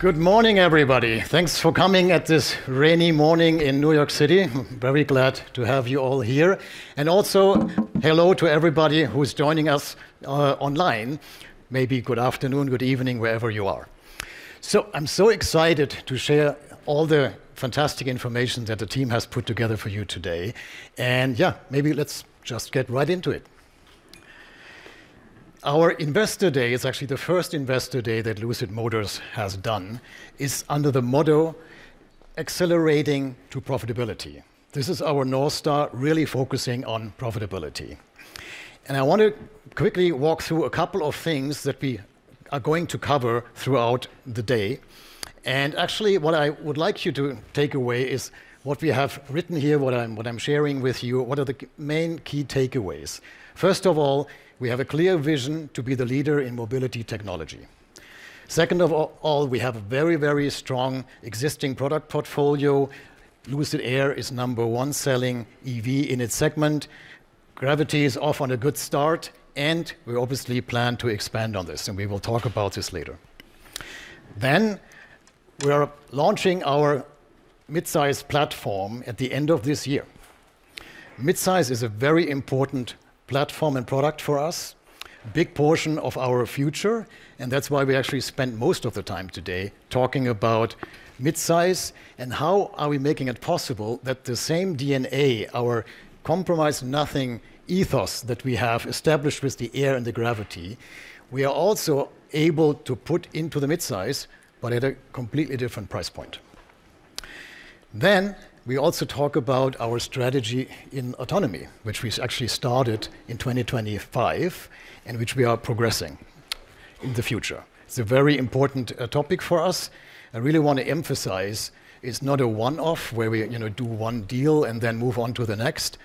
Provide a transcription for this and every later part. Good morning, everybody. Thanks for coming on this rainy morning in New York City. Very glad to have you all here. Hello to everybody who's joining us online. Maybe good afternoon, good evening, wherever you are. I'm so excited to share all the fantastic information that the team has put together for you today. Let's just get right into it. Our investor day, it's actually the first investor day that Lucid Motors has done, is under the motto, Accelerating to Profitability. This is our North Star, really focusing on profitability. I want to quickly walk through a couple of things that we are going to cover throughout the day. What I would like you to take away is what we have written here, what I'm sharing with you, what are the main key takeaways. First of all, we have a clear vision to be the leader in mobility technology. Second of all, we have a very, very strong existing product portfolio. Lucid Air is number one selling EV in its segment. Gravity is off to a good start, and we obviously plan to expand on this, and we will talk about this later. We are launching our mid-size platform at the end of this year. Mid-size is a very important platform and product for us, big portion of our future. That's why we actually spend most of the time today talking about mid-size and how are we making it possible that the same DNA, our compromise nothing ethos that we have established with the Air and the Gravity, we are also able to put into the mid-size, but at a completely different price point. We also talk about our strategy in autonomy, which we actually started in 2025, and which we are progressing in the future. It's a very important topic for us. I really wanna emphasize it's not a one-off where we, you know, do one deal and then move on to the next.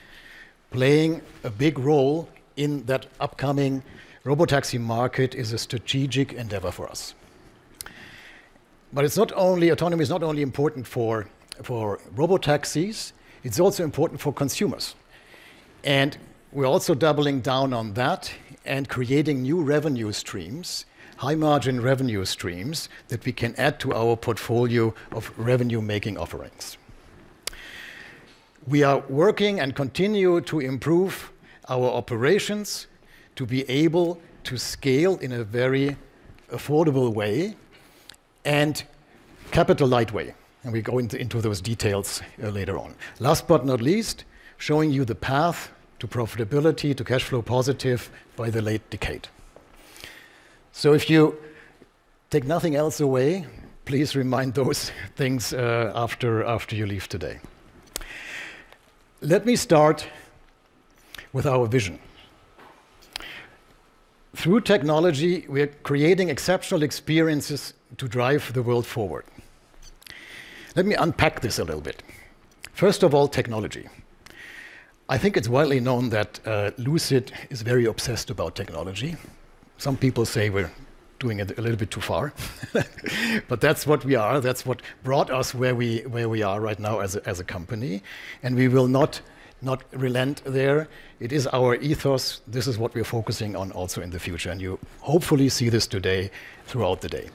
Playing a big role in that upcoming robotaxi market is a strategic endeavor for us. Autonomy is not only important for robotaxis, it's also important for consumers. We're also doubling down on that and creating new revenue streams, high margin revenue streams that we can add to our portfolio of revenue-making offerings. We are working and continue to improve our operations to be able to scale in a very affordable way and capital light way, and we go into those details later on. Last but not least, showing you the path to profitability, to cash flow positive by the late decade. If you take nothing else away, please remind those things, after you leave today. Let me start with our vision. Through technology, we are creating exceptional experiences to drive the world forward. Let me unpack this a little bit. First of all, technology. I think it's widely known that, Lucid is very obsessed about technology. Some people say we're doing it a little bit too far, but that's what we are. That's what brought us where we are right now as a company, and we will not relent there. It is our ethos. This is what we're focusing on also in the future, and you hopefully see this today throughout the day.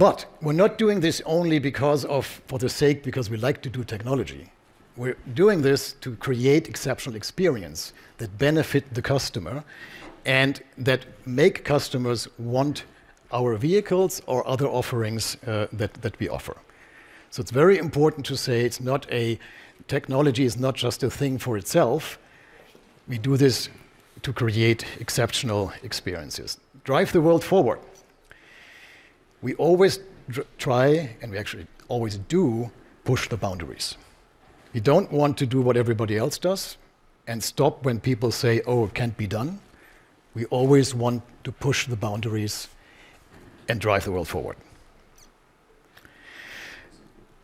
We're not doing this only because we like to do technology. We're doing this to create exceptional experience that benefit the customer and that make customers want our vehicles or other offerings, that we offer. It's very important to say it's not a technology is not just a thing for itself. We do this to create exceptional experiences. Drive the world forward. We always try, and we actually always do push the boundaries. We don't want to do what everybody else does and stop when people say, "Oh, it can't be done." We always want to push the boundaries and drive the world forward.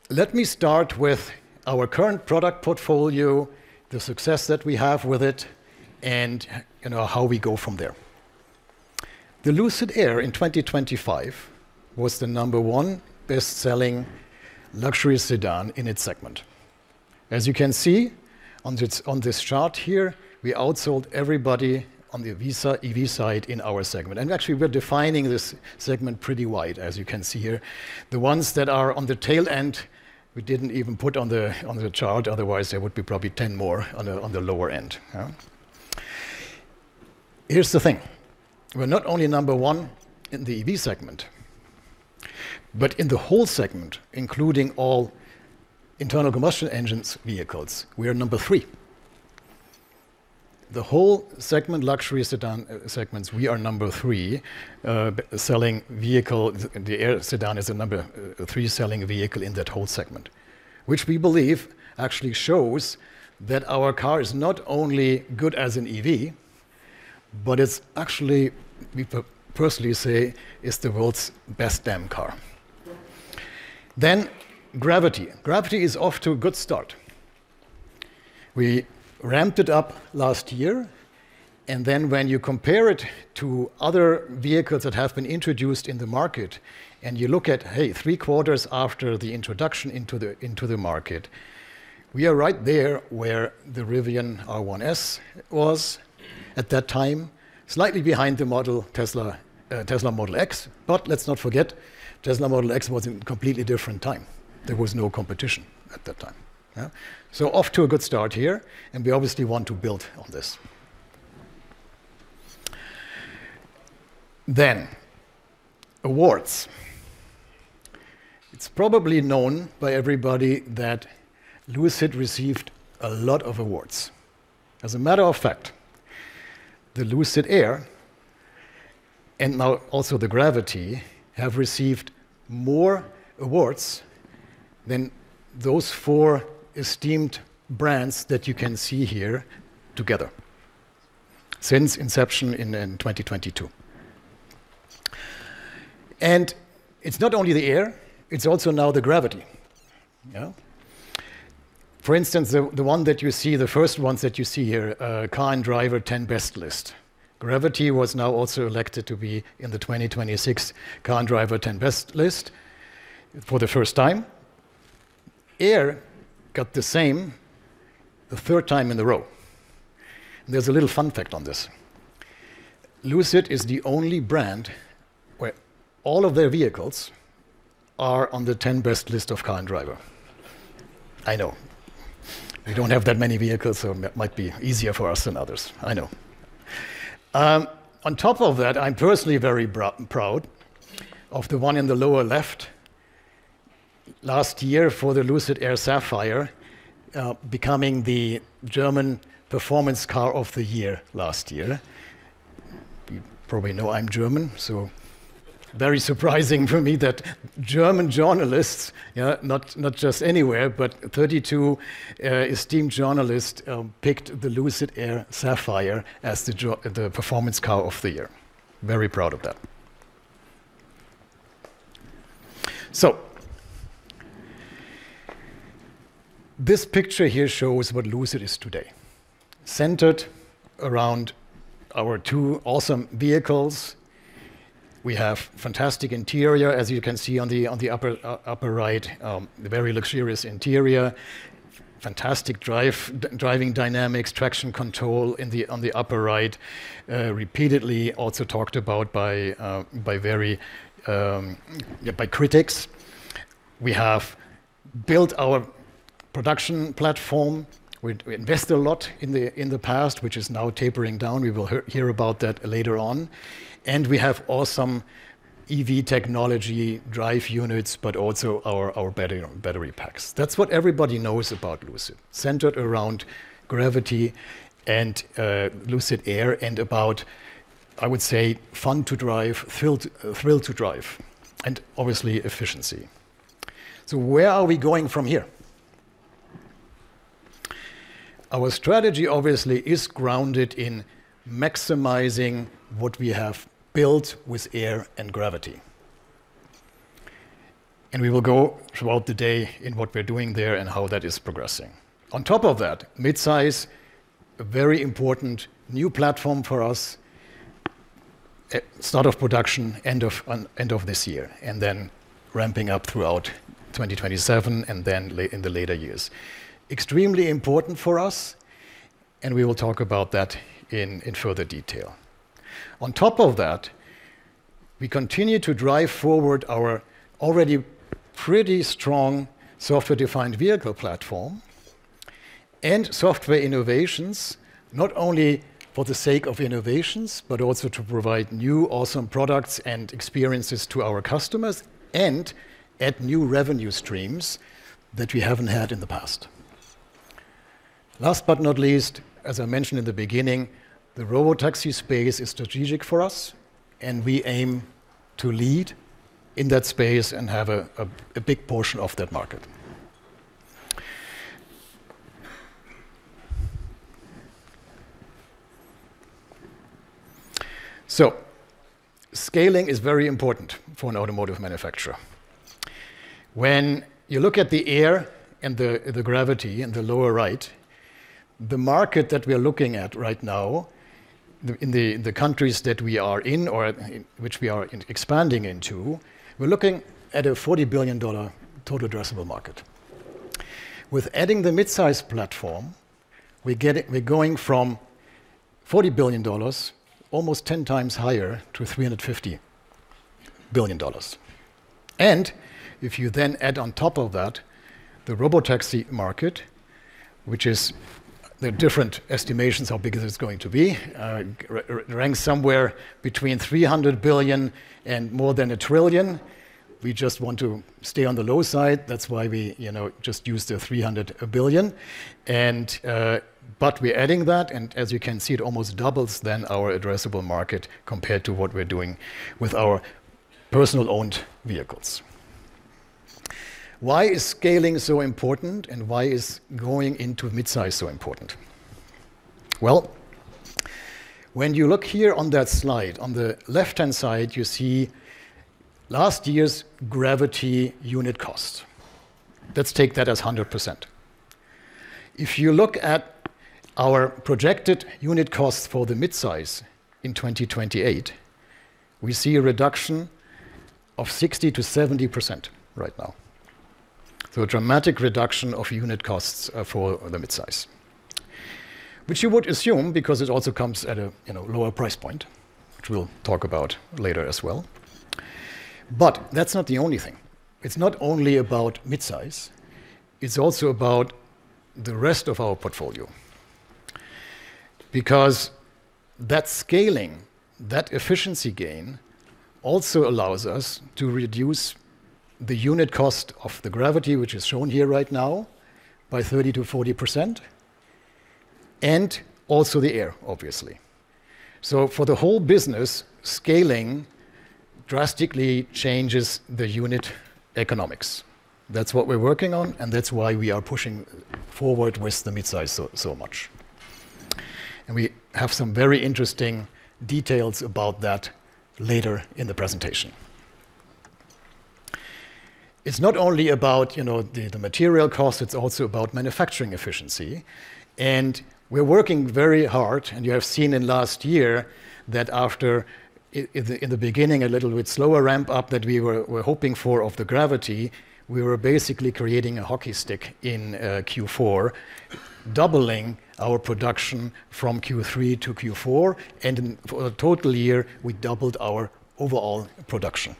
Let me start with our current product portfolio, the success that we have with it, and, you know, how we go from there. The Lucid Air in 2025 was the number one best-selling luxury sedan in its segment. As you can see on this chart here, we outsold everybody on the EV side in our segment. Actually, we're defining this segment pretty wide, as you can see here. The ones that are on the tail end, we didn't even put on the chart. Otherwise, there would be probably 10 more on the lower end. Here's the thing. We're not only number one in the EV segment, but in the whole segment, including all internal combustion engines vehicles, we are number three. The whole segment, luxury sedan segments, we are number three selling vehicle. The Air sedan is the number three selling vehicle in that whole segment, which we believe actually shows that our car is not only good as an EV, but it's actually, we personally say, it's the world's best damn car. Gravity is off to a good start. We ramped it up last year, and then when you compare it to other vehicles that have been introduced in the market, and you look at, hey, three quarters after the introduction into the market, we are right there where the Rivian R1S was at that time. Slightly behind the Tesla Model X. But let's not forget, Tesla Model X was in completely different time. There was no competition at that time. Yeah. Off to a good start here, and we obviously want to build on this. Awards. It's probably known by everybody that Lucid received a lot of awards. As a matter of fact, the Lucid Air, and now also the Gravity, have received more awards than those four esteemed brands that you can see here together since inception in 2022. It's not only the Air, it's also now the Gravity. Yeah. For instance, the first ones that you see here, Car and Driver 10 Best list. Gravity was now also elected to be in the 2026 Car and Driver 10 Best list for the first time. Air got the same the third time in a row. There's a little fun fact on this. Lucid is the only brand where all of their vehicles are on the 10 Best list of Car and Driver. I know. We don't have that many vehicles, so it might be easier for us than others, I know. On top of that, I'm personally very proud of the one in the lower left. Last year for the Lucid Air Sapphire, becoming the German performance car of the year last year. You probably know I'm German, so very surprising for me that German journalists, not just anywhere, but 32 esteemed journalists picked the Lucid Air Sapphire as the performance car of the year. Very proud of that. This picture here shows what Lucid is today. Centered around our two awesome vehicles. We have fantastic interior, as you can see on the upper right, the very luxurious interior. Fantastic drive, driving dynamics, traction control on the upper right. Repeatedly also talked about by very critics. We have built our production platform. We invest a lot in the past, which is now tapering down. We will hear about that later on. We have awesome EV technology drive units, but also our battery packs. That's what everybody knows about Lucid. Centered around Gravity and Lucid Air and about, I would say, fun to drive, thrill to drive, and obviously efficiency. Where are we going from here? Our strategy obviously is grounded in maximizing what we have built with Air and Gravity. We will go throughout the day in what we're doing there and how that is progressing. On top of that, Midsize, a very important new platform for us. Start of production end of this year, and then ramping up throughout 2027 and then in the later years. Extremely important for us, and we will talk about that in further detail. On top of that, we continue to drive forward our already pretty strong software-defined vehicle platform and software innovations, not only for the sake of innovations, but also to provide new awesome products and experiences to our customers and add new revenue streams that we haven't had in the past. Last but not least, as I mentioned in the beginning, the robotaxi space is strategic for us, and we aim to lead in that space and have a big portion of that market. Scaling is very important for an automotive manufacturer. When you look at the Air and the Gravity in the lower right, the market that we are looking at right now, in the countries that we are in or which we are expanding into, we're looking at a $40 billion total addressable market. With adding the midsize platform, we're going from $40 billion, almost ten times higher, to $350 billion. If you then add on top of that the robotaxi market, which is, there are different estimations how big it is going to be, range somewhere between $300 billion and more than $1 trillion. We just want to stay on the low side. That's why we, you know, just use the $300 billion. We're adding that, and as you can see, it almost doubles then our addressable market compared to what we're doing with our personal-owned vehicles. Why is scaling so important, and why is going into midsize so important? Well, when you look here on that slide, on the left-hand side, you see last year's Gravity unit cost. Let's take that as 100%. If you look at our projected unit costs for the midsize in 2028, we see a reduction of 60%-70% right now. A dramatic reduction of unit costs for the midsize. Which you would assume because it also comes at a, you know, lower price point, which we'll talk about later as well. That's not the only thing. It's not only about midsize, it's also about the rest of our portfolio. Because that scaling, that efficiency gain, also allows us to reduce the unit cost of the Gravity, which is shown here right now, by 30%-40%, and also the Air, obviously. For the whole business, scaling drastically changes the unit economics. That's what we're working on, and that's why we are pushing forward with the mid-size so much. We have some very interesting details about that later in the presentation. It's not only about, you know, the material cost, it's also about manufacturing efficiency. We're working very hard, and you have seen in last year that after in the beginning, a little bit slower ramp up than we were hoping for of the Gravity, we were basically creating a hockey stick in Q4, doubling our production from Q3-Q4. For the total year, we doubled our overall production.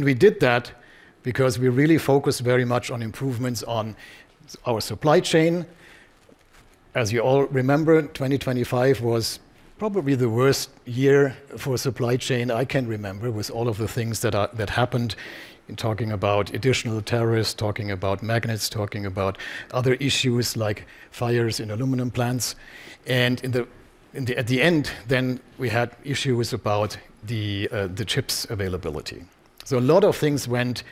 We did that because we really focused very much on improvements on our supply chain. As you all remember, 2025 was probably the worst year for supply chain I can remember, with all of the things that happened, talking about additional tariffs, talking about magnets, talking about other issues like fires in aluminum plants. At the end then, we had issues about the chips availability. A lot of things went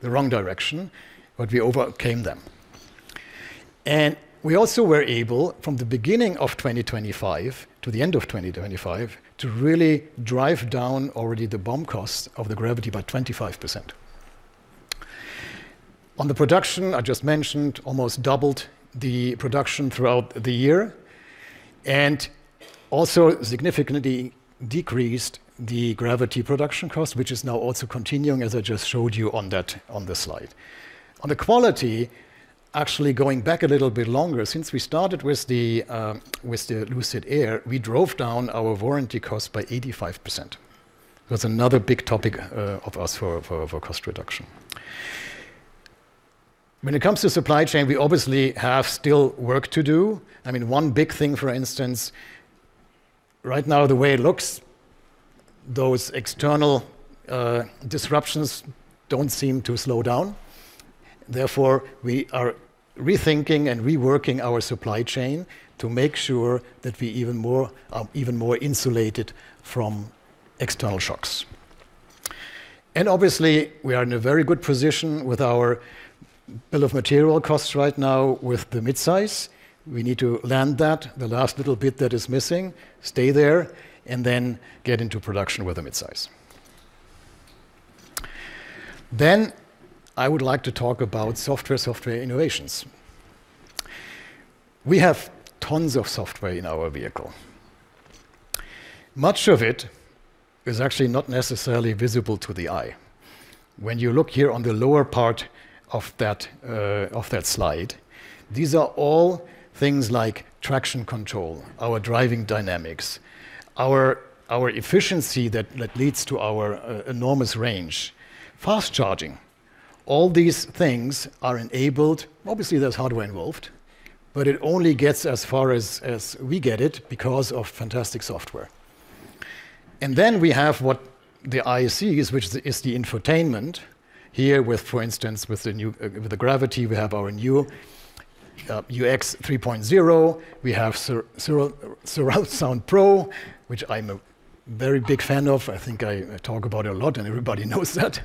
the wrong direction, but we overcame them. We also were able, from the beginning of 2025 to the end of 2025, to really drive down already the BOM cost of the Gravity by 25%. On the production I just mentioned, almost doubled the production throughout the year, and also significantly decreased the Gravity production cost, which is now also continuing, as I just showed you on that, on the slide. On the quality, actually going back a little bit longer, since we started with the Lucid Air, we drove down our warranty cost by 85%. That's another big topic of us for cost reduction. When it comes to supply chain, we obviously have still work to do. I mean, one big thing, for instance, right now the way it looks, those external disruptions don't seem to slow down. Therefore, we are rethinking and reworking our supply chain to make sure that we even more insulated from external shocks. Obviously, we are in a very good position with our bill of material costs right now with the mid-size. We need to land that, the last little bit that is missing, stay there, and then get into production with the mid-size. I would like to talk about software innovations. We have tons of software in our vehicle. Much of it is actually not necessarily visible to the eye. When you look here on the lower part of that, of that slide, these are all things like traction control, our driving dynamics, our efficiency that leads to our enormous range, fast charging. All these things are enabled. Obviously, there's hardware involved, but it only gets as far as we get it because of fantastic software. Then we have what the eye sees, which is the infotainment. For instance, with the new Gravity, we have our new UX 3.0. We have Surreal Sound Pro, which I'm a very big fan of. I think I talk about it a lot, and everybody knows that.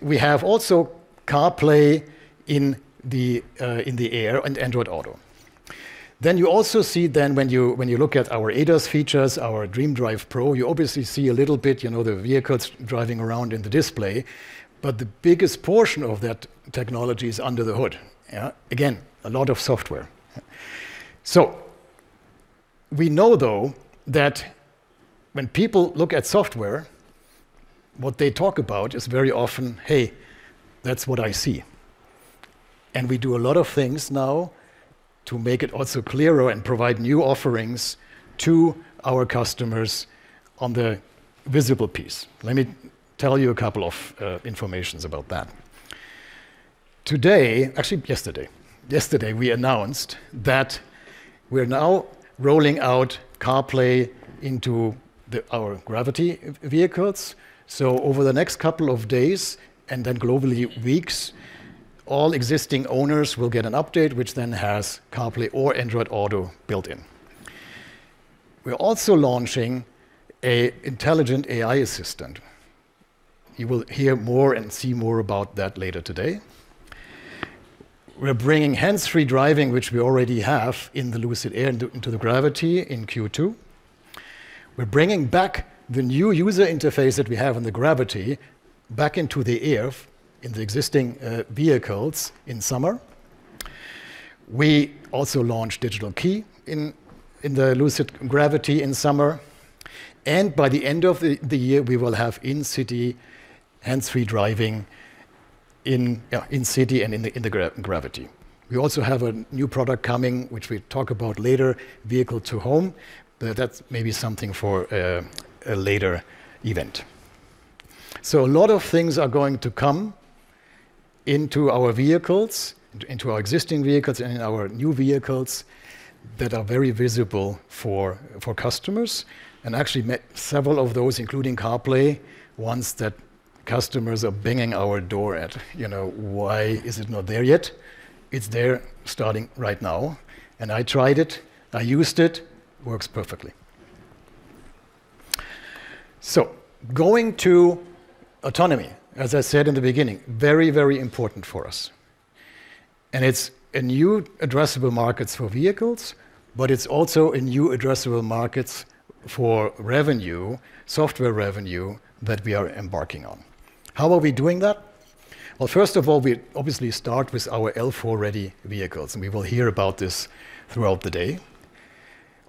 We have also CarPlay in the Air and Android Auto. You also see when you look at our ADAS features, our DreamDrive Pro, you obviously see a little bit, you know, the vehicles driving around in the display. The biggest portion of that technology is under the hood. Yeah. Again, a lot of software. We know, though, that when people look at software, what they talk about is very often, "Hey, that's what I see." We do a lot of things now to make it also clearer and provide new offerings to our customers on the visible piece. Let me tell you a couple of information about that. Actually, yesterday we announced that we're now rolling out CarPlay into our Gravity vehicles. Over the next couple of days, and then globally weeks, all existing owners will get an update which then has CarPlay or Android Auto built in. We're also launching an intelligent AI assistant. You will hear more and see more about that later today. We're bringing hands-free driving, which we already have in the Lucid Air, into the Gravity in Q2. We're bringing back the new user interface that we have on the Gravity back into the Air in the existing vehicles in summer. We also launched Digital Key in the Lucid Gravity in summer. By the end of the year, we will have in-city hands-free driving in the city and in the Gravity. We also have a new product coming, which we talk about later, vehicle-to-home, but that's maybe something for a later event. A lot of things are going to come into our vehicles, into our existing vehicles and in our new vehicles, that are very visible for customers, and actually several of those, including CarPlay, ones that customers are banging our door at, you know, "Why is it not there yet?" It's there starting right now, and I tried it, I used it, works perfectly. Going to autonomy, as I said in the beginning, very, very important for us, and it's a new addressable markets for vehicles, but it's also a new addressable markets for revenue, software revenue that we are embarking on. How are we doing that? Well, first of all, we obviously start with our L4-ready vehicles, and we will hear about this throughout the day.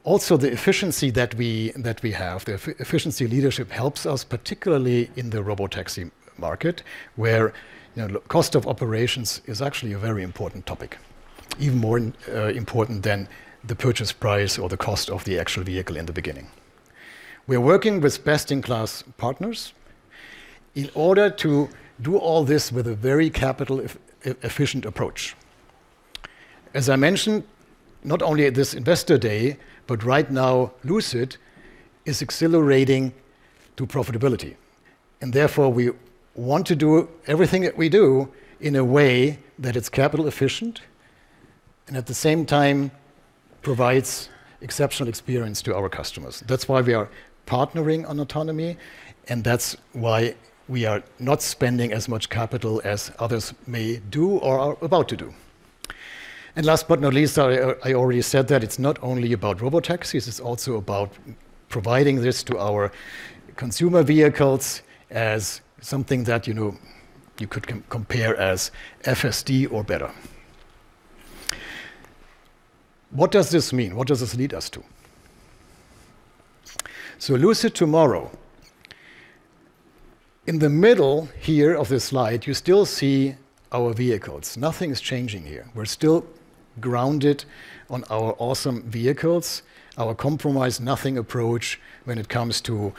Also, the efficiency that we have, the efficiency leadership helps us, particularly in the robotaxi market, where, you know, cost of operations is actually a very important topic, even more important than the purchase price or the cost of the actual vehicle in the beginning. We're working with best-in-class partners in order to do all this with a very capital efficient approach. As I mentioned, not only at this investor day, but right now Lucid is accelerating to profitability, and therefore we want to do everything that we do in a way that it's capital efficient and at the same time provides exceptional experience to our customers. That's why we are partnering on autonomy, and that's why we are not spending as much capital as others may do or are about to do. Last but not least, I already said that it's not only about robotaxis, it's also about providing this to our consumer vehicles as something that, you know, you could compare as FSD or better. What does this mean? What does this lead us to? Lucid Tomorrow. In the middle here of the slide, you still see our vehicles. Nothing's changing here. We're still grounded on our awesome vehicles. Our compromise nothing approach when it comes to,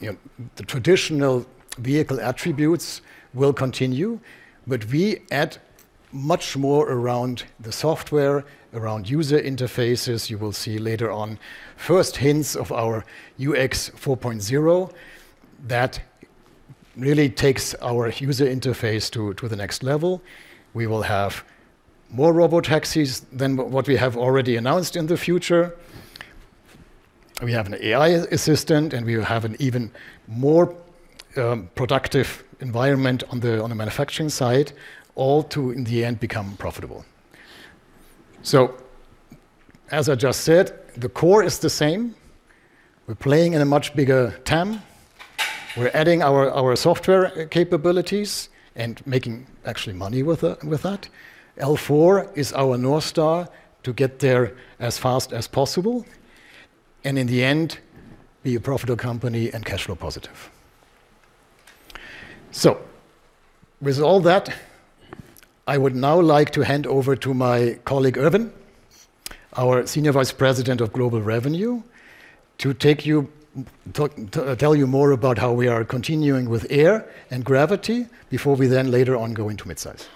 you know, the traditional vehicle attributes will continue, but we add much more around the software, around user interfaces. You will see later on first hints of our UX 4.0 that really takes our user interface to the next level. We will have more robotaxis than what we have already announced in the future. We have an AI assistant, and we will have an even more productive environment on the manufacturing side, all to, in the end, become profitable. As I just said, the core is the same. We're playing in a much bigger TAM. We're adding our software capabilities and making actually money with that. L4 is our North Star to get there as fast as possible, and in the end, be a profitable company and cash flow positive. With all that, I would now like to hand over to my colleague, Erwin, our Senior Vice President of Global Revenue, to tell you more about how we are continuing with Air and Gravity before we then later on go into midsize.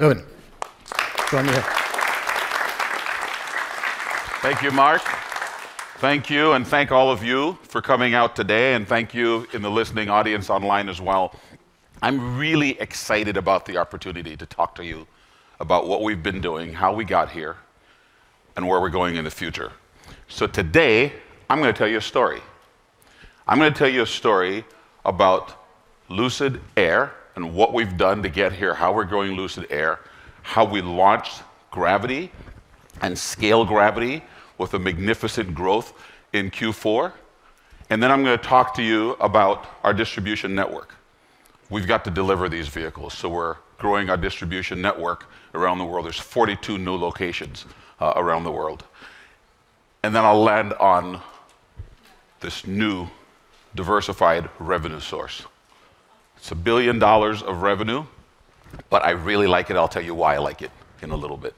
Erwin. Join me here. Thank you, Marc. Thank you, and thank all of you for coming out today, and thank you in the listening audience online as well. I'm really excited about the opportunity to talk to you about what we've been doing, how we got here, and where we're going in the future. Today I'm gonna tell you a story. I'm gonna tell you a story about Lucid Air and what we've done to get here, how we're growing Lucid Air, how we launched Gravity and scaled Gravity with a magnificent growth in Q4, and then I'm gonna talk to you about our distribution network. We've got to deliver these vehicles, so we're growing our distribution network around the world. There's 42 new locations around the world. Then I'll land on this new diversified revenue source. It's $1 billion of revenue, but I really like it. I'll tell you why I like it in a little bit.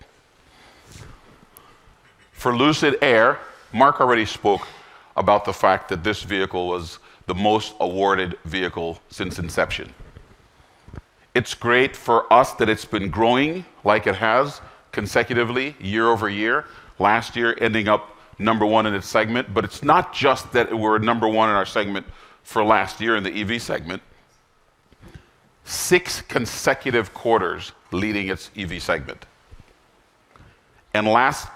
For Lucid Air, Marc already spoke about the fact that this vehicle was the most awarded vehicle since inception. It's great for us that it's been growing like it has consecutively year over year, last year ending up number one in its segment. It's not just that we're number one in our segment for last year in the EV segment. Six consecutive quarters leading its EV segment. Last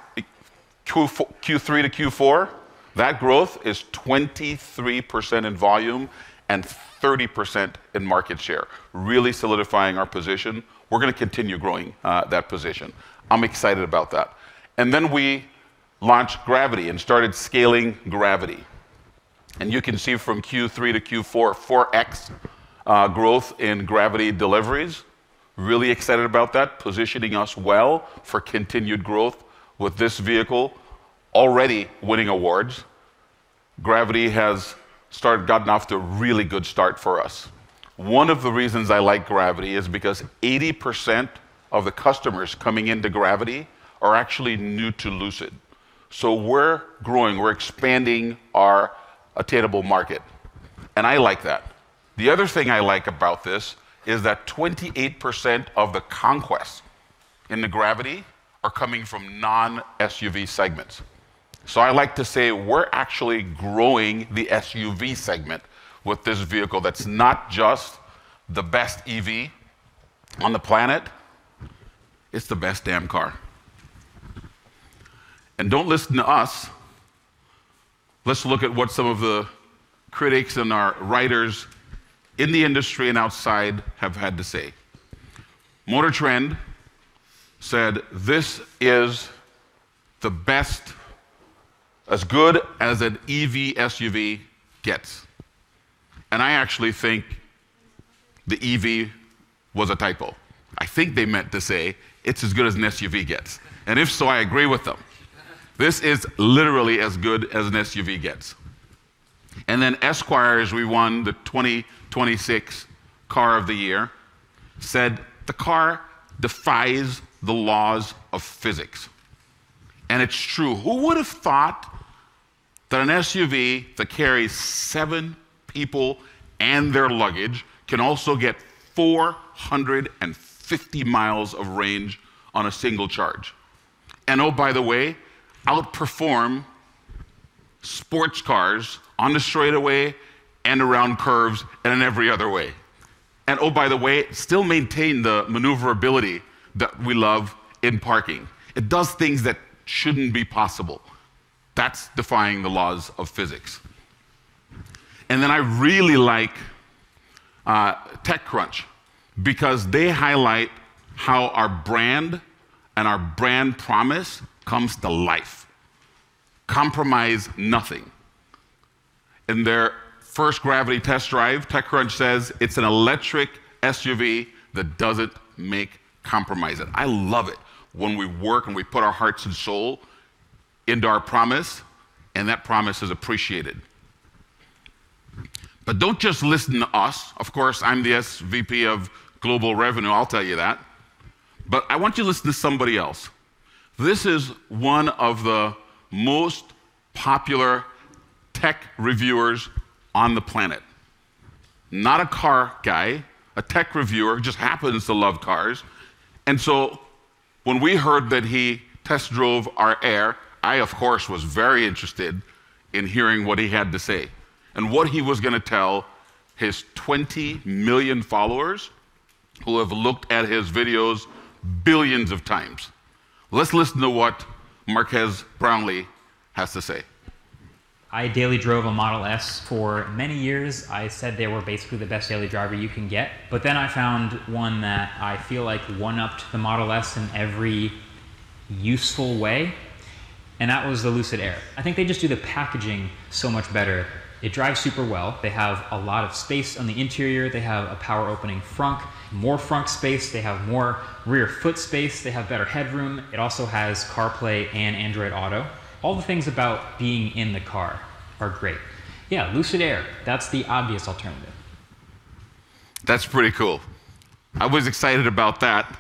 Q3-Q4, that growth is 23% in volume and 30% in market share, really solidifying our position. We're gonna continue growing that position. I'm excited about that. We launched Gravity and started scaling Gravity. You can see from Q3-Q4, 4x growth in Gravity deliveries. Really excited about that. Positioning us well for continued growth with this vehicle already winning awards. Gravity has gotten off to a really good start for us. One of the reasons I like Gravity is because 80% of the customers coming into Gravity are actually new to Lucid. We're growing, we're expanding our attainable market, and I like that. The other thing I like about this is that 28% of the conquests in the Gravity are coming from non-SUV segments. I like to say we're actually growing the SUV segment with this vehicle. That's not just the best EV on the planet, it's the best damn car. Don't listen to us, let's look at what some of the critics and our writers in the industry and outside have had to say. MotorTrend said, "This is the best as good as an EV SUV gets." I actually think the EV was a typo. I think they meant to say, "It's as good as an SUV gets." If so, I agree with them. This is literally as good as an SUV gets. Then Esquire, as we won the 2026 car of the year, said, "The car defies the laws of physics." It's true. Who would have thought that an SUV that carries seven people and their luggage can also get 450 miles of range on a single charge? Oh, by the way, outperform sports cars on the straightaway and around curves, and in every other way. Oh, by the way, still maintain the maneuverability that we love in parking. It does things that shouldn't be possible. That's defying the laws of physics. I really like TechCrunch because they highlight how our brand and our brand promise comes to life. Compromise nothing. In their first Gravity test drive, TechCrunch says, "It's an electric SUV that doesn't make compromises." I love it when we work, and we put our hearts and soul into our promise, and that promise is appreciated. Don't just listen to us. Of course, I'm the SVP of Global Revenue, I'll tell you that, but I want you to listen to somebody else. This is one of the most popular tech reviewers on the planet. Not a car guy, a tech reviewer who just happens to love cars. When we heard that he test drove our Air, I of course was very interested in hearing what he had to say and what he was gonna tell his 20 million followers who have looked at his videos billions of times. Let's listen to what Marques Brownlee has to say. I daily drove a Model S for many years. I said they were basically the best daily driver you can get. I found one that I feel like one-upped the Model S in every useful way, and that was the Lucid Air. I think they just do the packaging so much better. It drives super well. They have a lot of space on the interior. They have a power opening frunk, more frunk space. They have more rear foot space. They have better headroom. It also has CarPlay and Android Auto. All the things about being in the car are great. Yeah, Lucid Air, that's the obvious alternative. That's pretty cool. I was excited about that,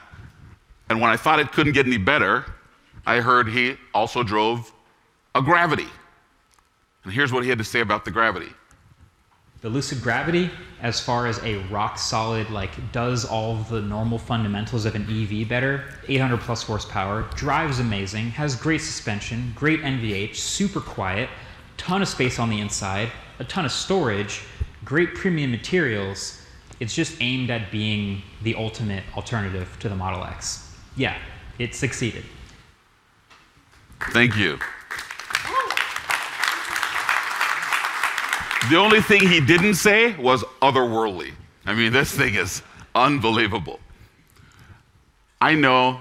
and when I thought it couldn't get any better, I heard he also drove a Gravity. Here's what he had to say about the Gravity. The Lucid Gravity, as far as, a rock solid, like, does all the normal fundamentals of an EV better. 800+ horsepower, drives amazing, has great suspension, great NVH, super quiet, ton of space on the inside, a ton of storage, great premium materials. It's just aimed at being the ultimate alternative to the Model X. Yeah, it succeeded. Thank you. The only thing he didn't say was otherworldly. I mean, this thing is unbelievable. I know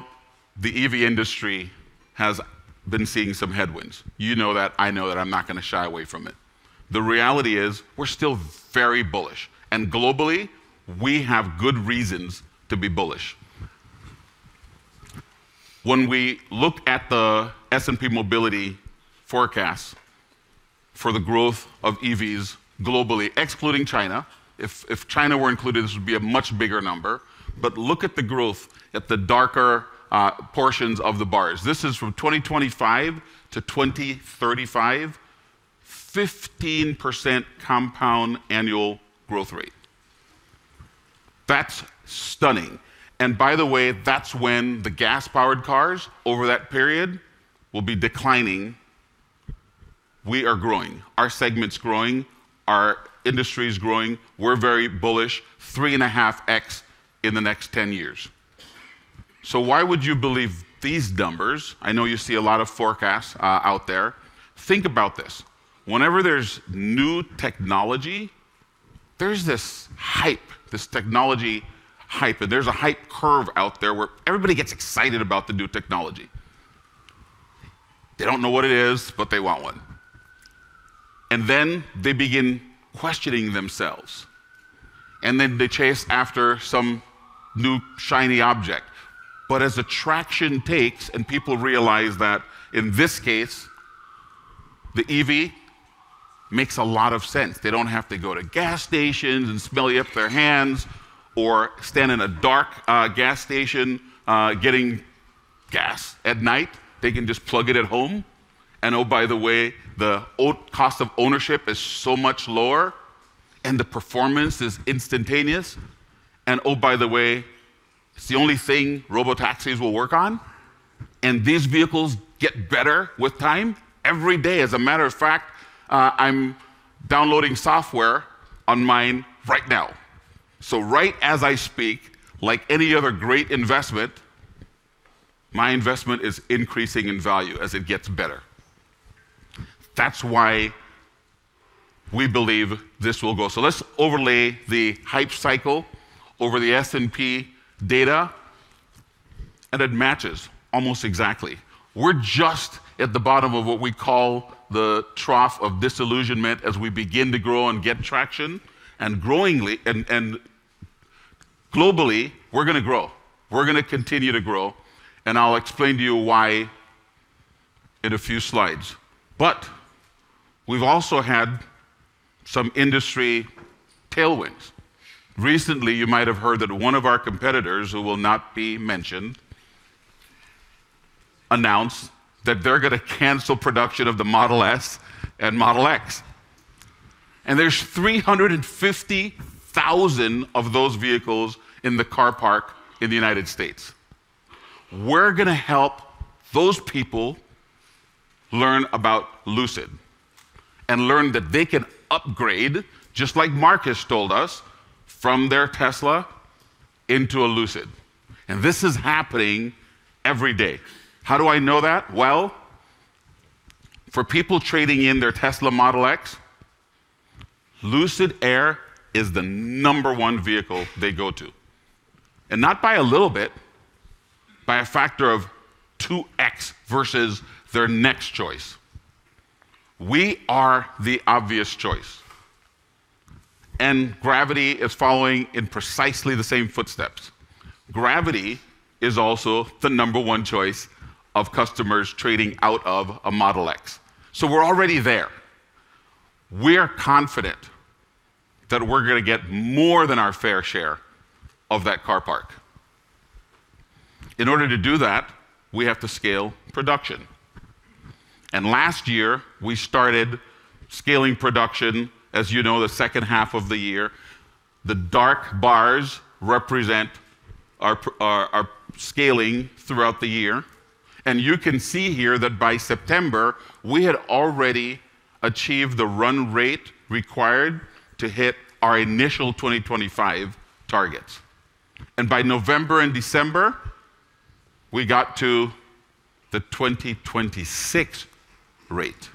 the EV industry has been seeing some headwinds. You know that. I know that. I'm not gonna shy away from it. The reality is we're still very bullish, and globally we have good reasons to be bullish. When we look at the S&P Global Mobility forecast for the growth of EVs globally, excluding China. If China were included, this would be a much bigger number. But look at the growth at the darker portions of the bars. This is from 2025-2035, 15% compound annual growth rate. That's stunning. By the way, that's when the gas-powered cars over that period will be declining. We are growing, our segment's growing, our industry is growing. We're very bullish, 3.5x in the next 10 years. Why would you believe these numbers? I know you see a lot of forecasts, out there. Think about this. Whenever there's new technology, there's this hype, this technology hype, and there's a hype curve out there where everybody gets excited about the new technology. They don't know what it is, but they want one. Then they begin questioning themselves, and then they chase after some new shiny object. As traction takes and people realize that in this case, the EV makes a lot of sense. They don't have to go to gas stations and smell up their hands or stand in a dark, gas station, getting gas at night. They can just plug it at home. Oh, by the way, the cost of ownership is so much lower and the performance is instantaneous. Oh, by the way, it's the only thing robotaxis will work on. These vehicles get better with time every day. As a matter of fact, I'm downloading software on mine right now. Right as I speak, like any other great investment, my investment is increasing in value as it gets better. That's why we believe this will go. Let's overlay the hype cycle over the S&P data, and it matches almost exactly. We're just at the bottom of what we call the trough of disillusionment as we begin to grow and get traction. Globally, we're gonna grow. We're gonna continue to grow, and I'll explain to you why in a few slides. We've also had some industry tailwinds. Recently, you might have heard that one of our competitors, who will not be mentioned, announced that they're gonna cancel production of the Model S and Model X. There's 350,000 of those vehicles in the car park in the United States. We're gonna help those people learn about Lucid and learn that they can upgrade, just like Marques told us, from their Tesla into a Lucid. This is happening every day. How do I know that? Well, for people trading in their Tesla Model X, Lucid Air is the number one vehicle they go to. Not by a little bit, by a factor of 2x versus their next choice. We are the obvious choice, and Gravity is following in precisely the same footsteps. Gravity is also the number one choice of customers trading out of a Model X. We're already there. We're confident that we're gonna get more than our fair share of that car park. In order to do that, we have to scale production. Last year, we started scaling production, as you know, the second half of the year. The dark bars represent our scaling throughout the year. You can see here that by September, we had already achieved the run rate required to hit our initial 2025 targets. By November and December, we got to the 2026 rate.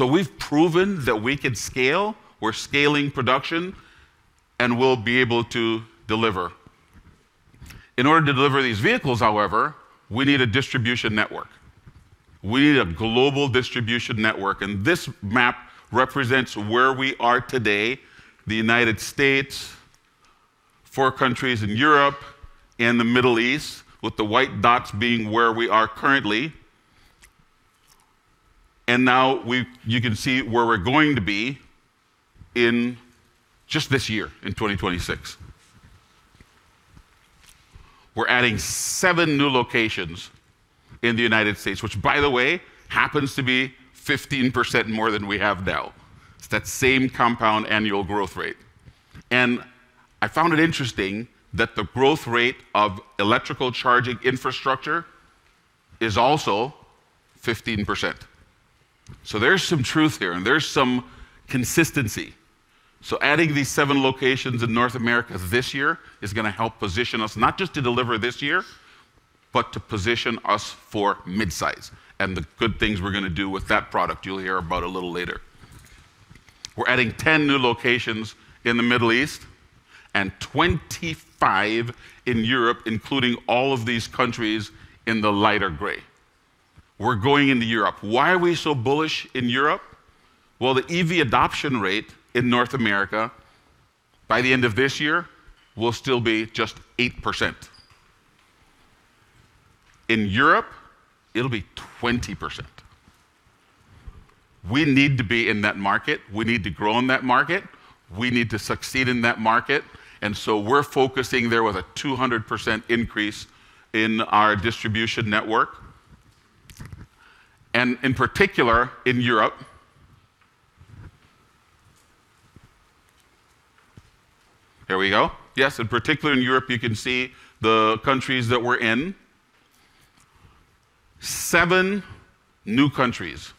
We've proven that we can scale. We're scaling production, and we'll be able to deliver. In order to deliver these vehicles, however, we need a distribution network. We need a global distribution network, and this map represents where we are today, the United States, four countries in Europe and the Middle East, with the white dots being where we are currently. You can see where we're going to be in just this year, in 2026. We're adding seven new locations in the United States, which by the way, happens to be 15% more than we have now. It's that same compound annual growth rate. I found it interesting that the growth rate of electrical charging infrastructure is also 15%. There's some truth here, and there's some consistency. Adding these seven locations in North America this year is gonna help position us not just to deliver this year, but to position us for midsize and the good things we're gonna do with that product you'll hear about a little later. We're adding 10 new locations in the Middle East and 25 in Europe, including all of these countries in the lighter gray. We're going into Europe. Why are we so bullish in Europe? Well, the EV adoption rate in North America by the end of this year will still be just 8%. In Europe, it'll be 20%. We need to be in that market. We need to grow in that market. We need to succeed in that market. We're focusing there with a 200% increase in our distribution network, and in particular in Europe. There we go. Yes, in particular in Europe, you can see the countries that we're in. Seven new countries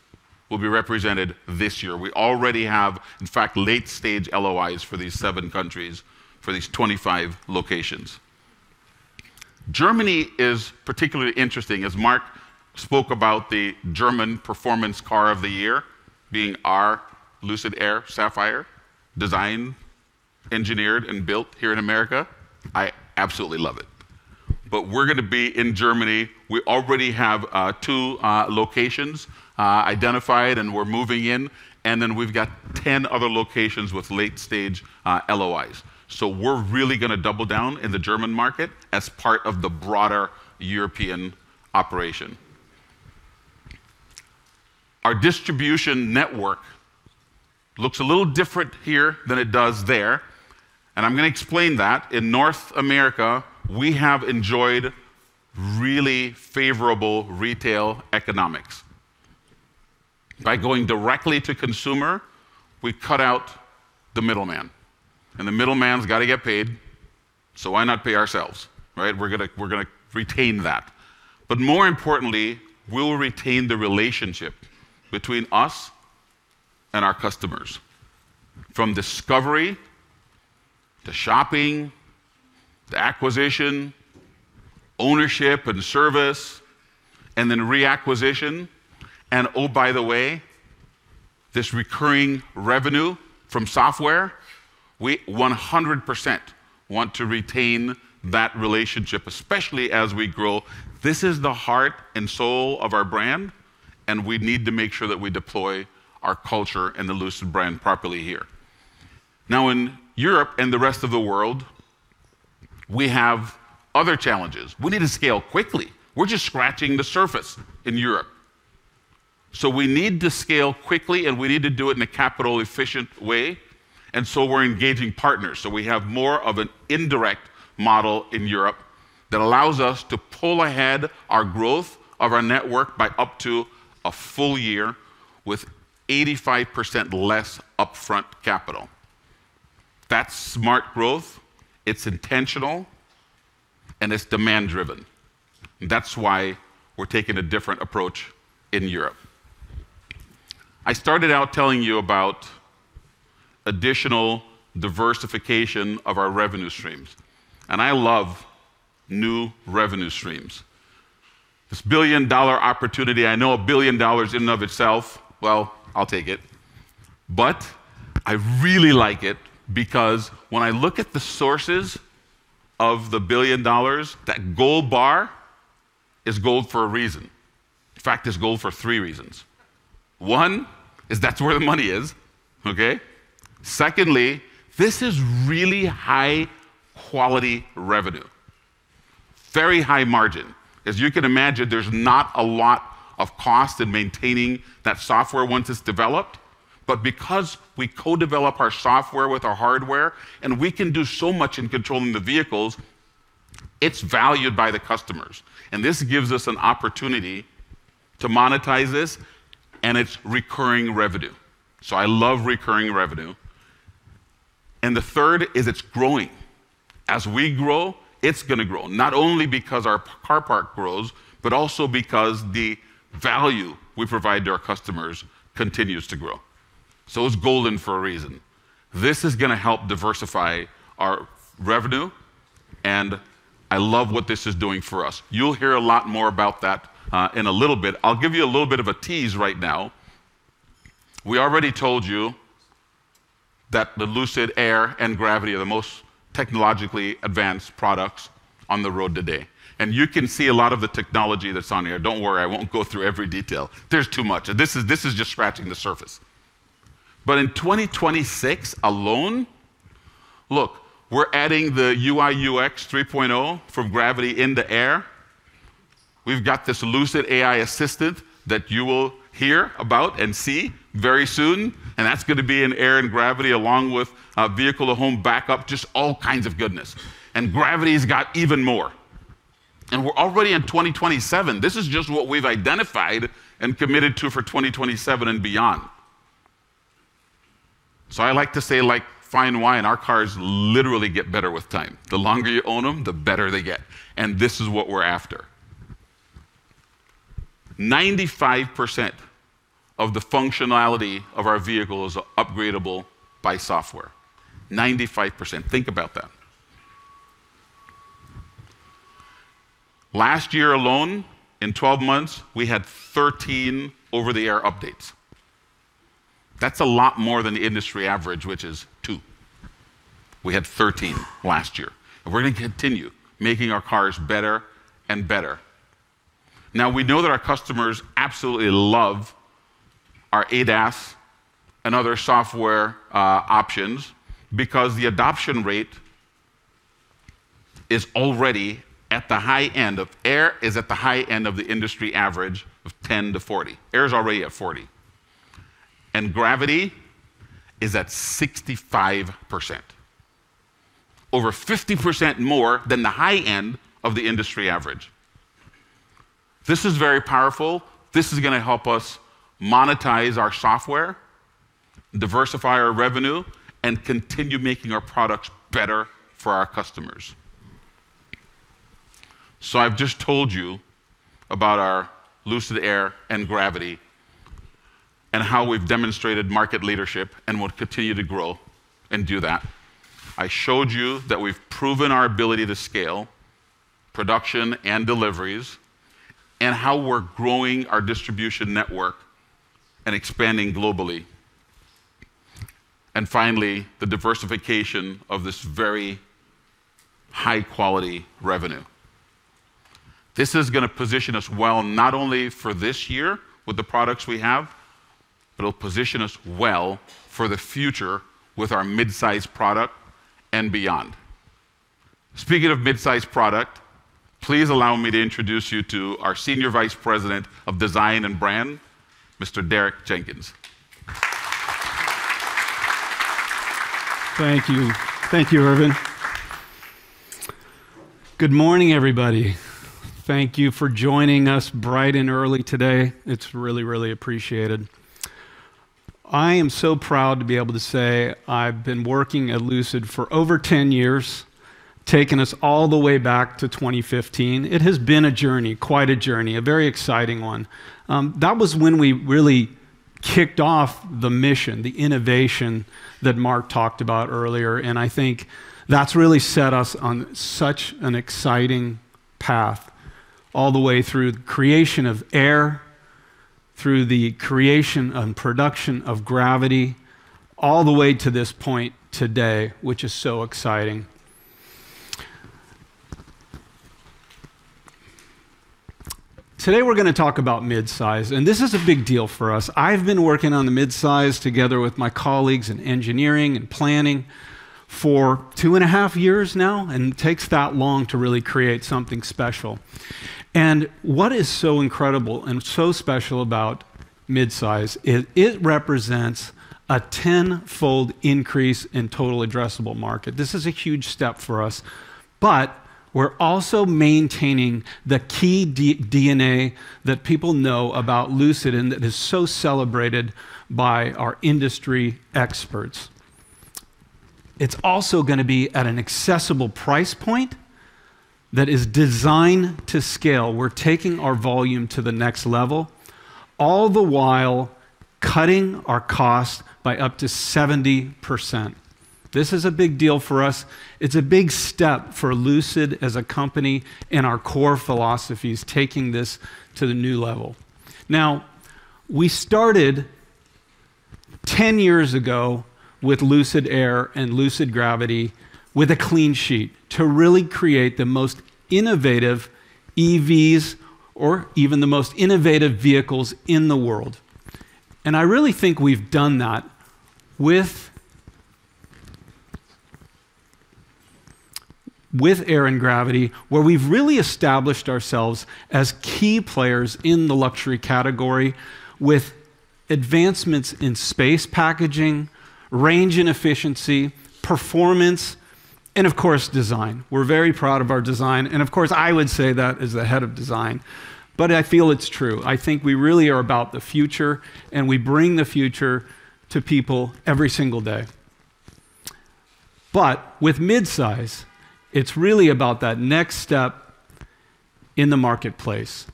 will be represented this year. We already have, in fact, late-stage LOIs for these seven countries for these 25 locations. Germany is particularly interesting, as Mark spoke about the German performance car of the year being our Lucid Air Sapphire. Designed and built here in America. I absolutely love it. We're gonna be in Germany. We already have two locations identified and we're moving in, and then we've got 10 other locations with late-stage LOIs. We're really gonna double down in the German market as part of the broader European operation. Our distribution network looks a little different here than it does there, and I'm gonna explain that. In North America, we have enjoyed really favorable retail economics. By going directly to consumer, we cut out the middleman. The middleman's gotta get paid, so why not pay ourselves, right? We're gonna retain that. More importantly, we'll retain the relationship between us and our customers from discovery to shopping to acquisition, ownership and service, and then reacquisition. Oh, by the way, this recurring revenue from software, we 100% want to retain that relationship, especially as we grow. This is the heart and soul of our brand, and we need to make sure that we deploy our culture and the Lucid brand properly here. Now in Europe and the rest of the world, we have other challenges. We need to scale quickly. We're just scratching the surface in Europe. We need to scale quickly, and we need to do it in a capital-efficient way, and so we're engaging partners. We have more of an indirect model in Europe that allows us to pull ahead our growth of our network by up to a full year with 85% less upfront capital. That's smart growth, it's intentional, and it's demand-driven. That's why we're taking a different approach in Europe. I started out telling you about additional diversification of our revenue streams, and I love new revenue streams. This billion-dollar opportunity, I know $1 billion in and of itself, well, I'll take it. I really like it because when I look at the sources of the $1 billion, that gold bar is gold for a reason. In fact, it's gold for three reasons. One is that's where the money is, okay? Secondly, this is really high-quality revenue. Very high margin. As you can imagine, there's not a lot of cost in maintaining that software once it's developed. Because we co-develop our software with our hardware and we can do so much in controlling the vehicles, it's valued by the customers. This gives us an opportunity to monetize this, and it's recurring revenue. I love recurring revenue. The third is it's growing. As we grow, it's gonna grow, not only because our car park grows, but also because the value we provide to our customers continues to grow. It's golden for a reason. This is gonna help diversify our revenue, and I love what this is doing for us. You'll hear a lot more about that in a little bit. I'll give you a little bit of a tease right now. We already told you that the Lucid Air and Gravity are the most technologically advanced products on the road today. You can see a lot of the technology that's on here. Don't worry, I won't go through every detail. There's too much. This is just scratching the surface. In 2026 alone, look, we're adding the UX 3.0 from Gravity in the Air. We've got this Lucid AI Assistant that you will hear about and see very soon, and that's gonna be in Air and Gravity along with vehicle-to-home backup, just all kinds of goodness. Gravity's got even more. We're already in 2027. This is just what we've identified and committed to for 2027 and beyond. I like to say like fine wine, our cars literally get better with time. The longer you own them, the better they get. This is what we're after. 95% of the functionality of our vehicles are upgradeable by software. 95%, think about that. Last year alone, in 12 months, we had 13 over-the-air updates. That's a lot more than the industry average, which is seven. We had 13 last year. We're gonna continue making our cars better and better. Now, we know that our customers absolutely love our ADAS and other software options because the adoption rate is already at the high end of the industry average of 10%-40%. Air is at the high end of the industry average of 10%-40%. Air's already at 40%. Gravity is at 65%. Over 50% more than the high end of the industry average. This is very powerful. This is gonna help us monetize our software, diversify our revenue, and continue making our products better for our customers. I've just told you about our Lucid Air and Gravity and how we've demonstrated market leadership and will continue to grow and do that. I showed you that we've proven our ability to scale production and deliveries, and how we're growing our distribution network and expanding globally. Finally, the diversification of this very high-quality revenue. This is gonna position us well, not only for this year with the products we have, but it'll position us well for the future with our midsize product and beyond. Speaking of midsize product, please allow me to introduce you to our Senior Vice President of Design and Brand, Mr. Derek Jenkins. Thank you. Thank you, Erwin. Good morning, everybody. Thank you for joining us bright and early today. It's really, really appreciated. I am so proud to be able to say I've been working at Lucid for over 10 years, taking us all the way back to 2015. It has been a journey, quite a journey, a very exciting one. That was when we really kicked off the mission, the innovation that Mark talked about earlier, and I think that's really set us on such an exciting path all the way through the creation of Air, through the creation and production of Gravity, all the way to this point today, which is so exciting. Today we're gonna talk about midsize, and this is a big deal for us. I've been working on the midsize together with my colleagues in engineering and planning for two and a half years now, and it takes that long to really create something special. What is so incredible and so special about midsize is it represents a tenfold increase in total addressable market. This is a huge step for us, but we're also maintaining the key DNA that people know about Lucid and that is so celebrated by our industry experts. It's also gonna be at an accessible price point that is designed to scale. We're taking our volume to the next level, all the while cutting our cost by up to 70%. This is a big deal for us. It's a big step for Lucid as a company and our core philosophies taking this to the new level. Now, we started 10 years ago with Lucid Air and Lucid Gravity with a clean sheet to really create the most innovative EVs or even the most innovative vehicles in the world. I really think we've done that with Air and Gravity, where we've really established ourselves as key players in the luxury category with advancements in space packaging, range and efficiency, performance and, of course, design. We're very proud of our design, and of course I would say that as the head of design, but I feel it's true. I think we really are about the future, and we bring the future to people every single day. With midsize, it's really about that next step in the marketplace.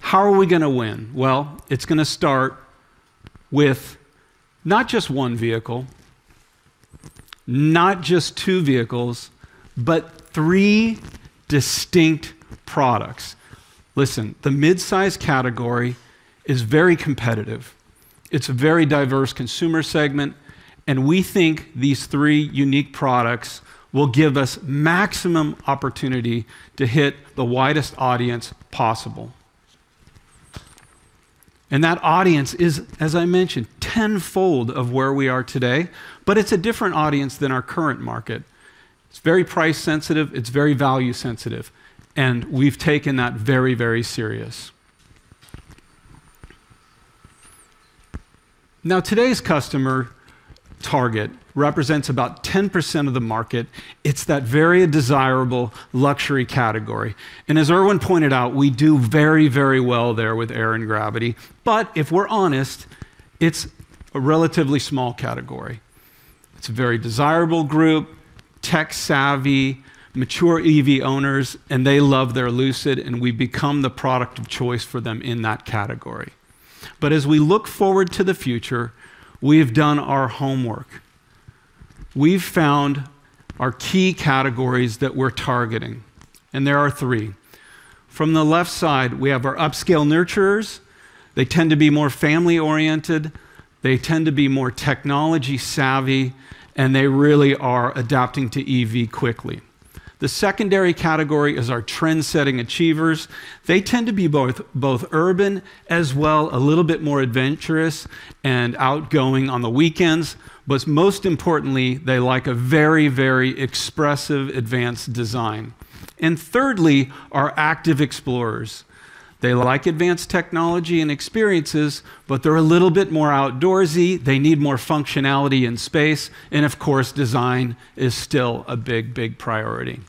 How are we gonna win? Well, it's gonna start with not just one vehicle, not just two vehicles, but three distinct products. Listen, the midsize category is very competitive. It's a very diverse consumer segment, and we think these three unique products will give us maximum opportunity to hit the widest audience possible. That audience is, as I mentioned, tenfold of where we are today, but it's a different audience than our current market. It's very price sensitive, it's very value sensitive, and we've taken that very, very serious. Now, today's customer target represents about 10% of the market. It's that very desirable luxury category. As Erwin pointed out, we do very, very well there with Air and Gravity. If we're honest, it's a relatively small category. It's a very desirable group, tech-savvy, mature EV owners, and they love their Lucid, and we've become the product of choice for them in that category. As we look forward to the future, we've done our homework. We've found our key categories that we're targeting, and there are three. From the left side, we have our upscale nurturers. They tend to be more family-oriented, they tend to be more technology savvy, and they really are adapting to EV quickly. The secondary category is our trendsetting achievers. They tend to be both urban, as well a little bit more adventurous and outgoing on the weekends. Most importantly, they like a very, very expressive advanced design. Thirdly, our active explorers. They like advanced technology and experiences, but they're a little bit more outdoorsy. They need more functionality and space and, of course, design is still a big, big priority.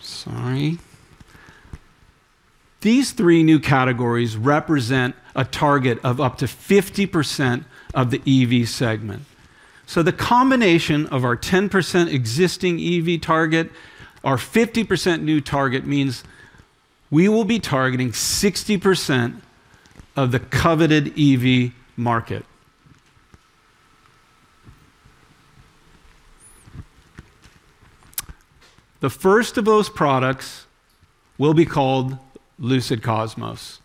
Sorry. These three new categories represent a target of up to 50% of the EV segment. The combination of our 10% existing EV target, our 50% new target means we will be targeting 60% of the coveted EV market. The first of those products will be called Lucid Cosmos.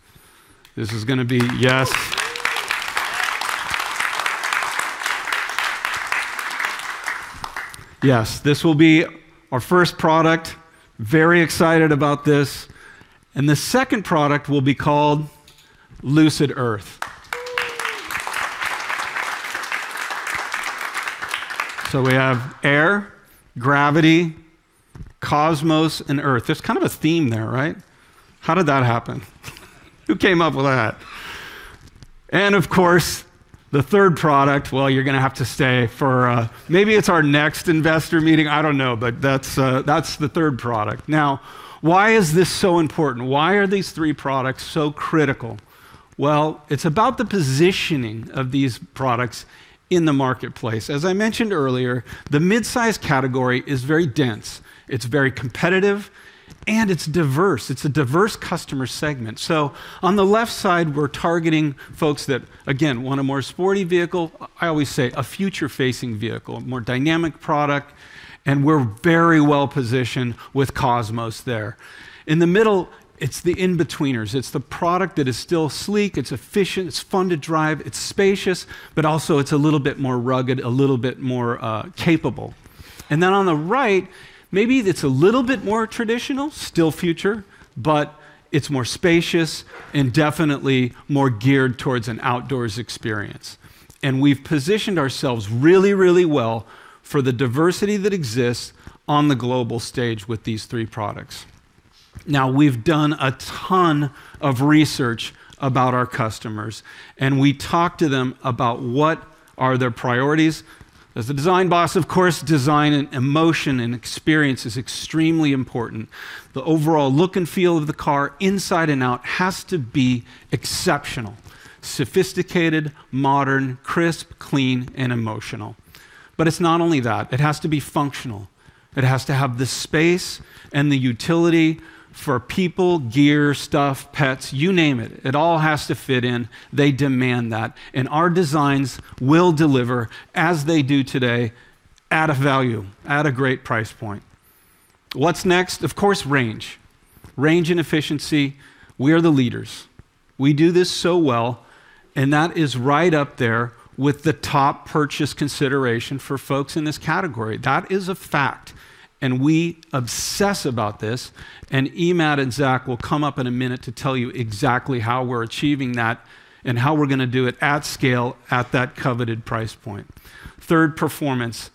This is gonna be. Yes. Yes, this will be our first product. Very excited about this. The second product will be called Lucid Earth. We have Air, Gravity, Cosmos, and Earth. There's kind of a theme there, right? How did that happen? Who came up with that? Of course, the third product, well, you're gonna have to stay for, maybe it's our next investor meeting. I don't know. But that's the third product. Now, why is this so important? Why are these three products so critical? Well, it's about the positioning of these products in the marketplace. As I mentioned earlier, the midsize category is very dense. It's very competitive, and it's diverse. It's a diverse customer segment. On the left side, we're targeting folks that, again, want a more sporty vehicle. I always say a future-facing vehicle, a more dynamic product, and we're very well-positioned with Cosmos there. In the middle, it's the in-betweeners. It's the product that is still sleek, it's efficient, it's fun to drive, it's spacious, but also it's a little bit more rugged, a little bit more capable. On the right, maybe it's a little bit more traditional, still future, but it's more spacious and definitely more geared towards an outdoors experience. We've positioned ourselves really, really well for the diversity that exists on the global stage with these three products. Now, we've done a ton of research about our customers, and we talk to them about what are their priorities. As the design boss, of course, design and emotion and experience is extremely important. The overall look and feel of the car inside and out has to be exceptional, sophisticated, modern, crisp, clean, and emotional. It's not only that. It has to be functional. It has to have the space and the utility for people, gear, stuff, pets, you name it. It all has to fit in. They demand that. Our designs will deliver as they do today at a value, at a great price point. What's next? Of course, range. Range and efficiency, we are the leaders. We do this so well, and that is right up there with the top purchase consideration for folks in this category. That is a fact, and we obsess about this, and Emad and Zach will come up in a minute to tell you exactly how we're achieving that and how we're gonna do it at scale at that coveted price point. Third, performance.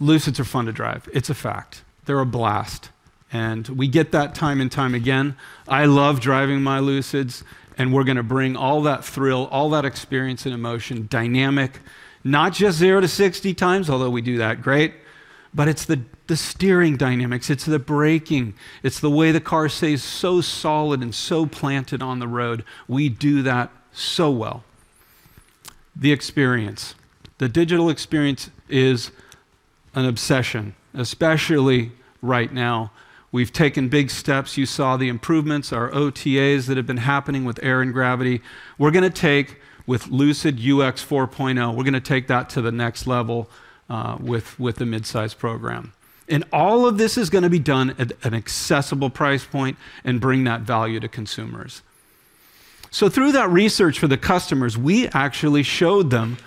Lucids are fun to drive. It's a fact. They're a blast, and we get that time and time again. I love driving my Lucids, and we're gonna bring all that thrill, all that experience and emotion, dynamic. Not just 0x-to-60x, although we do that great, but it's the steering dynamics, it's the braking, it's the way the car stays so solid and so planted on the road. We do that so well. The experience. The digital experience is an obsession, especially right now. We've taken big steps. You saw the improvements, our OTAs that have been happening with Air and Gravity. With Lucid UX 4.0, we're gonna take that to the next level with the midsize program. All of this is gonna be done at an accessible price point and bring that value to consumers. Through that research for the customers, we actually showed them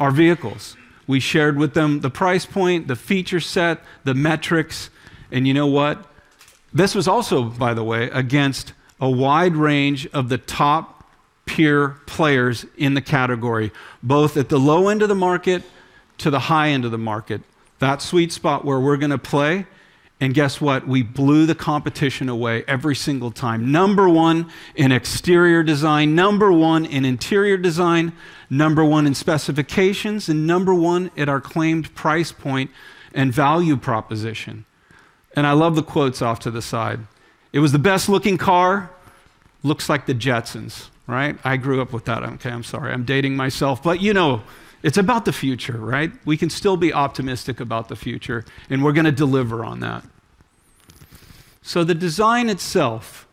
our vehicles. We shared with them the price point, the feature set, the metrics. You know what? This was also, by the way, against a wide range of the top peer players in the category, both at the low end of the market to the high end of the market. That sweet spot where we're gonna play, and guess what? We blew the competition away every single time. Number one in exterior design, number one in interior design, number one in specifications, and number one at our claimed price point and value proposition. I love the quotes off to the side. "It was the best-looking car." "Looks like the Jetsons." Right? I grew up with that. Okay, I'm sorry. I'm dating myself, but you know, it's about the future, right? We can still be optimistic about the future, and we're gonna deliver on that. The design itself,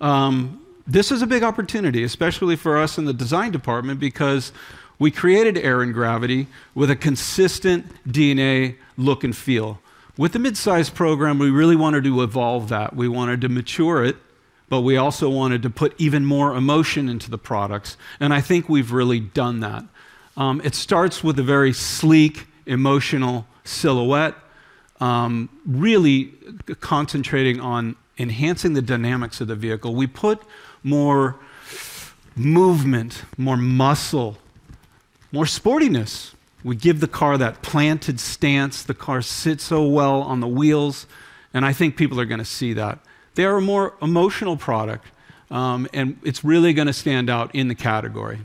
this is a big opportunity, especially for us in the design department because we created Air and Gravity with a consistent DNA look and feel. With the midsize program, we really wanted to evolve that. We wanted to mature it, but we also wanted to put even more emotion into the products, and I think we've really done that. It starts with a very sleek, emotional silhouette, really concentrating on enhancing the dynamics of the vehicle. We put more movement, more muscle, more sportiness. We give the car that planted stance. The car sits so well on the wheels, and I think people are gonna see that. They're a more emotional product, and it's really gonna stand out in the category.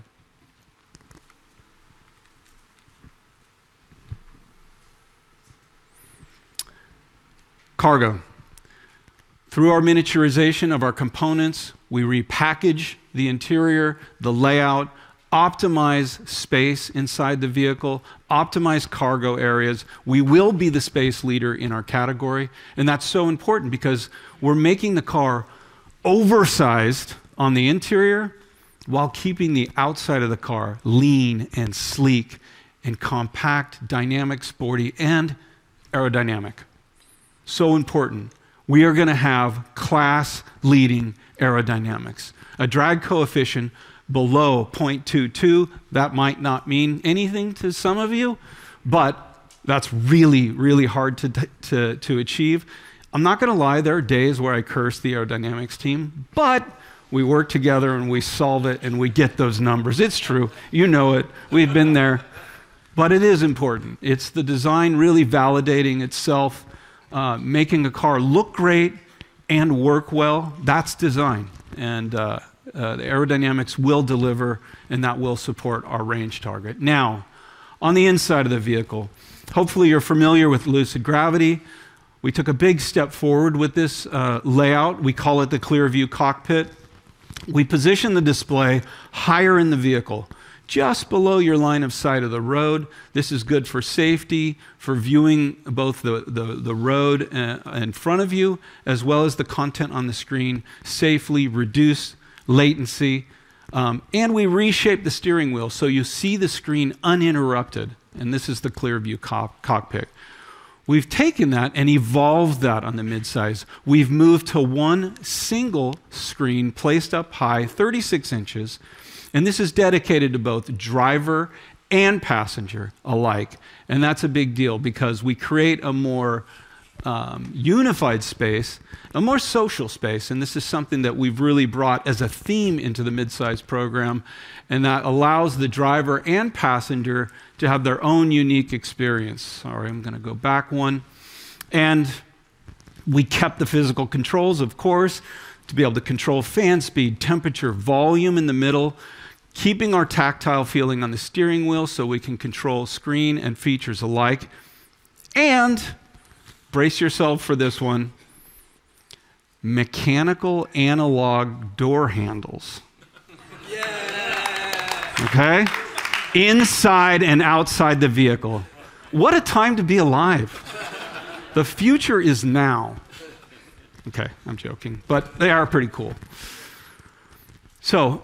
Cargo. Through our miniaturization of our components, we repackage the interior, the layout, optimize space inside the vehicle, optimize cargo areas. We will be the space leader in our category, and that's so important because we're making the car oversized on the interior while keeping the outside of the car lean and sleek and compact, dynamic, sporty, and aerodynamic. Important. We are gonna have class-leading aerodynamics. A drag coefficient below 0.22. That might not mean anything to some of you, but that's really, really hard to achieve. I'm not gonna lie, there are days where I curse the aerodynamics team, but we work together and we solve it, and we get those numbers. It's true. You know it. We've been there. But it is important. It's the design really validating itself, making the car look great and work well. That's design. The aerodynamics will deliver, and that will support our range target. Now, on the inside of the vehicle, hopefully you're familiar with Lucid Gravity. We took a big step forward with this layout. We call it the Clearview Cockpit. We position the display higher in the vehicle, just below your line of sight of the road. This is good for safety, for viewing both the road in front of you, as well as the content on the screen, safely reduce latency, and we reshaped the steering wheel so you see the screen uninterrupted, and this is the Clearview Cockpit. We've taken that and evolved that on the midsize. We've moved to one single screen placed up high, 36 inches, and this is dedicated to both driver and passenger alike, and that's a big deal because we create a more unified space, a more social space, and this is something that we've really brought as a theme into the midsize program and that allows the driver and passenger to have their own unique experience. Sorry, I'm gonna go back one. We kept the physical controls, of course, to be able to control fan speed, temperature, volume in the middle, keeping our tactile feeling on the steering wheel so we can control screen and features alike. Brace yourself for this one, mechanical analog door handles. Yeah. Okay. Inside and outside the vehicle. What a time to be alive. The future is now. Okay, I'm joking, but they are pretty cool.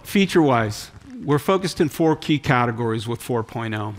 Feature-wise, we're focused on four key categories with 4.0.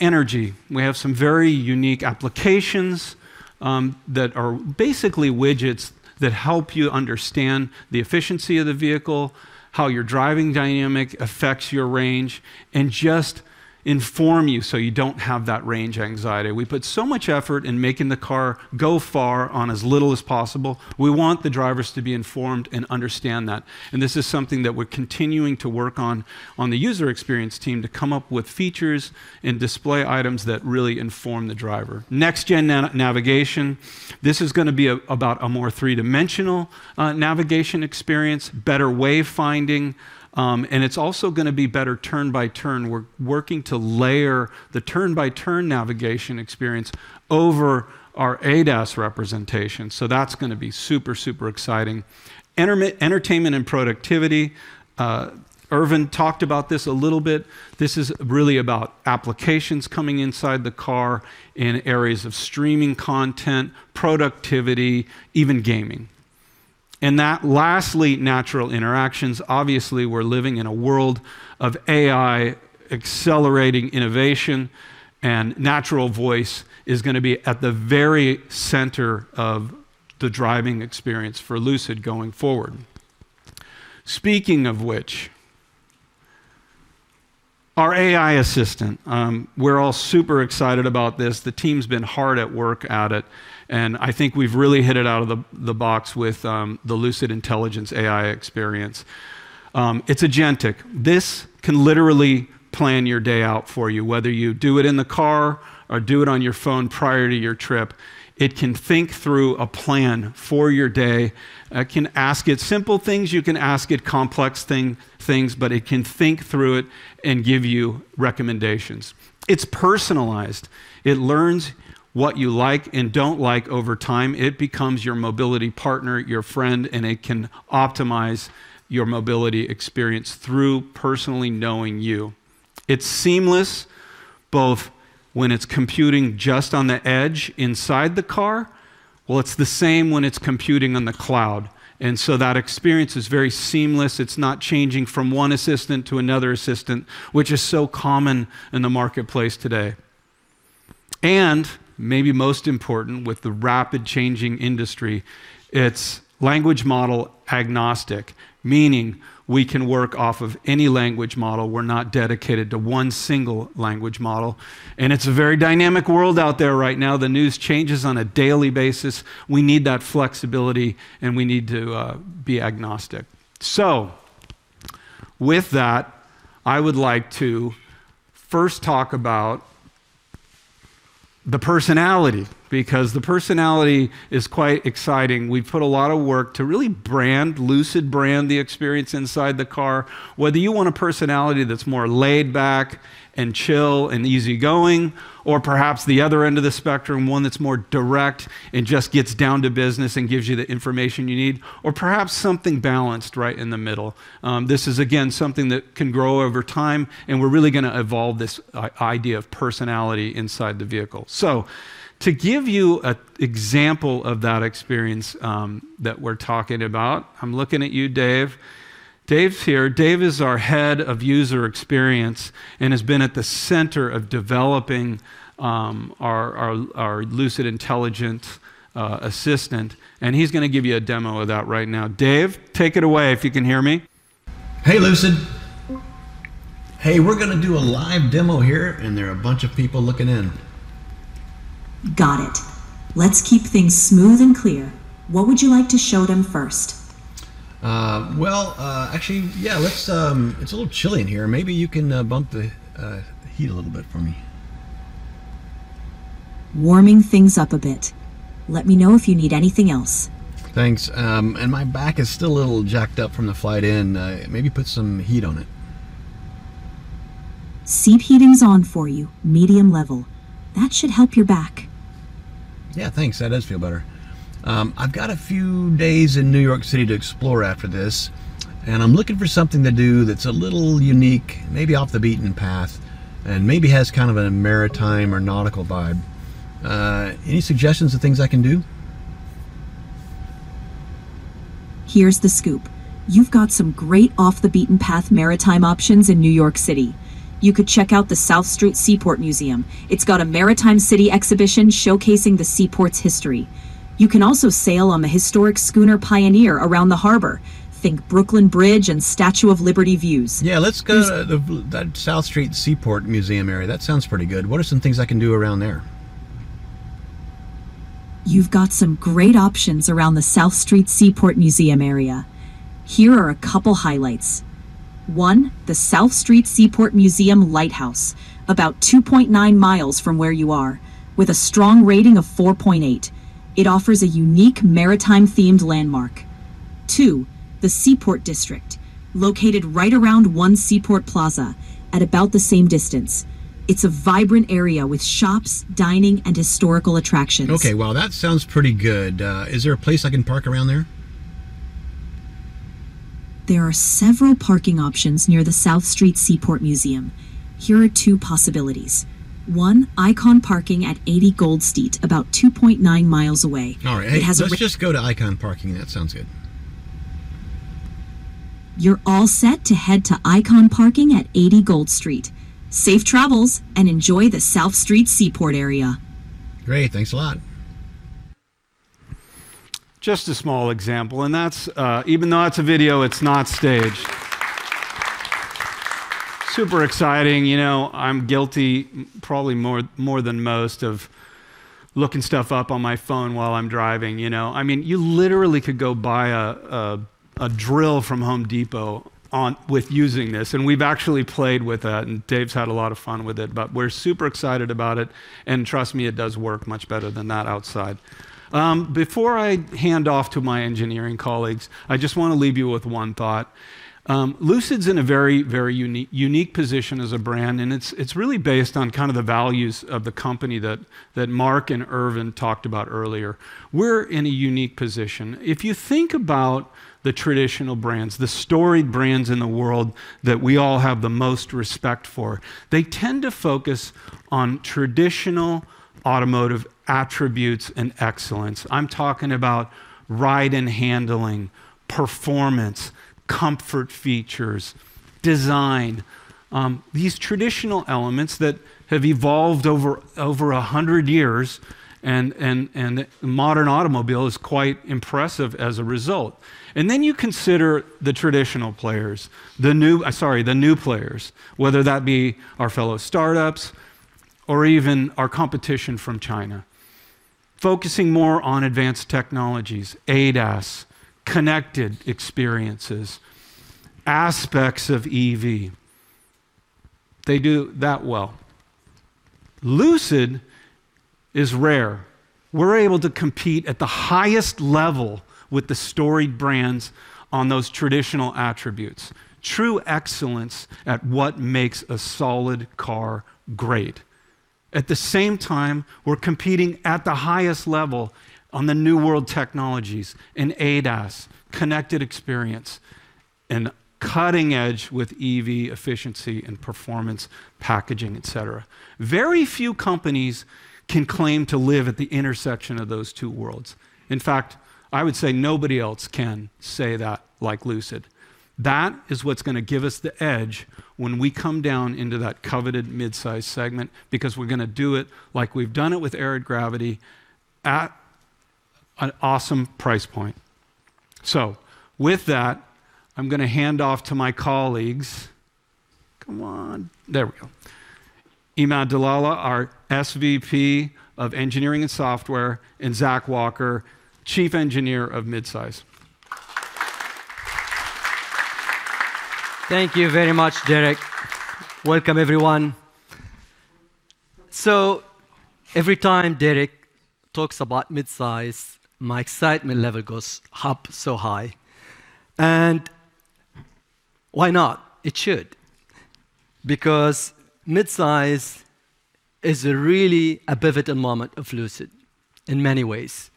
Energy. We have some very unique applications that are basically widgets that help you understand the efficiency of the vehicle, how your driving dynamic affects your range, and just inform you so you don't have that range anxiety. We put so much effort in making the car go far on as little as possible. We want the drivers to be informed and understand that. This is something that we're continuing to work on the user experience team to come up with features and display items that really inform the driver. Next-gen navigation. This is gonna be about a more three-dimensional navigation experience, better way finding, and it's also gonna be better turn-by-turn. We're working to layer the turn-by-turn navigation experience over our ADAS representation, so that's gonna be super exciting. Entertainment and productivity. Erwin talked about this a little bit. This is really about applications coming inside the car in areas of streaming content, productivity, even gaming. Lastly, natural interactions. Obviously, we're living in a world of AI accelerating innovation, and natural voice is gonna be at the very center of the driving experience for Lucid going forward. Speaking of which, our AI assistant, we're all super excited about this. The team's been hard at work at it, and I think we've really hit it out of the box with the Lucid Intelligence AI Experience. It's agentic. This can literally plan your day out for you, whether you do it in the car or do it on your phone prior to your trip. It can think through a plan for your day. You can ask it simple things. You can ask it complex things, but it can think through it and give you recommendations. It's personalized. It learns what you like and don't like over time. It becomes your mobility partner, your friend, and it can optimize your mobility experience through personally knowing you. It's seamless both when it's computing just on the edge inside the car, well, it's the same when it's computing on the cloud, and so that experience is very seamless. It's not changing from one assistant to another assistant, which is so common in the marketplace today. Maybe most important with the rapidly changing industry, it's language model agnostic, meaning we can work off of any language model. We're not dedicated to one single language model. It's a very dynamic world out there right now. The news changes on a daily basis. We need that flexibility, and we need to be agnostic. With that, I would like to first talk about the personality, because the personality is quite exciting. We've put a lot of work to really brand Lucid-brand the experience inside the car. Whether you want a personality that's more laid back and chill and easygoing, or perhaps the other end of the spectrum, one that's more direct and just gets down to business and gives you the information you need, or perhaps something balanced right in the middle. This is again something that can grow over time, and we're really gonna evolve this idea of personality inside the vehicle. To give you an example of that experience that we're talking about, I'm looking at you, Dave. Dave's here. Dave is our head of user experience and has been at the center of developing our Lucid intelligent assistant, and he's gonna give you a demo of that right now. Dave, take it away if you can hear me. Hey, Lucid. Hey, we're gonna do a live demo here, and there are a bunch of people looking in. Got it. Let's keep things smooth and clear. What would you like to show them first? Well, actually, yeah. It's a little chilly in here. Maybe you can bump the heat a little bit for me. Warming things up a bit. Let me know if you need anything else. Thanks. My back is still a little jacked up from the flight in. Maybe put some heat on it. Seat heating's on for you, medium level. That should help your back. Yeah, thanks. That does feel better. I've got a few days in New York City to explore after this, and I'm looking for something to do that's a little unique, maybe off the beaten path, and maybe has kind of a maritime or nautical vibe. Any suggestions of things I can do? Here's the scoop. You've got some great off-the-beaten-path maritime options in New York City. You could check out the South Street Seaport Museum. It's got a Maritime City exhibition showcasing the seaport's history. You can also sail on the historic schooner Pioneer around the harbor. Think Brooklyn Bridge and Statue of Liberty views. Yeah, let's go to the South Street Seaport Museum area. That sounds pretty good. What are some things I can do around there? You've got some great options around the South Street Seaport Museum area. Here are a couple highlights. One, the South Street Seaport Museum Lighthouse, about 2.9 miles from where you are with a strong rating of 4.8. It offers a unique maritime-themed landmark. Two, the Seaport District, located right around One Seaport Plaza at about the same distance. It's a vibrant area with shops, dining, and historical attractions. Okay, well, that sounds pretty good. Is there a place I can park around there? There are several parking options near the South Street Seaport Museum. Here are two possibilities. One, Icon Parking at 80 Gold Street, about 2.9 miles away. All right. It has- Let's just go to Icon Parking. That sounds good. You're all set to head to Icon Parking at 80 Gold Street. Safe travels, and enjoy the South Street Seaport area. Great. Thanks a lot. Just a small example, that's even though it's a video, it's not staged. Super exciting. You know, I'm guilty probably more than most of looking stuff up on my phone while I'm driving, you know? I mean, you literally could go buy a drill from Home Depot with using this, and we've actually played with that and Dave's had a lot of fun with it. We're super excited about it, and trust me, it does work much better than that outside. Before I hand off to my engineering colleagues, I just wanna leave you with one thought. Lucid's in a very unique position as a brand, and it's really based on kind of the values of the company that Marc and Erwin talked about earlier. We're in a unique position. If you think about the traditional brands, the storied brands in the world that we all have the most respect for, they tend to focus on traditional automotive attributes and excellence. I'm talking about ride and handling, performance, comfort features, design, these traditional elements that have evolved over a hundred years and the modern automobile is quite impressive as a result. Then you consider the new players, whether that be our fellow startups or even our competition from China, focusing more on advanced technologies, ADAS, connected experiences, aspects of EV. They do that well. Lucid is rare. We're able to compete at the highest level with the storied brands on those traditional attributes, true excellence at what makes a solid car great. At the same time, we're competing at the highest level on the new world technologies and ADAS, connected experience, and cutting edge with EV efficiency and performance, packaging, et cetera. Very few companies can claim to live at the intersection of those two worlds. In fact, I would say nobody else can say that like Lucid. That is what's gonna give us the edge when we come down into that coveted mid-size segment because we're gonna do it like we've done it with Air and Gravity at an awesome price point. With that, I'm gonna hand off to my colleagues. Come on. There we go. Emad Dlala, our SVP of Engineering and Software, and Zack Walker, Chief Engineer of Midsize. Thank you very much, Derek. Welcome, everyone. Every time Derek talks about mid-size, my excitement level goes up so high. Why not? It should. Because mid-size is really a pivotal moment of Lucid in many ways.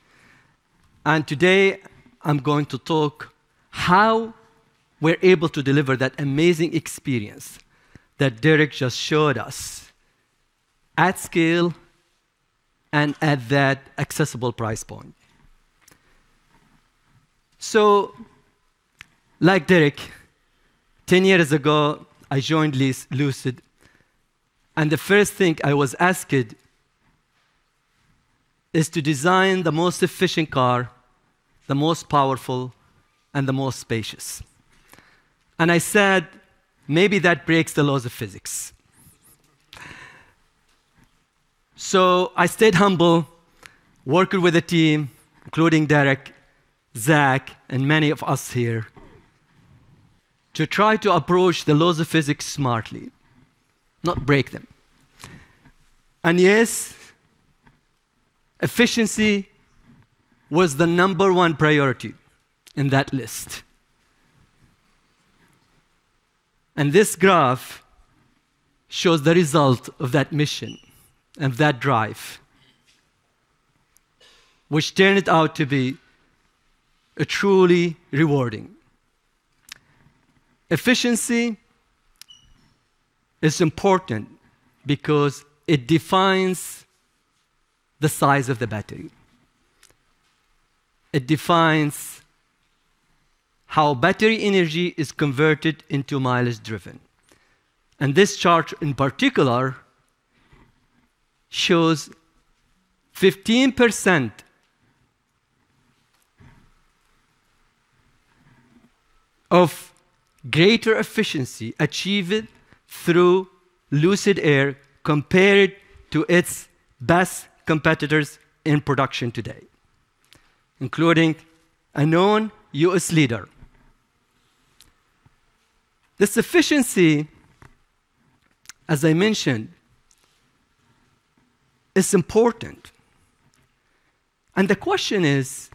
Today, I'm going to talk how we're able to deliver that amazing experience that Derek just showed us at scale and at that accessible price point. Like Derek, 10 years ago, I joined Lucid, and the first thing I was asked is to design the most efficient car, the most powerful, and the most spacious. I said, "Maybe that breaks the laws of physics." I stayed humble, working with a team including Derek, Zack, and many of us here to try to approach the laws of physics smartly, not break them. Yes, efficiency was the number one priority in that list. This graph shows the result of that mission and that drive, which turned out to be truly rewarding. Efficiency is important because it defines the size of the battery. It defines how battery energy is converted into mileage driven. This chart, in particular, shows 15% greater efficiency achieved through Lucid Air compared to its best competitors in production today, including a known U.S. leader. This efficiency, as I mentioned, is important, and the question is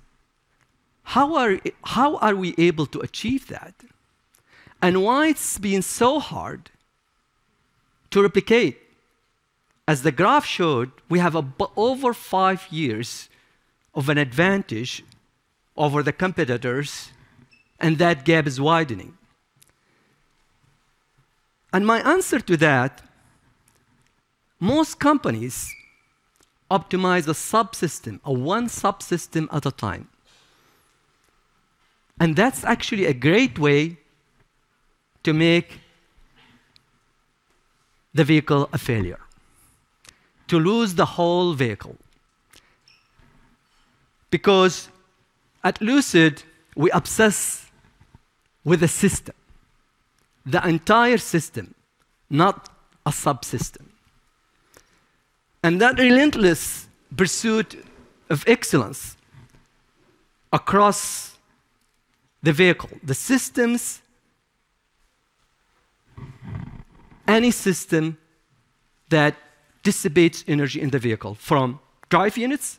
how are we able to achieve that? Why it's been so hard to replicate? As the graph showed, we have over five years of an advantage over the competitors, and that gap is widening. My answer to that, most companies optimize a subsystem or one subsystem at a time. That's actually a great way to make the vehicle a failure, to lose the whole vehicle. Because at Lucid, we obsess with the system, the entire system, not a subsystem, and that relentless pursuit of excellence across the vehicle. The systems. Any system that dissipates energy in the vehicle from drive units.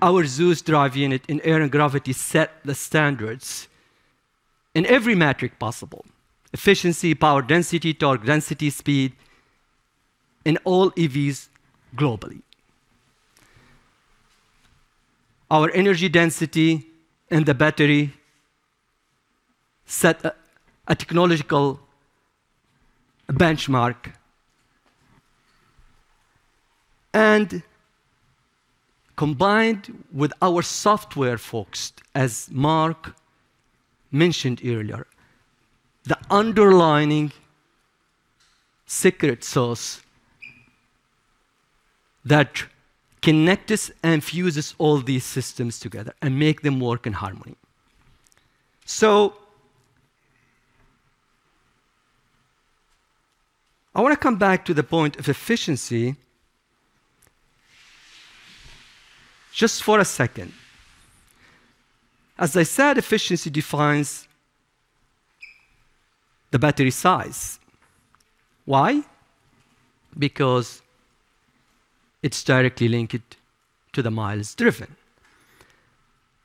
Our Zeus drive unit in Air and Gravity set the standards in every metric possible, efficiency, power density, torque density, speed in all EVs globally. Our energy density in the battery set a technological benchmark. And combined with our software folks, as Mark mentioned earlier, the underlying secret sauce that connects and fuses all these systems together and make them work in harmony. I wanna come back to the point of efficiency just for a second. As I said, efficiency defines the battery size. Why? Because it's directly linked to the miles driven,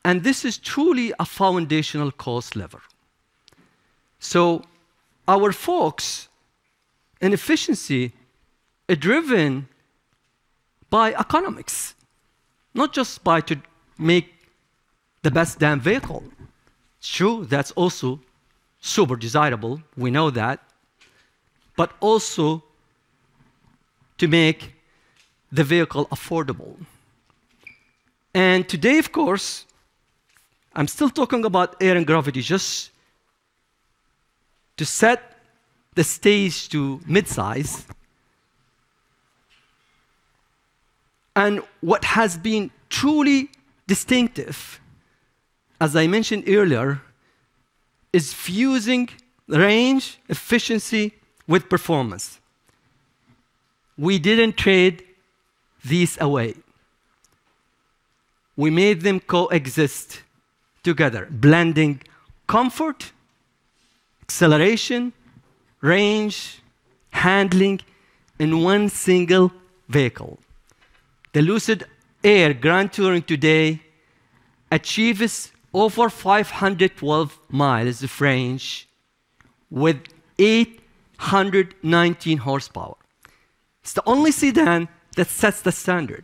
and this is truly a foundational cost lever. Our folks in efficiency are driven by economics, not just by to make the best damn vehicle. Sure, that's also super desirable. We know that. Also to make the vehicle affordable. Today of course I'm still talking about Air and Gravity just to set the stage to midsize. What has been truly distinctive, as I mentioned earlier, is fusing range, efficiency with performance. We didn't trade these away. We made them coexist together, blending comfort, acceleration, range, handling in one single vehicle. The Lucid Air Grand Touring today achieves over 512 miles of range with 819 horsepower. It's the only sedan that sets the standard,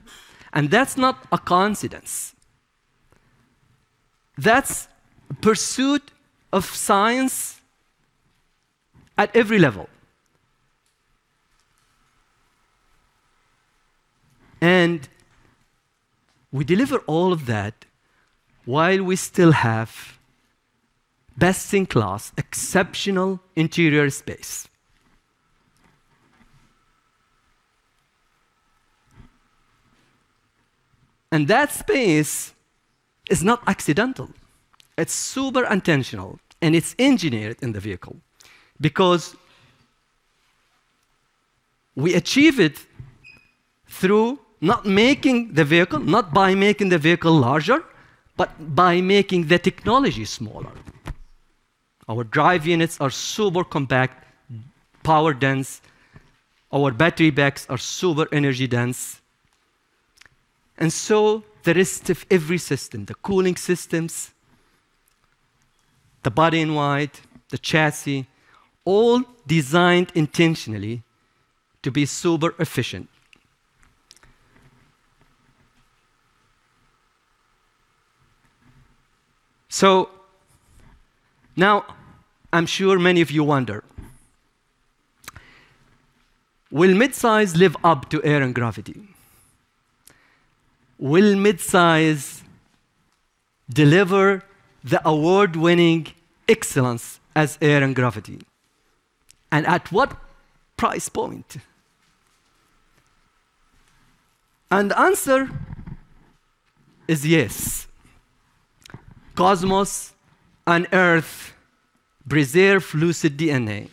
and that's not a coincidence. That's pursuit of science at every level. We deliver all of that while we still have best-in-class exceptional interior space. That space is not accidental. It's super intentional, and it's engineered in the vehicle because we achieve it not by making the vehicle larger, but by making the technology smaller. Our drive units are super compact, power-dense. Our battery packs are super energy-dense. The rest of every system, the cooling systems, the body-in-white, the chassis, all designed intentionally to be super efficient. Now I'm sure many of you wonder, will mid-size live up to Air and Gravity? Will mid-size deliver the award-winning excellence as Air and Gravity? At what price point? The answer is yes. Cosmos and Earth preserve Lucid DNA,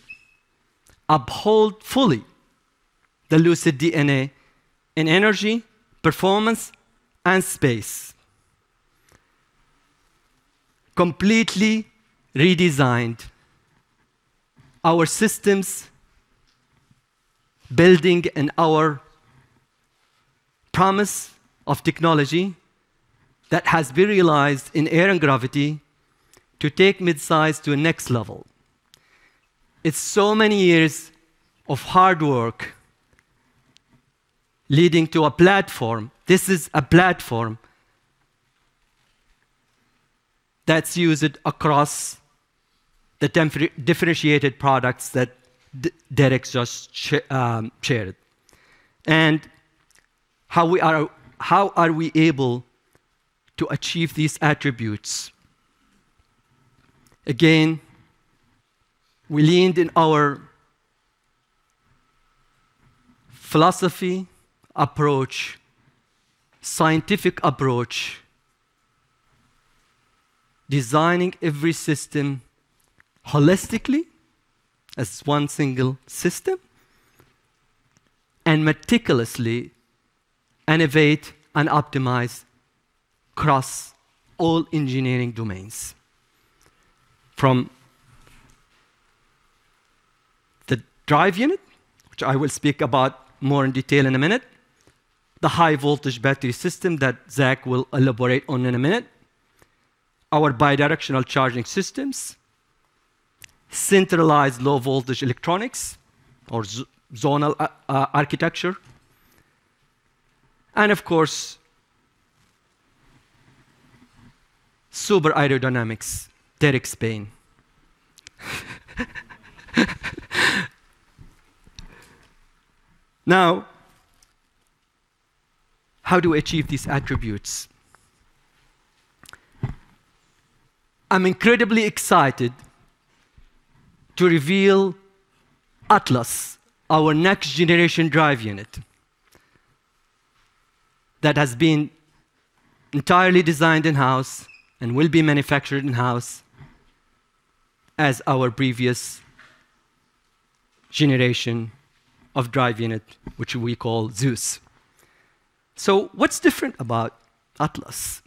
uphold fully the Lucid DNA in energy, performance, and space. Completely redesigned our systems, building in our promise of technology that has been realized in Air and Gravity to take mid-size to a next level. It's so many years of hard work leading to a platform. This is a platform that's used across the differentiated products that Derek just shared. How are we able to achieve these attributes? Again, we leaning on our philosophical approach, scientific approach, designing every system holistically as one single system, and meticulously innovate and optimize across all engineering domains. From the drive unit, which I will speak about more in detail in a minute, the high-voltage battery system that Zach will elaborate on in a minute, our bidirectional charging systems, centralized low-voltage electronics or zonal architecture, and of course, super aerodynamics. How do we achieve these attributes? I'm incredibly excited to reveal Atlas, our next-generation drive unit that has been entirely designed in-house and will be manufactured in-house as our previous generation of drive unit, which we call Zeus. What's different about Atlas?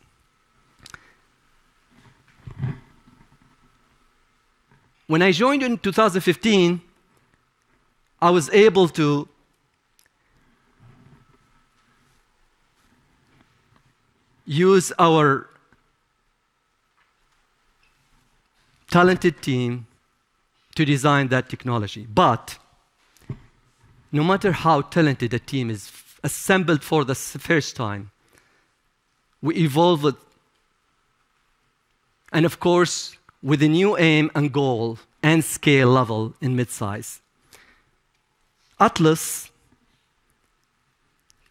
When I joined in 2015, I was able to use our talented team to design that technology. No matter how talented a team is assembled for the first time, of course, with a new aim and goal and scale level in midsize. Atlas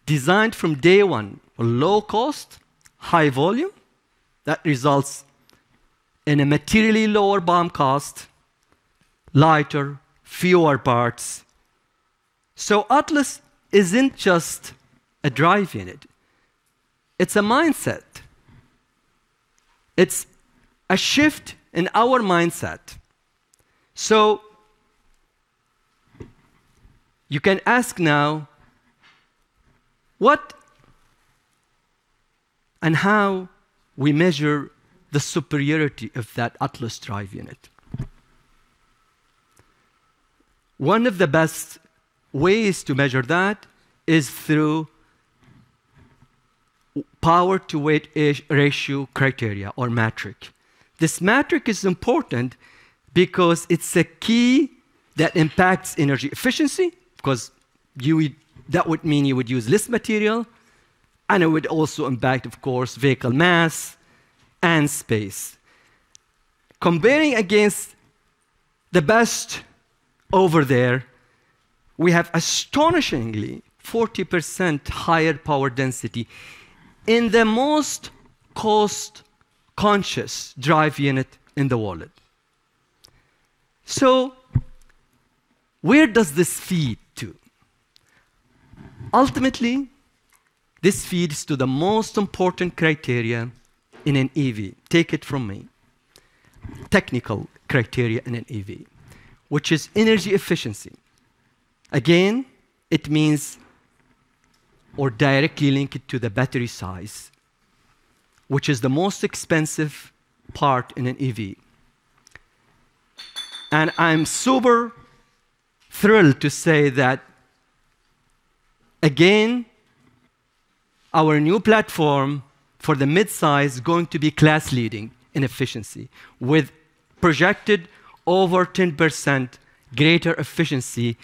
designed from day one for low cost, high volume that results in a materially lower BOM cost, lighter, fewer parts. Atlas isn't just a drive unit. It's a mindset. It's a shift in our mindset. You can ask now what and how we measure the superiority of that Atlas drive unit. One of the best ways to measure that is through power-to-weight ratio criteria or metric. This metric is important because it's a key that impacts energy efficiency, 'cause you would... That would mean you would use less material, and it would also impact, of course, vehicle mass and space. Comparing against the best over there, we have astonishingly 40% higher power density in the most cost-conscious drive unit in the world. Where does this feed to? Ultimately, this feeds to the most important criteria in an EV, take it from me, technical criteria in an EV, which is energy efficiency. Again, it means or directly link it to the battery size, which is the most expensive part in an EV. I'm super thrilled to say that, again, our new platform for the midsize is going to be class-leading in efficiency, with projected over 10% greater efficiency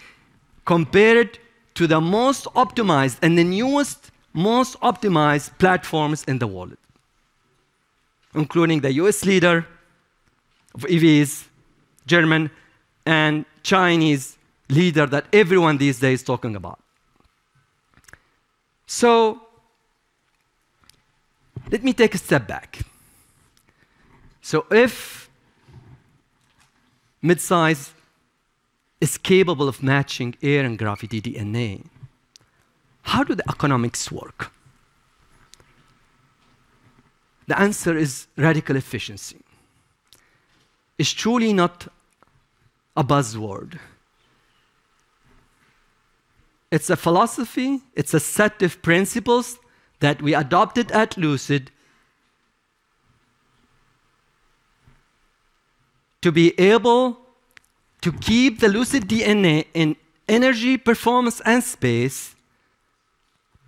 compared to the most optimized and the newest, most optimized platforms in the world, including the U.S. leader of EVs, German, and Chinese leader that everyone these days is talking about. Let me take a step back. If midsize is capable of matching Air and Gravity DNA, how do the economics work? The answer is radical efficiency. It's truly not a buzzword. It's a philosophy. It's a set of principles that we adopted at Lucid to be able to keep the Lucid DNA in energy performance and space,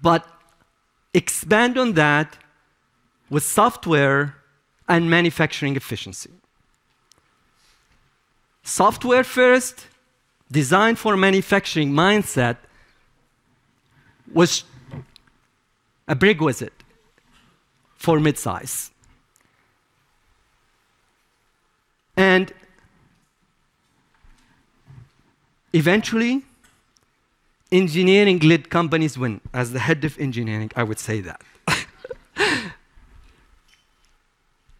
but expand on that with software and manufacturing efficiency. Software first design for manufacturing mindset was a prerequisite for midsize. Eventually, engineering led companies win. As the head of engineering, I would say that.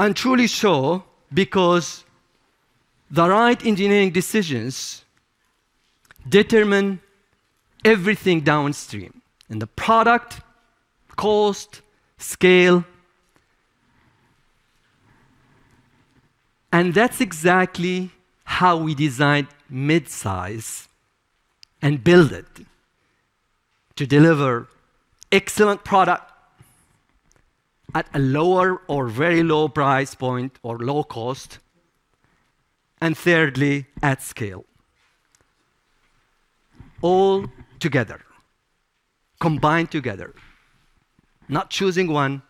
I'm truly sure because the right engineering decisions determine everything downstream, in the product, cost, scale. That's exactly how we designed midsize and build it to deliver excellent product at a lower or very low price point or low cost, and thirdly, at scale. All together, combined together. Not choosing one,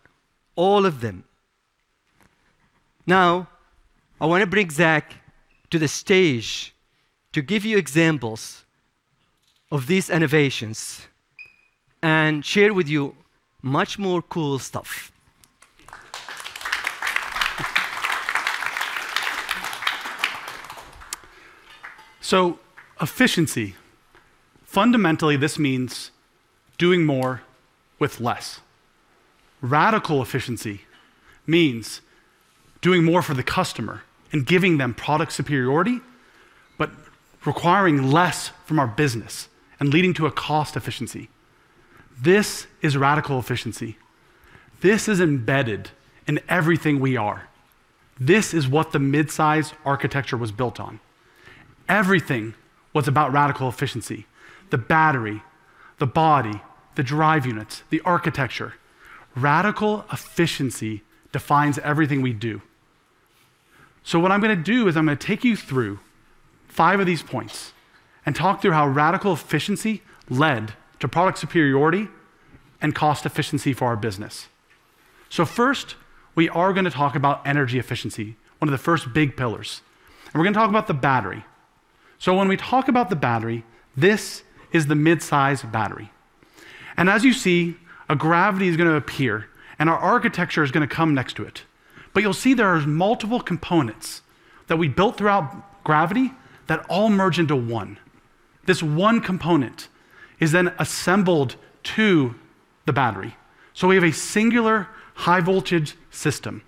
all of them. Now, I wanna bring Zach to the stage to give you examples of these innovations and share with you much more cool stuff. Efficiency. Fundamentally, this means doing more with less. Radical efficiency means doing more for the customer and giving them product superiority, but requiring less from our business and leading to a cost efficiency. This is radical efficiency. This is embedded in everything we are. This is what the midsize architecture was built on. Everything was about radical efficiency, the battery, the body, the drive units, the architecture. Radical efficiency defines everything we do. What I'm gonna do is I'm gonna take you through five of these points and talk through how radical efficiency led to product superiority and cost efficiency for our business. First, we are gonna talk about energy efficiency, one of the first big pillars. We're gonna talk about the battery. When we talk about the battery, this is the midsize battery. As you see, a Gravity is gonna appear, and our architecture is gonna come next to it. You'll see there is multiple components that we built throughout Gravity that all merge into one. This one component is then assembled to the battery. We have a singular high voltage system.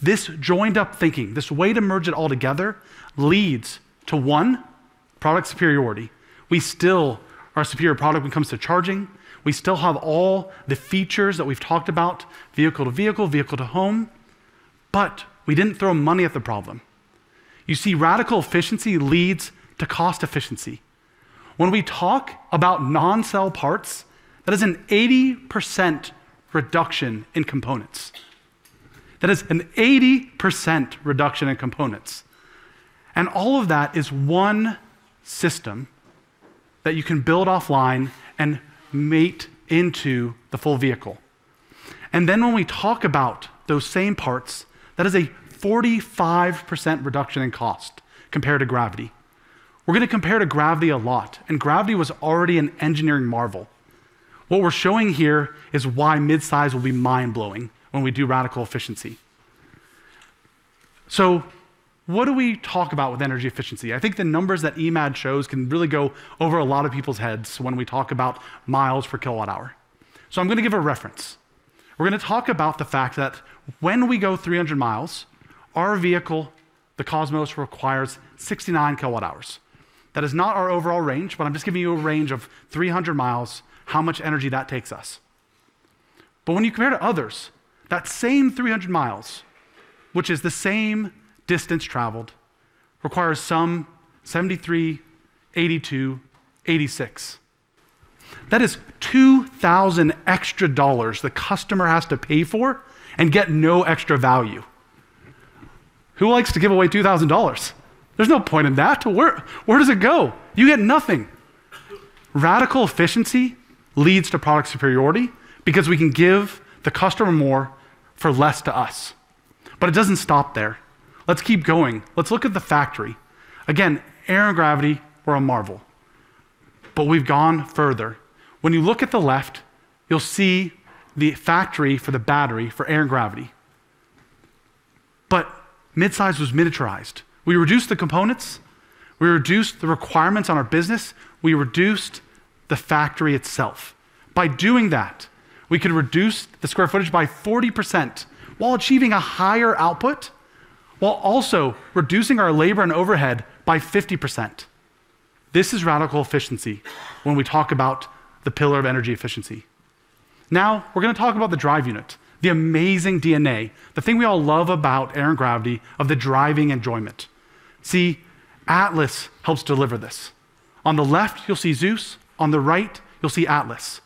This joined up thinking, this way to merge it all together, leads to one product superiority. We still are a superior product when it comes to charging. We still have all the features that we've talked about, vehicle to vehicle to home. We didn't throw money at the problem. You see, radical efficiency leads to cost efficiency. When we talk about non-cell parts, that is an 80% reduction in components. All of that is one system that you can build offline and mate into the full vehicle. When we talk about those same parts, that is a 45% reduction in cost compared to Gravity. We're gonna compare to Gravity a lot, and Gravity was already an engineering marvel. What we're showing here is why midsize will be mind-blowing when we do radical efficiency. What do we talk about with energy efficiency? I think the numbers that Emad shows can really go over a lot of people's heads when we talk about miles per kWh. I'm gonna give a reference. We're gonna talk about the fact that when we go 300 miles, our vehicle, the Cosmos, requires 69 kWh. That is not our overall range, but I'm just giving you a range of 300 miles, how much energy that takes us. When you compare to others, that same 300 miles, which is the same distance traveled, requires some 73, 82, 86. That is $2,000 extra the customer has to pay for and get no extra value. Who likes to give away $2,000? There's no point in that. Where does it go? You get nothing. Radical efficiency leads to product superiority because we can give the customer more for less to us, but it doesn't stop there. Let's keep going. Let's look at the factory. Again, Air and Gravity were a marvel, but we've gone further. When you look at the left, you'll see the factory for the battery for Air and Gravity. Midsize was miniaturized. We reduced the components, we reduced the requirements on our business, we reduced the factory itself. By doing that, we could reduce the square footage by 40% while achieving a higher output, while also reducing our labor and overhead by 50%. This is radical efficiency when we talk about the pillar of energy efficiency. Now, we're gonna talk about the drive unit, the amazing DNA, the thing we all love about Air and Gravity of the driving enjoyment. See, Atlas helps deliver this. On the left, you'll see Zeus. On the right, you'll see Atlas.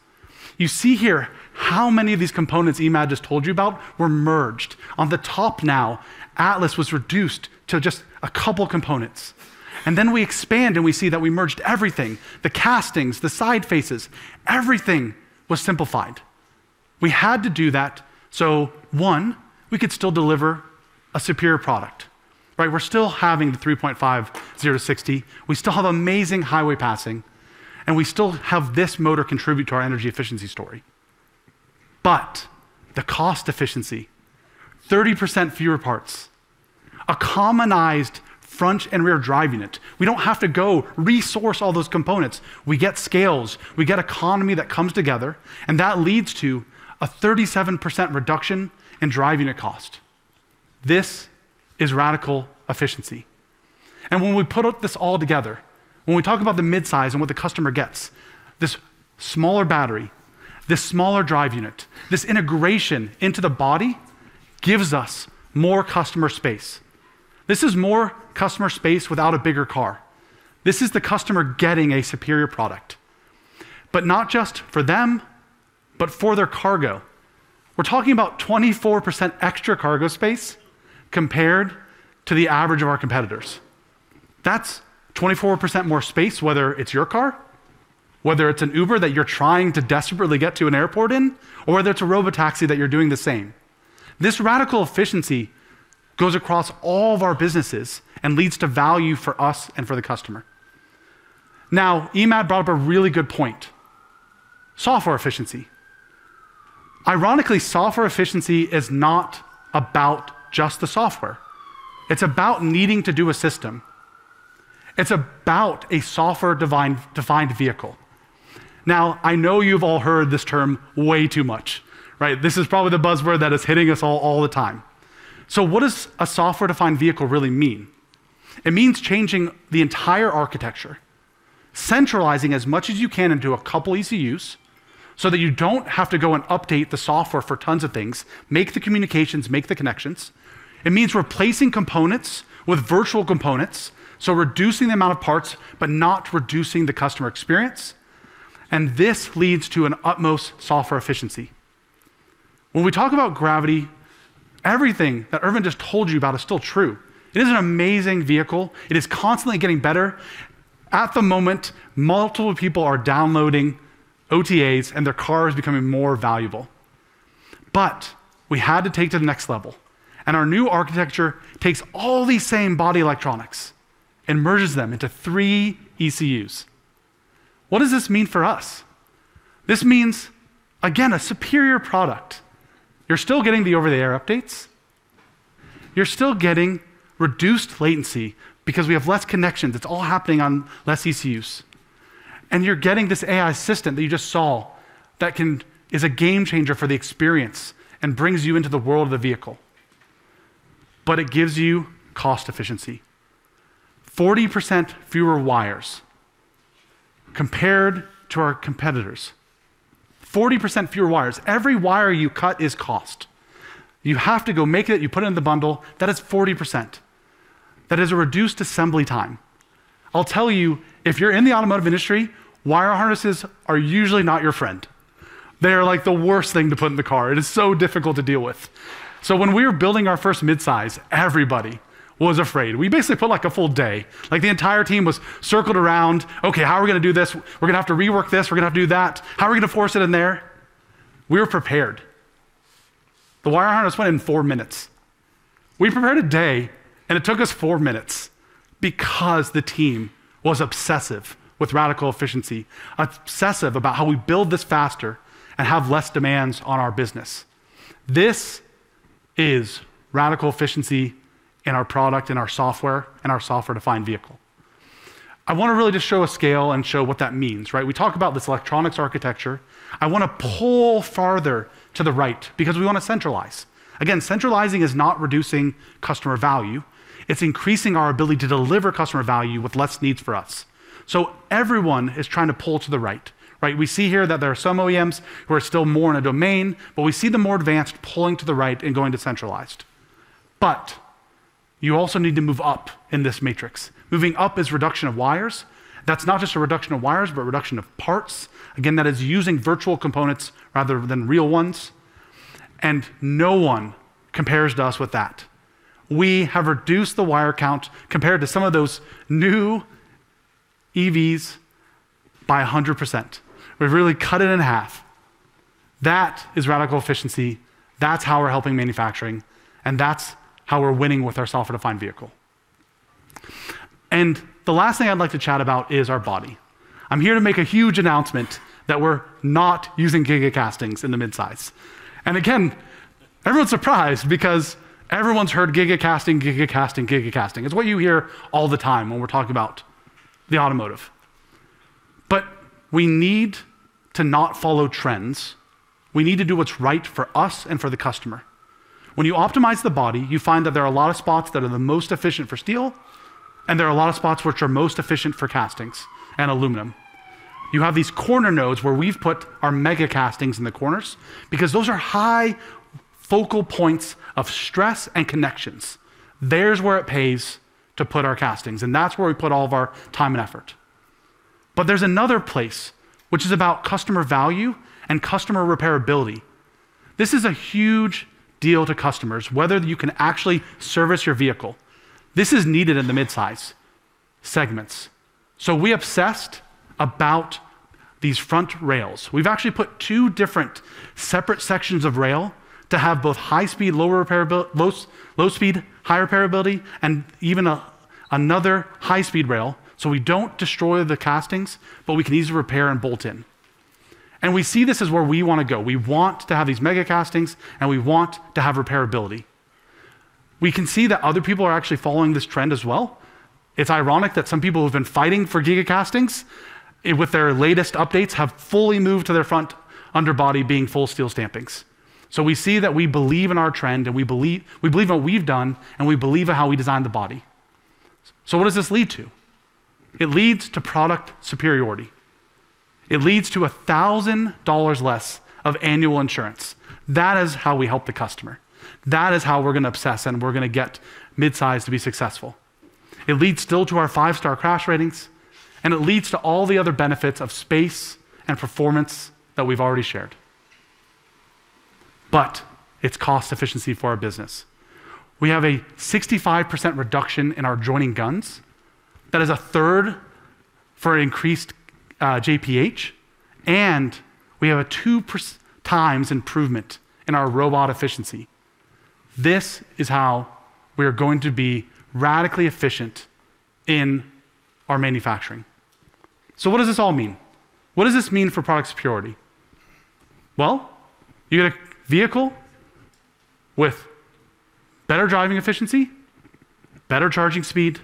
You see here how many of these components Emad just told you about were merged. On the top now, Atlas was reduced to just a couple components, and then we expand, and we see that we merged everything. The castings, the side faces, everything was simplified. We had to do that, so one, we could still deliver a superior product, right? We're still having the 3.5-60, we still have amazing highway passing, and we still have this motor contribute to our energy efficiency story. The cost efficiency, 30% fewer parts, a commonized front and rear drive unit. We don't have to go source all those components. We get scale, we get economy that comes together, and that leads to a 37% reduction in drive unit cost. This is radical efficiency. When we put all this together, when we talk about the midsize and what the customer gets, this smaller battery, this smaller drive unit, this integration into the body gives us more customer space. This is more customer space without a bigger car. This is the customer getting a superior product, but not just for them, but for their cargo. We're talking about 24% extra cargo space compared to the average of our competitors. That's 24% more space, whether it's your car, whether it's an Uber that you're trying to desperately get to an airport in, or whether it's a robotaxi that you're doing the same. This radical efficiency goes across all of our businesses and leads to value for us and for the customer. Now, Emad brought up a really good point: software efficiency. Ironically, software efficiency is not about just the software. It's about needing to do a system. It's about a software-defined vehicle. Now, I know you've all heard this term way too much, right? This is probably the buzzword that is hitting us all the time. What does a software-defined vehicle really mean? It means changing the entire architecture, centralizing as much as you can into a couple ECUs, so that you don't have to go and update the software for tons of things, make the communications, make the connections. It means replacing components with virtual components, so reducing the amount of parts, but not reducing the customer experience, and this leads to an utmost software efficiency. When we talk about Gravity, everything that Erwin just told you about is still true. It is an amazing vehicle. It is constantly getting better. At the moment, multiple people are downloading OTAs, and their car is becoming more valuable. We had to take to the next level, and our new architecture takes all these same body electronics and merges them into three ECUs. What does this mean for us? This means, again, a superior product. You're still getting the over-the-air updates, you're still getting reduced latency because we have less connections. It's all happening on less ECUs, and you're getting this AI system that you just saw is a game changer for the experience and brings you into the world of the vehicle. It gives you cost efficiency. 40% fewer wires. Compared to our competitors, 40% fewer wires. Every wire you cut is cost. You have to go make it, you put it in the bundle. That is 40%. That is a reduced assembly time. I'll tell you, if you're in the automotive industry, wire harnesses are usually not your friend. They are, like, the worst thing to put in the car, and it's so difficult to deal with. When we were building our first midsize, everybody was afraid. We basically put, like, a full day. Like, the entire team was circled around, "Okay, how are we gonna do this? We're gonna have to rework this, we're gonna have to do that. How are we gonna force it in there?" We were prepared. The wire harness went in four minutes. We prepared a day, and it took us four minutes because the team was obsessive with radical efficiency, obsessive about how we build this faster and have less demands on our business. This is radical efficiency in our product, in our software, in our software-defined vehicle. I wanna really just show a scale and show what that means, right? We talk about this electronics architecture. I wanna pull farther to the right because we wanna centralize. Again, centralizing is not reducing customer value, it's increasing our ability to deliver customer value with less needs for us. Everyone is trying to pull to the right? We see here that there are some OEMs who are still more in a domain, but we see the more advanced pulling to the right and going to centralized. You also need to move up in this matrix. Moving up is reduction of wires. That's not just a reduction of wires, but a reduction of parts. Again, that is using virtual components rather than real ones, and no one compares to us with that. We have reduced the wire count compared to some of those new EVs by 100%. We've really cut it in half. That is radical efficiency, that's how we're helping manufacturing, and that's how we're winning with our software-defined vehicle. The last thing I'd like to chat about is our body. I'm here to make a huge announcement that we're not using gigacastings in the midsize. Everyone's surprised because everyone's heard gigacasting. It's what you hear all the time when we're talking about the automotive. We need to not follow trends. We need to do what's right for us and for the customer. When you optimize the body, you find that there are a lot of spots that are the most efficient for steel and there are a lot of spots which are most efficient for castings and aluminum. You have these corner nodes where we've put our megacastings in the corners because those are high focal points of stress and connections. There's where it pays to put our castings, and that's where we put all of our time and effort. There's another place which is about customer value and customer repairability. This is a huge deal to customers, whether you can actually service your vehicle. This is needed in the midsize segments. We obsessed about these front rails. We've actually put two different separate sections of rail to have both high speed, low speed, high repairability, and even another high speed rail so we don't destroy the castings but we can easily repair and bolt in. We see this as where we wanna go. We want to have these megacastings, and we want to have repairability. We can see that other people are actually following this trend as well. It's ironic that some people who have been fighting for gigacastings with their latest updates have fully moved to their front underbody being full steel stampings. We see that we believe in our trend, and we believe in what we've done and we believe in how we designed the body. What does this lead to? It leads to product superiority. It leads to $1,000 less of annual insurance. That is how we help the customer. That is how we're gonna obsess and we're gonna get midsize to be successful. It leads still to our five-star crash ratings, and it leads to all the other benefits of space and performance that we've already shared. It's cost efficiency for our business. We have a 65% reduction in our joining guns. That is a third more increase in JPH, and we have 2x improvement in our robot efficiency. This is how we are going to be radically efficient in our manufacturing. What does this all mean? What does this mean for product superiority? Well, you get a vehicle with better driving efficiency, better charging speed,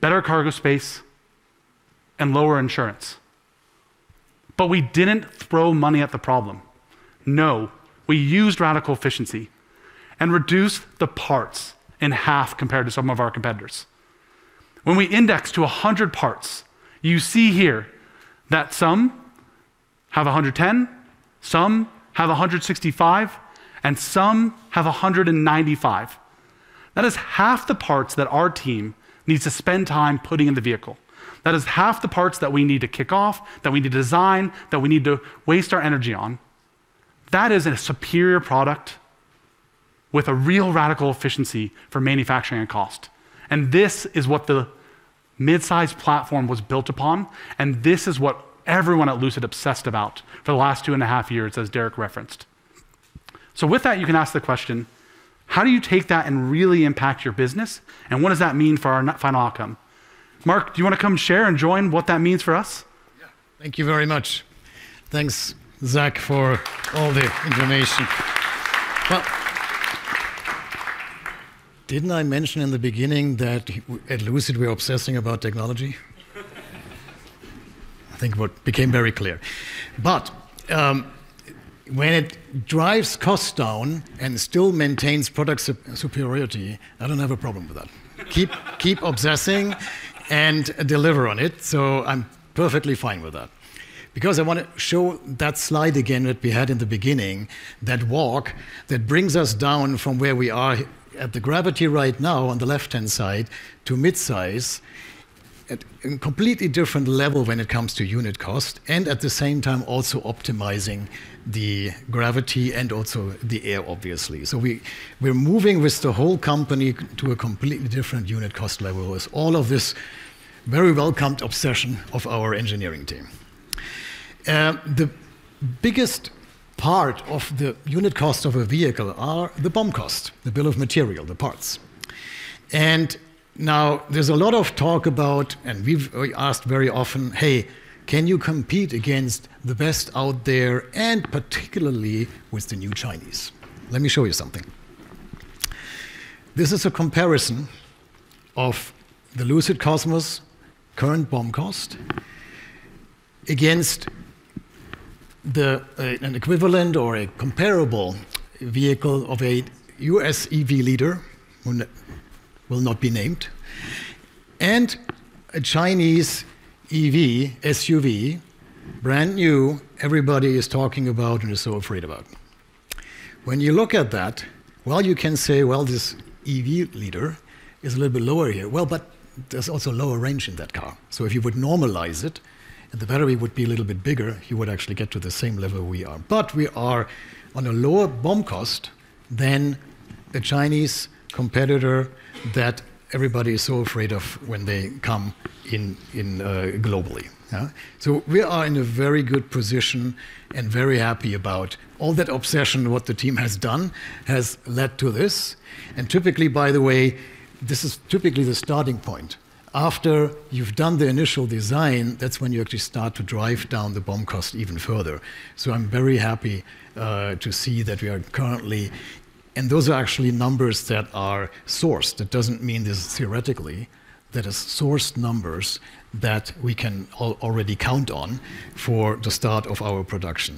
better cargo space, and lower insurance. We didn't throw money at the problem. No, we used radical efficiency and reduced the parts in half compared to some of our competitors. When we index to 100 parts, you see here that some have 110, some have 165, and some have 195. That is half the parts that our team needs to spend time putting in the vehicle. That is half the parts that we need to kick off, that we need to design, that we need to waste our energy on. That is a superior product with a real radical efficiency for manufacturing and cost, and this is what the midsize platform was built upon, and this is what everyone at Lucid obsessed about for the last 2.5 years, as Derek referenced. With that, you can ask the question: how do you take that and really impact your business, and what does that mean for our final outcome? Mark, do you wanna come share and join what that means for us? Yeah. Thank you very much. Thanks, Zach, for all the information. Well, didn't I mention in the beginning that at Lucid we're obsessing about technology? I think what became very clear. When it drives costs down and still maintains product superiority, I don't have a problem with that. Keep obsessing and deliver on it. I'm perfectly fine with that. I wanna show that slide again that we had in the beginning, that walk that brings us down from where we are at the Gravity right now on the left-hand side to midsize at a completely different level when it comes to unit cost, and at the same time also optimizing the Gravity and also the Air, obviously. We're moving with the whole company to a completely different unit cost level with all of this very welcomed obsession of our engineering team. The biggest part of the unit cost of a vehicle are the BOM cost, the bill of material, the parts. Now there's a lot of talk about, and we've asked very often, "Hey, can you compete against the best out there, and particularly with the new Chinese?" Let me show you something. This is a comparison of the Lucid Cosmos current BOM cost against the, an equivalent or a comparable vehicle of a U.S. EV leader, who will not be named, and a Chinese EV SUV, brand new, everybody is talking about and is so afraid about. When you look at that, well, you can say, well, this EV leader is a little bit lower here. There's also lower range in that car, so if you would normalize it and the battery would be a little bit bigger, you would actually get to the same level we are. We are on a lower BOM cost than the Chinese competitor that everybody is so afraid of when they come in globally. Yeah? We are in a very good position and very happy about all that obsession what the team has done has led to this. Typically, by the way, this is typically the starting point. After you've done the initial design, that's when you actually start to drive down the BOM cost even further. I'm very happy to see that we are currently. Those are actually numbers that are sourced. That doesn't mean this is theoretically, that is, sourced numbers that we can already count on for the start of our production.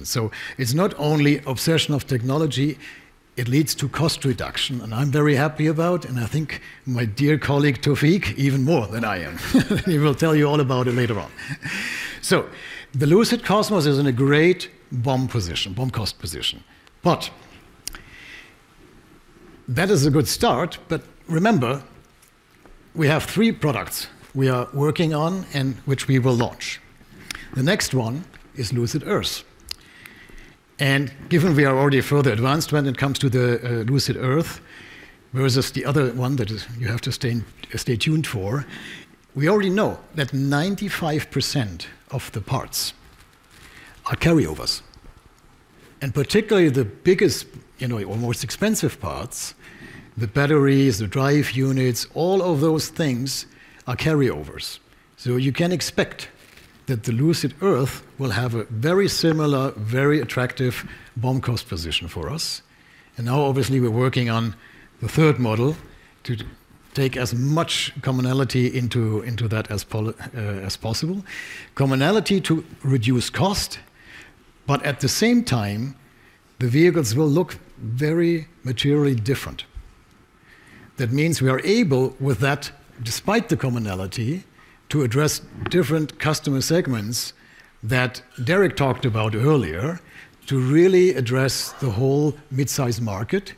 It's not only obsolescence of technology, it leads to cost reduction, and I'm very happy about it, and I think my dear colleague Tawfiq even more than I am. He will tell you all about it later on. The Lucid Cosmos is in a great BOM position, BOM cost position. That is a good start, remember, we have three products we are working on and which we will launch. The next one is Lucid Earth. Given we are already further advanced when it comes to the Lucid Earth, whereas the other one you have to stay tuned for, we already know that 95% of the parts are carryovers. Particularly the biggest, you know, or most expensive parts, the batteries, the drive units, all of those things are carryovers. You can expect that the Lucid Earth will have a very similar, very attractive BoM cost position for us. Now obviously we're working on the third model to take as much commonality into that as possible. Commonality to reduce cost, but at the same time, the vehicles will look very materially different. That means we are able, with that, despite the commonality, to address different customer segments that Derek talked about earlier, to really address the whole midsize market,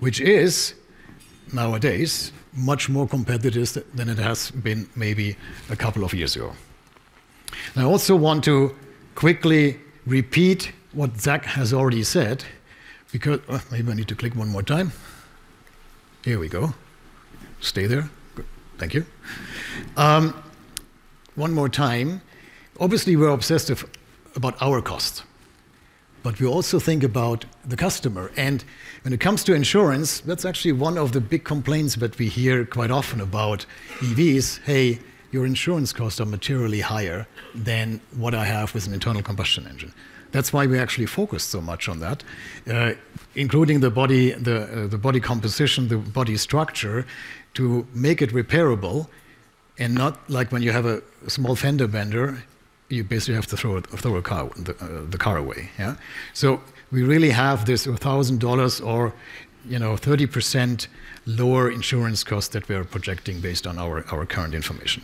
which is nowadays much more competitive than it has been maybe a couple of years ago. I also want to quickly repeat what Zach has already said, because maybe I need to click one more time. Here we go. Stay there. Thank you. One more time. Obviously, we're obsessed about our costs, but we also think about the customer. When it comes to insurance, that's actually one of the big complaints that we hear quite often about EVs, "Hey, your insurance costs are materially higher than what I have with an internal combustion engine." That's why we actually focus so much on that, including the body composition, the body structure, to make it repairable and not like when you have a small fender bender, you basically have to throw the car away. We really have this $1,000 or, you know, 30% lower insurance cost that we are projecting based on our current information.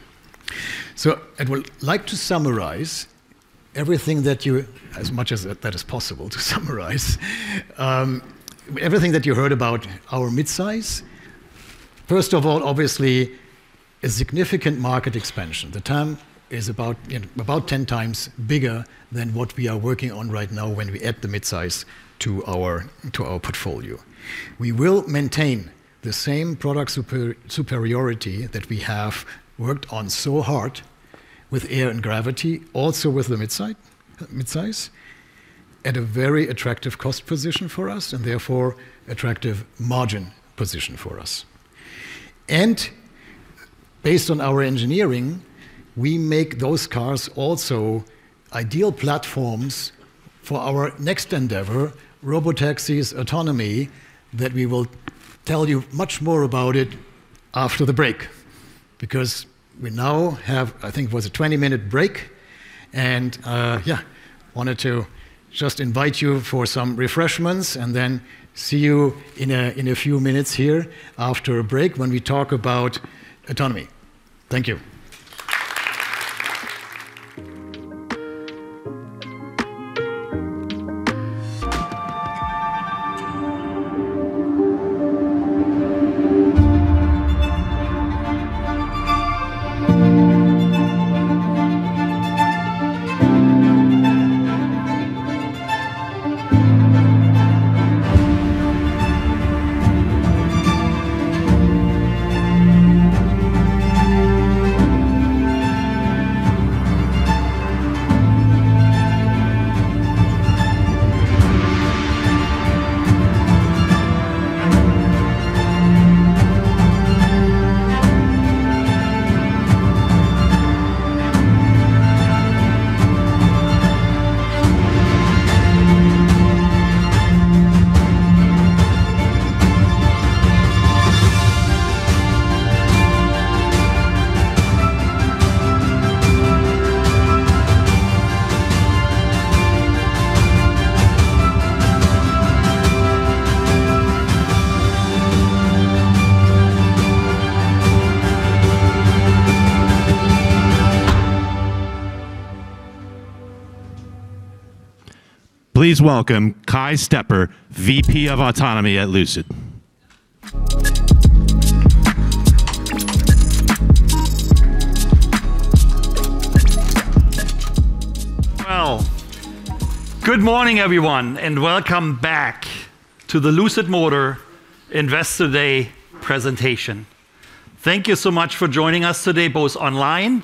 I would like to summarize, as much as that is possible to summarize, everything that you heard about our midsize. First of all, obviously, a significant market expansion. The TAM is about, you know, about 10 times bigger than what we are working on right now when we add the midsize to our portfolio. We will maintain the same product super-superiority that we have worked on so hard with Air and Gravity, also with the midsize, at a very attractive cost position for us and therefore attractive margin position for us. And Based on our engineering, we make those cars also ideal platforms for our next endeavor, robotaxis autonomy, that we will tell you much more about it after the break. We now have, I think it was a 20-minute break, and wanted to just invite you for some refreshments and then see you in a few minutes here after a break when we talk about autonomy. Thank you. Please welcome Kai Stepper, VP of Autonomy at Lucid. Well, good morning everyone, and welcome back to the Lucid Motors Investor Day presentation. Thank you so much for joining us today, both online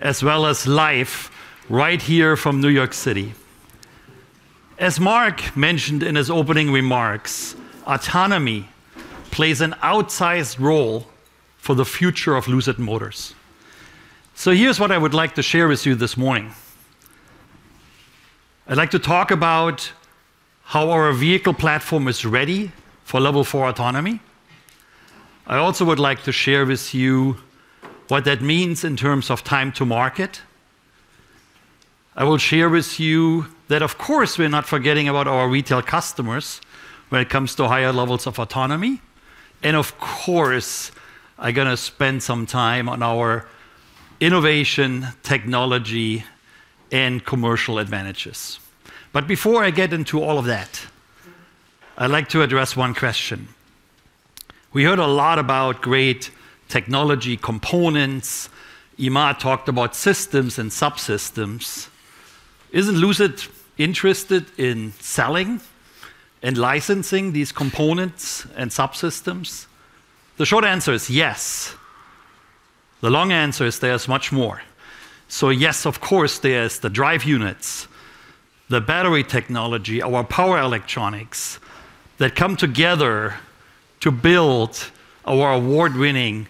as well as live right here from New York City. As Mark mentioned in his opening remarks, autonomy plays an outsized role for the future of Lucid Motors. Here's what I would like to share with you this morning. I'd like to talk about how our vehicle platform is ready for level four autonomy. I also would like to share with you what that means in terms of time to market. I will share with you that, of course, we're not forgetting about our retail customers when it comes to higher levels of autonomy, and of course, I'm gonna spend some time on our innovation technology and commercial advantages. Before I get into all of that, I'd like to address one question. We heard a lot about great technology components. Emad talked about systems and subsystems. Isn't Lucid interested in selling and licensing these components and subsystems? The short answer is yes. The long answer is, there's much more. Yes, of course, there's the drive units, the battery technology, our power electronics that come together to build our award-winning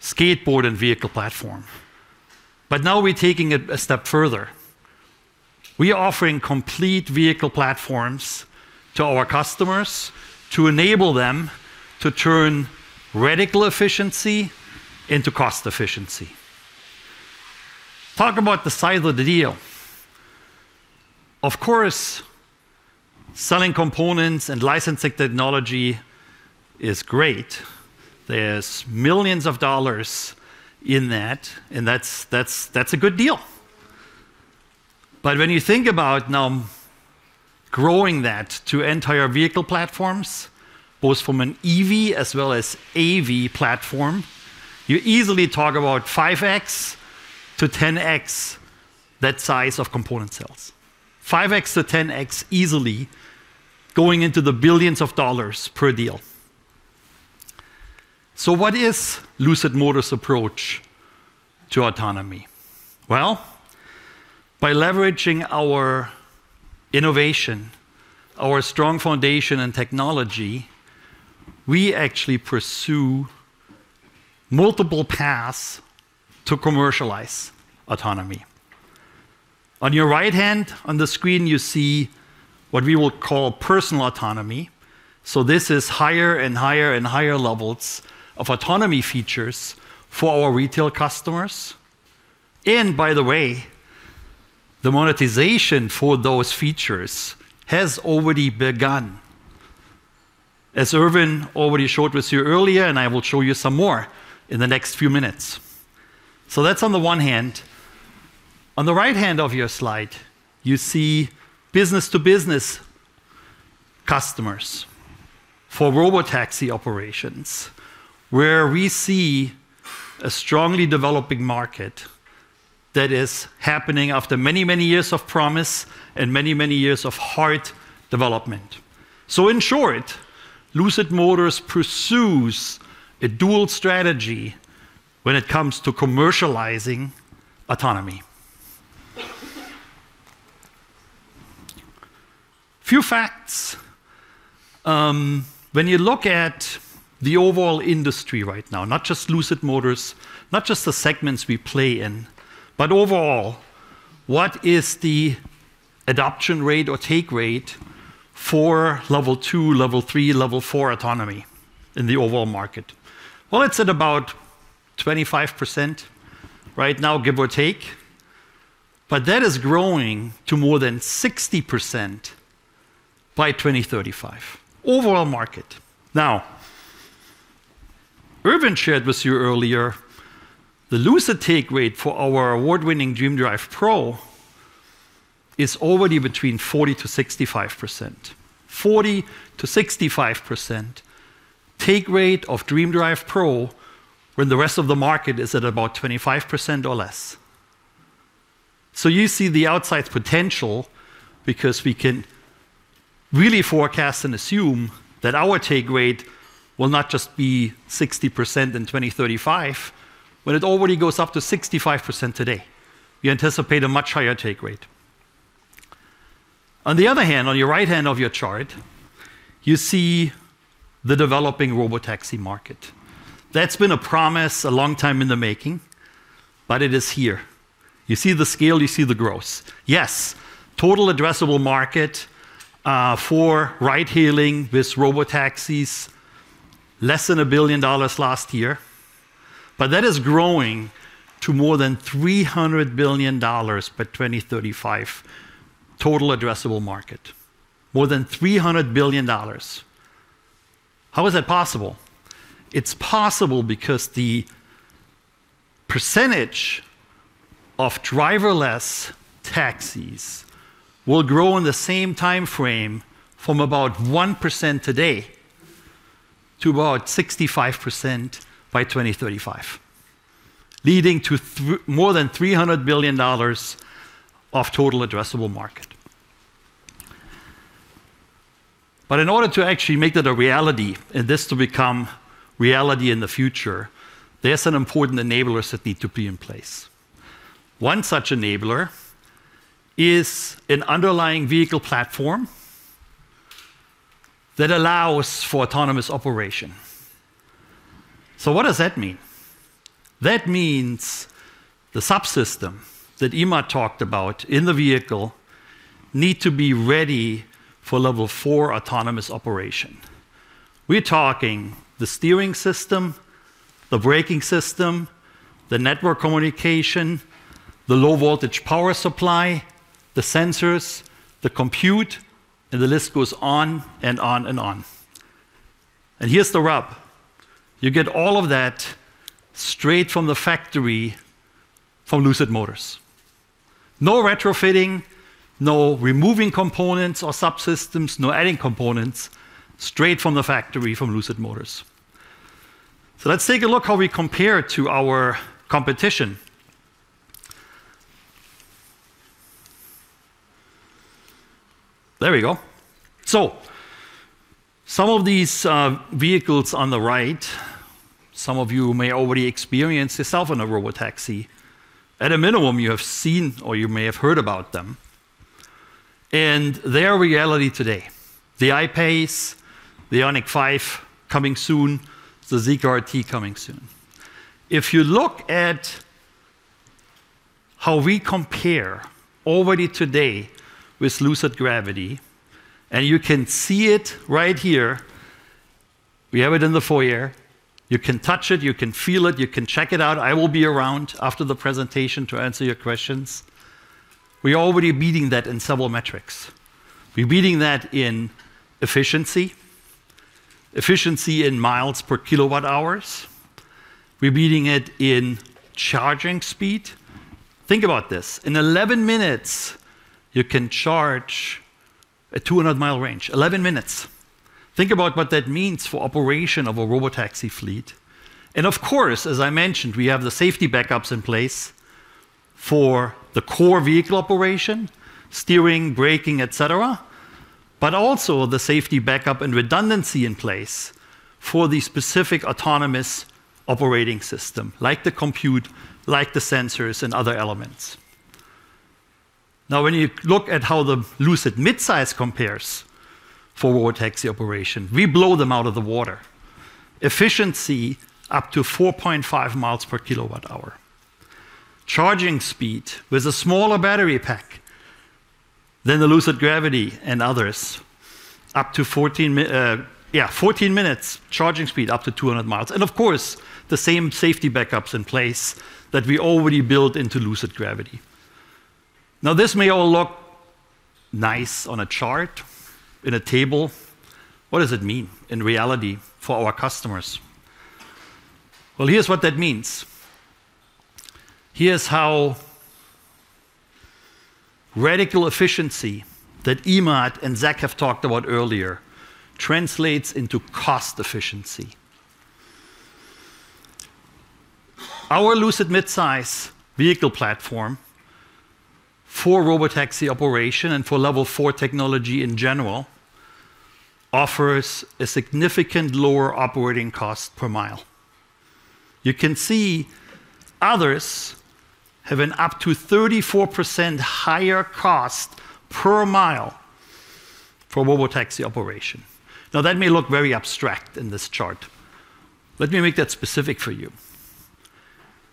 skateboard and vehicle platform. Now we're taking it a step further. We are offering complete vehicle platforms to our customers to enable them to turn radical efficiency into cost efficiency. Talk about the size of the deal. Of course, selling components and licensing technology is great. There's $ millions in that, and that's a good deal. When you think about now growing that to entire vehicle platforms, both from an EV as well as AV platform, you easily talk about 5x-10x that size of component sales. 5x-10x easily going into the billions of dollars per deal. What is Lucid Motors approach to autonomy? Well, by leveraging our innovation, our strong foundation and technology, we actually pursue multiple paths to commercialize autonomy. On your right hand on the screen, you see what we will call personal autonomy, so this is higher and higher and higher levels of autonomy features for our retail customers. By the way, the monetization for those features has already begun, as Erwin already showed you earlier, and I will show you some more in the next few minutes. That's on the one hand. On the right hand of your slide, you see business to business customers for robotaxi operations, where we see a strongly developing market that is happening after many, many years of promise and many, many years of hard development. In short, Lucid Motors pursues a dual strategy when it comes to commercializing autonomy. Few facts. When you look at the overall industry right now, not just Lucid Motors, not just the segments we play in, but overall, what is the adoption rate or take rate for level two, level three, level four autonomy in the overall market? Well, it's at about 25% right now, give or take. That is growing to more than 60% by 2035. Overall market. Now, Erwin shared with you earlier, the Lucid take rate for our award-winning DreamDrive Pro is already between 40%-65%. 40%-65% take rate of DreamDrive Pro when the rest of the market is at about 25% or less. You see the outsize potential because we can really forecast and assume that our take rate will not just be 60% in 2035, when it already goes up to 65% today. We anticipate a much higher take rate. On the other hand, on your right hand of your chart, you see the developing robotaxi market. That's been a promise a long time in the making, but it is here. You see the scale, you see the growth. Yes, total addressable market for ride-hailing with robotaxis, less than $1 billion last year. That is growing to more than $300 billion by 2035. Total addressable market. More than $300 billion. How is that possible? It's possible because the percentage of driverless taxis will grow in the same time frame from about 1% today to about 65% by 2035, leading to more than $300 billion of total addressable market. In order to actually make that a reality, and this to become reality in the future, there's some important enablers that need to be in place. One such enabler is an underlying vehicle platform that allows for autonomous operation. What does that mean? That means the subsystem that Emad talked about in the vehicle need to be ready for level four autonomous operation. We're talking the steering system, the braking system, the network communication, the low voltage power supply, the sensors, the compute, and the list goes on and on and on. Here's the rub. You get all of that straight from the factory from Lucid Motors. No retrofitting, no removing components or subsystems, no adding components. Straight from the factory from Lucid Motors. Let's take a look how we compare to our competition. There we go. Some of these vehicles on the right, some of you may already experienced yourself in a robotaxi. At a minimum, you have seen or you may have heard about them, and they are reality today. The I-PACE, the IONIQ 5 coming soon, the Zeekr T coming soon. If you look at how we compare already today with Lucid Gravity, and you can see it right here. We have it in the foyer. You can touch it, you can feel it, you can check it out. I will be around after the presentation to answer your questions. We are already beating that in several metrics. We're beating that in efficiency in miles per kilowatt hours. We're beating it in charging speed. Think about this, in 11 minutes, you can charge a 200-mile range. 11 minutes. Think about what that means for operation of a robotaxi fleet. Of course, as I mentioned, we have the safety backups in place for the core vehicle operation: steering, braking, et cetera. Also the safety backup and redundancy in place for the specific autonomous operating system, like the compute, like the sensors and other elements. Now, when you look at how the Lucid midsize compares for robotaxi operation, we blow them out of the water. Efficiency up to 4.5 miles per kilowatt hour. Charging speed with a smaller battery pack than the Lucid Gravity and others, up to 14 minutes charging speed, up to 200 miles. Of course, the same safety backups in place that we already built into Lucid Gravity. Now, this may all look nice on a chart, in a table. What does it mean in reality for our customers? Well, here's what that means. Here's how radical efficiency that Imad and Zach have talked about earlier translates into cost efficiency. Our Lucid midsize vehicle platform for robotaxi operation and for level four technology in general offers a significant lower operating cost per mile. You can see others have an up to 34% higher cost per mile for robotaxi operation. Now, that may look very abstract in this chart. Let me make that specific for you.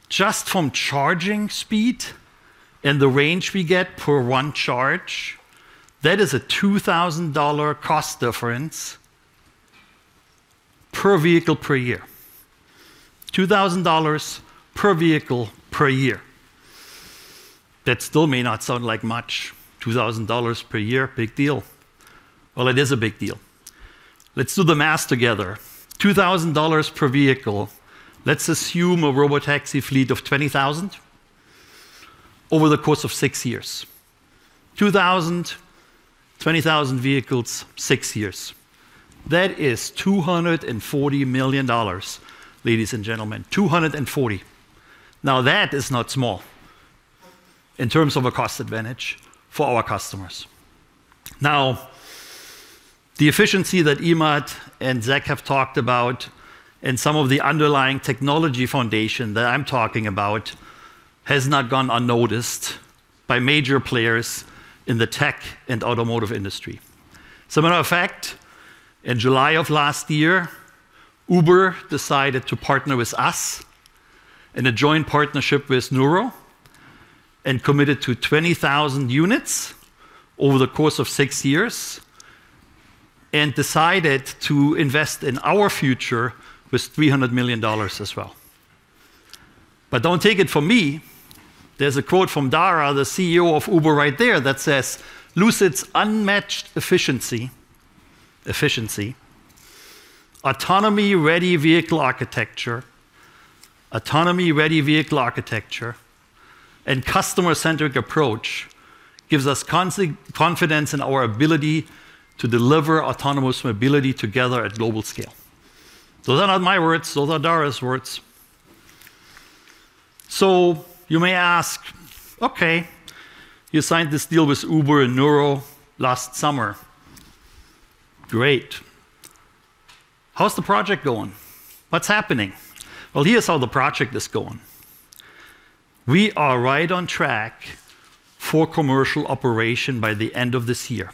Just from charging speed and the range we get per one charge, that is a $2,000 cost difference per vehicle per year. $2,000 per vehicle per year. That still may not sound like much. $2,000 per year, big deal. Well, it is a big deal. Let's do the math together. $2,000 per vehicle. Let's assume a robotaxi fleet of 20,000 over the course of 6 years. $2,000, 20,000 vehicles, six years. That is $240 million, ladies and gentlemen. 240. Now, that is not small in terms of a cost advantage for our customers. Now, the efficiency that Emad and Zach have talked about and some of the underlying technology foundation that I'm talking about has not gone unnoticed by major players in the tech and automotive industry. As a matter of fact, in July of last year, Uber decided to partner with us in a joint partnership with Nuro and committed to 20,000 units over the course of six years and decided to invest in our future with $300 million as well. Don't take it from me. There's a quote from Dara, the CEO of Uber, right there that says, "Lucid's unmatched efficiency, autonomy-ready vehicle architecture, and customer-centric approach gives us confidence in our ability to deliver autonomous mobility together at global scale." Those are not my words. Those are Dara's words. You may ask, okay, you signed this deal with Uber and Nuro last summer. Great. How's the project going? What's happening? Well, here's how the project is going. We are right on track for commercial operation by the end of this year.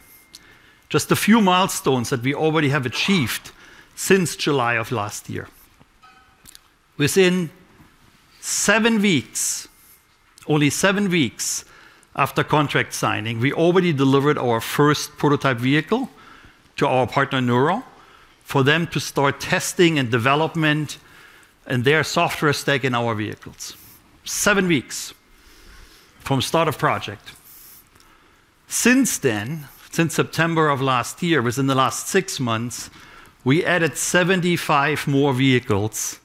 Just a few milestones that we already have achieved since July of last year. Within seven weeks, only seven weeks after contract signing, we already delivered our first prototype vehicle to our partner, Nuro, for them to start testing and development and their software stack in our vehicles. Seven weeks from start of project. Since then, since September of last year, within the last six months, we added 75 more vehicles.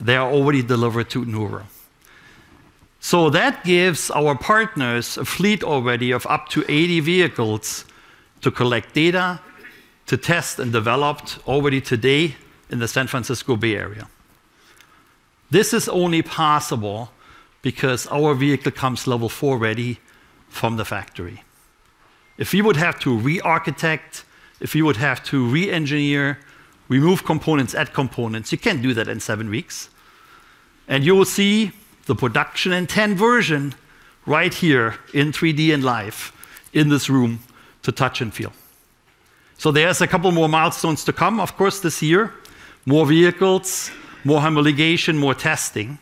They are already delivered to Nuro. That gives our partners a fleet already of up to 80 vehicles to collect data, to test and develop already today in the San Francisco Bay Area. This is only possible because our vehicle comes level four ready from the factory. If you would have to re-architect, if you would have to re-engineer, remove components, add components, you can't do that in seven weeks. You will see the production intent version right here in 3D and live in this room to touch and feel. There's a couple more milestones to come, of course, this year. More vehicles, more homologation, more testing,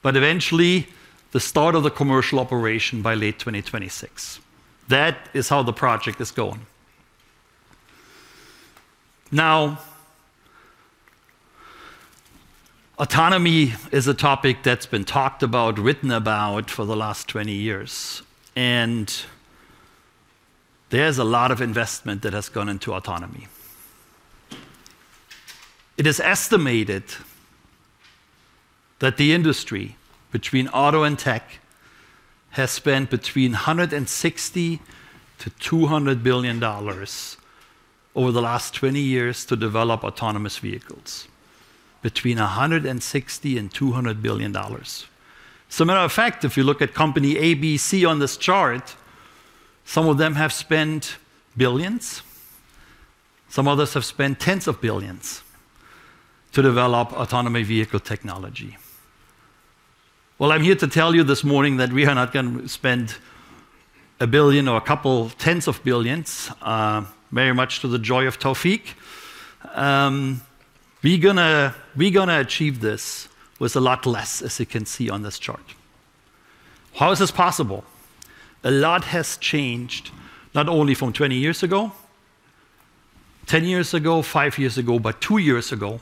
but eventually the start of the commercial operation by late 2026. That is how the project is going. Now, autonomy is a topic that's been talked about, written about for the last 20 years, and there's a lot of investment that has gone into autonomy. It is estimated that the industry between auto and tech has spent between $160 billion-$200 billion over the last 20 years to develop autonomous vehicles. Between $160 billion and $200 billion. As a matter of fact, if you look at company A, B, C on this chart, some of them have spent $ billions, some others have spent $ tens of billions to develop autonomous vehicle technology. Well, I'm here to tell you this morning that we are not gonna spend $1 billion or a couple $ tens of billions, very much to the joy of Taoufiq. We gonna achieve this with a lot less, as you can see on this chart. How is this possible? A lot has changed not only from 20 years ago, 10 years ago, five years ago, but two years ago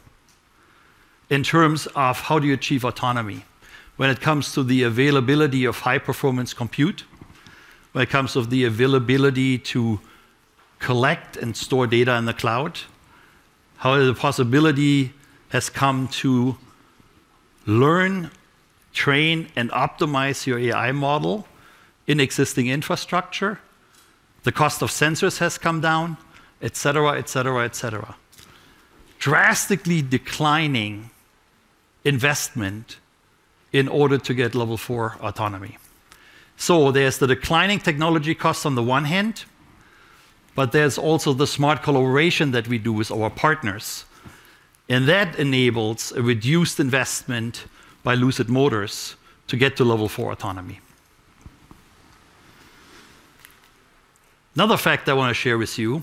in terms of how do you achieve autonomy when it comes to the availability of high-performance compute, when it comes to the availability to collect and store data in the cloud, how the possibility has come to learn, train, and optimize your AI model in existing infrastructure, the cost of sensors has come down, etc., etc., etc. Drastically declining investment in order to get Level 4 autonomy. There's the declining technology costs on the one hand, but there's also the smart collaboration that we do with our partners, and that enables a reduced investment by Lucid Motors to get to Level 4 autonomy. Another fact I wanna share with you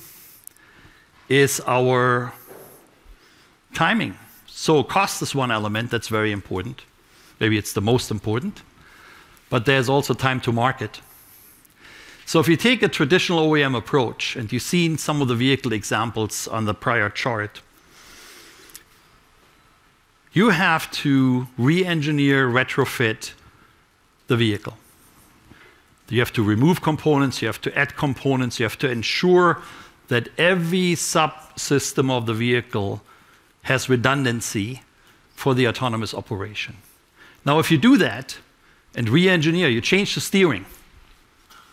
is our timing. Cost is one element that's very important, maybe it's the most important, but there's also time to market. If you take a traditional OEM approach, and you've seen some of the vehicle examples on the prior chart, you have to re-engineer, retrofit the vehicle. You have to remove components, you have to add components, you have to ensure that every subsystem of the vehicle has redundancy for the autonomous operation. Now, if you do that and re-engineer, you change the steering,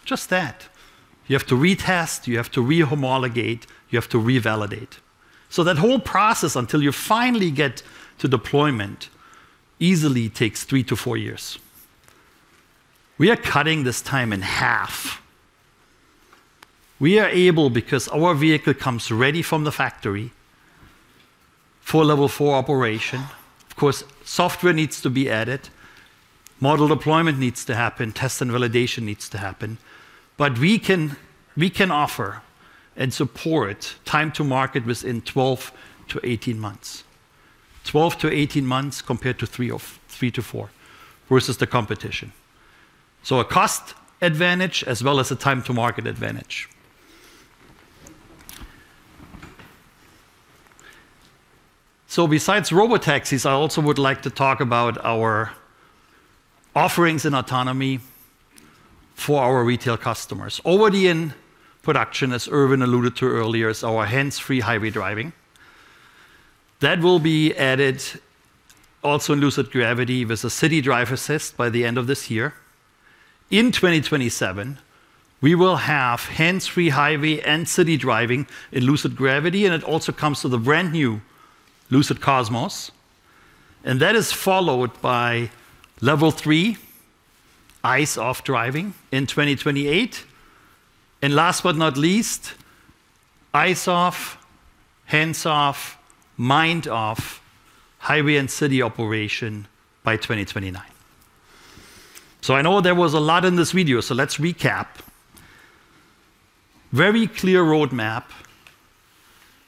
just that, you have to retest, you have to re-homologate, you have to revalidate. That whole process until you finally get to deployment easily three years-4 years. We are cutting this time in half. We are able because our vehicle comes ready from the factory for Level 4 operation. Of course, software needs to be added, model deployment needs to happen, test and validation needs to happen, but we can offer and support time to market within 12 months-18 months. 12 months-18 months compared to 3-4 versus the competition. A cost advantage as well as a time to market advantage. Besides robotaxis, I also would like to talk about our offerings in autonomy for our retail customers. Already in production, as Erwin alluded to earlier, is our hands-free highway driving. That will be added also in Lucid Gravity with a city drive assist by the end of this year. In 2027, we will have hands-free highway and city driving in Lucid Gravity, and it also comes with a brand-new Lucid Cosmos, and that is followed by Level 3 eyes-off driving in 2028. Last but not least, eyes-off, hands-off, mind-off highway and city operation by 2029. I know there was a lot in this video, so let's recap. Very clear roadmap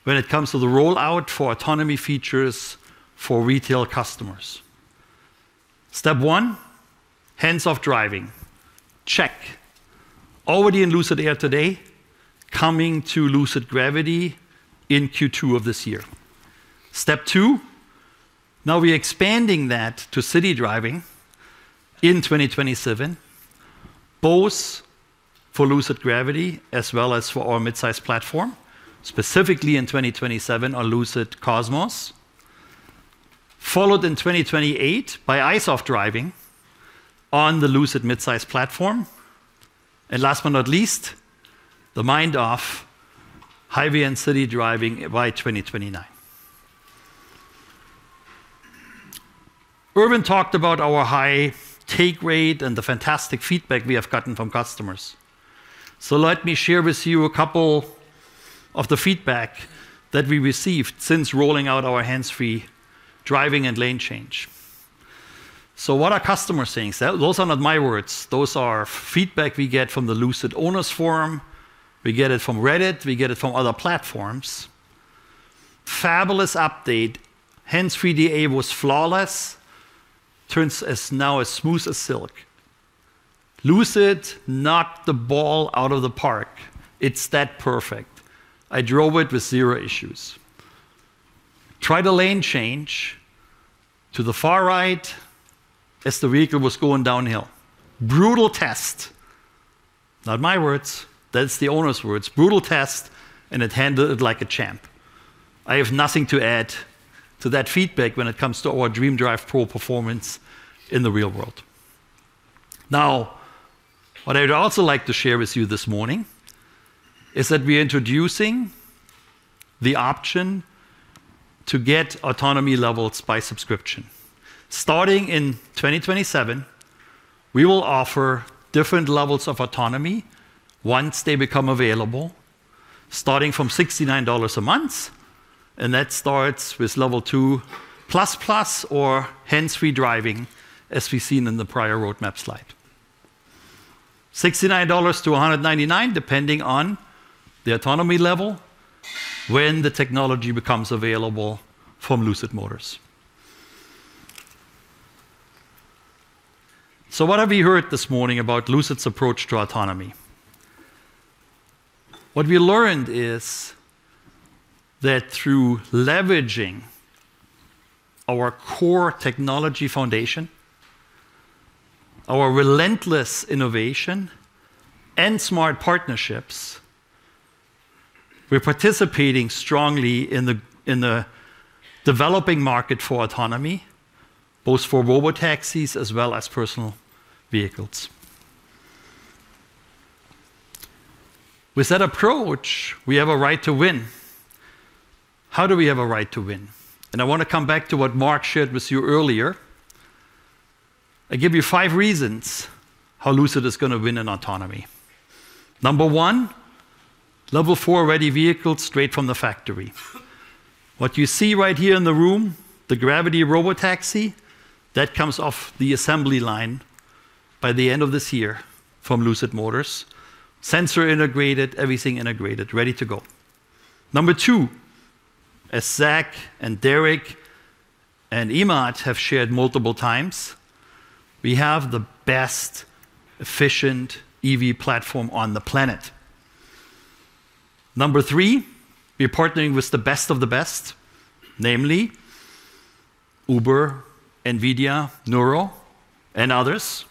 when it comes to the rollout for autonomy features for retail customers. Step one, hands-off driving. Check. Already in Lucid Air today. Coming to Lucid Gravity in Q2 of this year. Step two, now we're expanding that to city driving in 2027, both for Lucid Gravity as well as for our midsize platform, specifically in 2027, our Lucid Cosmos. Followed in 2028 by eyes-off driving on the Lucid midsize platform. Last but not least, the mind-off highway and city driving by 2029. Erwin talked about our high take rate and the fantastic feedback we have gotten from customers. Let me share with you a couple of the feedback that we received since rolling out our hands-free driving and lane change. What are customers saying? Those are not my words, those are feedback we get from the Lucid Owners Forum, we get it from Reddit, we get it from other platforms. "Fabulous update. Hands-free DA was flawless. Turns now as smooth as silk." "Lucid knocked the ball out of the park. It's that perfect. I drove it with zero issues." "Tried a lane change to the far right as the vehicle was going downhill. Brutal test." Not my words. That's the owner's words. "Brutal test, and it handled it like a champ." I have nothing to add to that feedback when it comes to our DreamDrive Pro performance in the real world. Now, what I'd also like to share with you this morning is that we're introducing the option to get autonomy levels by subscription. Starting in 2027, we will offer different levels of autonomy once they become available, starting from $69 a month, and that starts with L2++ or hands-free driving, as we've seen in the prior roadmap slide. $69-$199, depending on the autonomy level when the technology becomes available from Lucid Motors. What have you heard this morning about Lucid's approach to autonomy? What we learned is that through leveraging our core technology foundation, our relentless innovation, and smart partnerships, we're participating strongly in the developing market for autonomy, both for robotaxis as well as personal vehicles. With that approach, we have a right to win. How do we have a right to win? I wanna come back to what Marc shared with you earlier. I give you five reasons how Lucid is gonna win in autonomy. Number one, level four ready vehicle straight from the factory. What you see right here in the room, the Gravity robotaxi, that comes off the assembly line by the end of this year from Lucid Motors. Sensor integrated, everything integrated, ready to go. Number two, as Zach, and Derek, and Emad have shared multiple times, we have the best efficient EV platform on the planet. Number three, we're partnering with the best of the best, namely Uber, NVIDIA, Nuro, and others.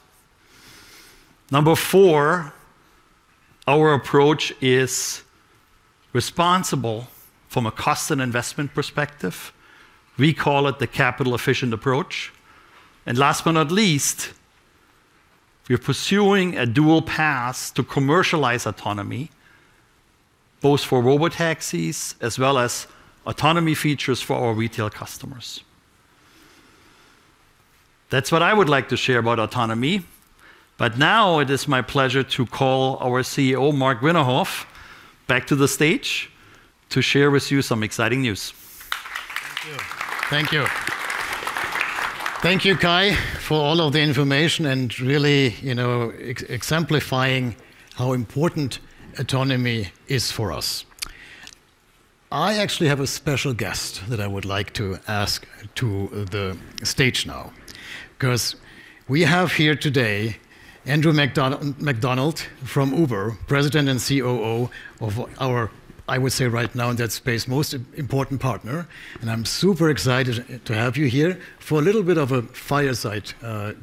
Number four, our approach is responsible from a cost and investment perspective. We call it the capital efficient approach. Last but not least, we're pursuing a dual path to commercialize autonomy, both for robotaxis as well as autonomy features for our retail customers. That's what I would like to share about autonomy, but now it is my pleasure to call our CEO, Marc Winterhoff, back to the stage to share with you some exciting news. Thank you. Thank you. Thank you, Kai, for all of the information and really, you know, exemplifying how important autonomy is for us. I actually have a special guest that I would like to ask to the stage now. 'Cause we have here today Andrew Macdonald from Uber, President and COO of our, I would say right now in that space, most important partner, and I'm super excited to have you here for a little bit of a fireside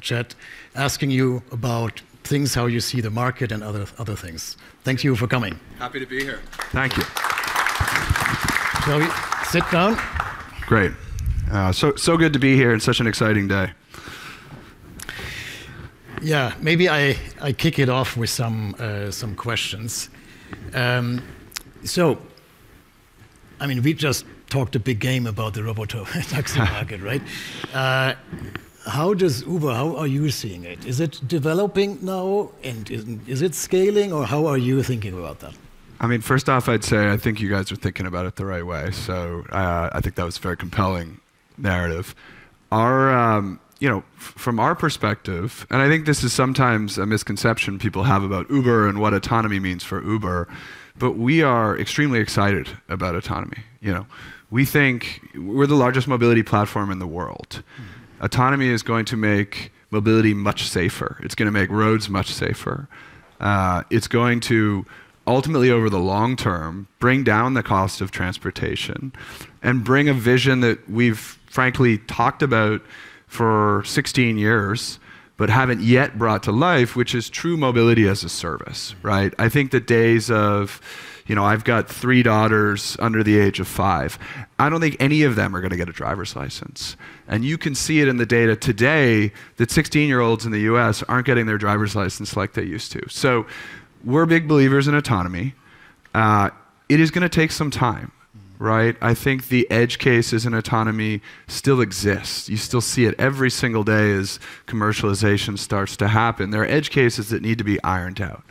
chat, asking you about things, how you see the market and other things. Thank you for coming. Happy to be here. Thank you. Shall we sit down? Great. So good to be here. It's such an exciting day. Yeah. Maybe I kick it off with some questions. I mean, we just talked a big game about the robotaxi market, right? How are you seeing it? Is it developing now? Is it scaling, or how are you thinking about that? I mean, first off, I'd say I think you guys are thinking about it the right way. I think that was a very compelling narrative. From our perspective, I think this is sometimes a misconception people have about Uber and what autonomy means for Uber, but we are extremely excited about autonomy, you know. We think we're the largest mobility platform in the world. Autonomy is going to make mobility much safer. It's gonna make roads much safer. It's going to ultimately over the long term bring down the cost of transportation and bring a vision that we've frankly talked about for 16 years but haven't yet brought to life, which is true mobility as a service, right? I think the days of, you know, I've got three daughters under the age of five, I don't think any of them are gonna get a driver's license. You can see it in the data today that 16-year-olds in the U.S. aren't getting their driver's license like they used to. We're big believers in autonomy. It is gonna take some time, right? I think the edge cases in autonomy still exist. You still see it every single day as commercialization starts to happen. There are edge cases that need to be ironed out.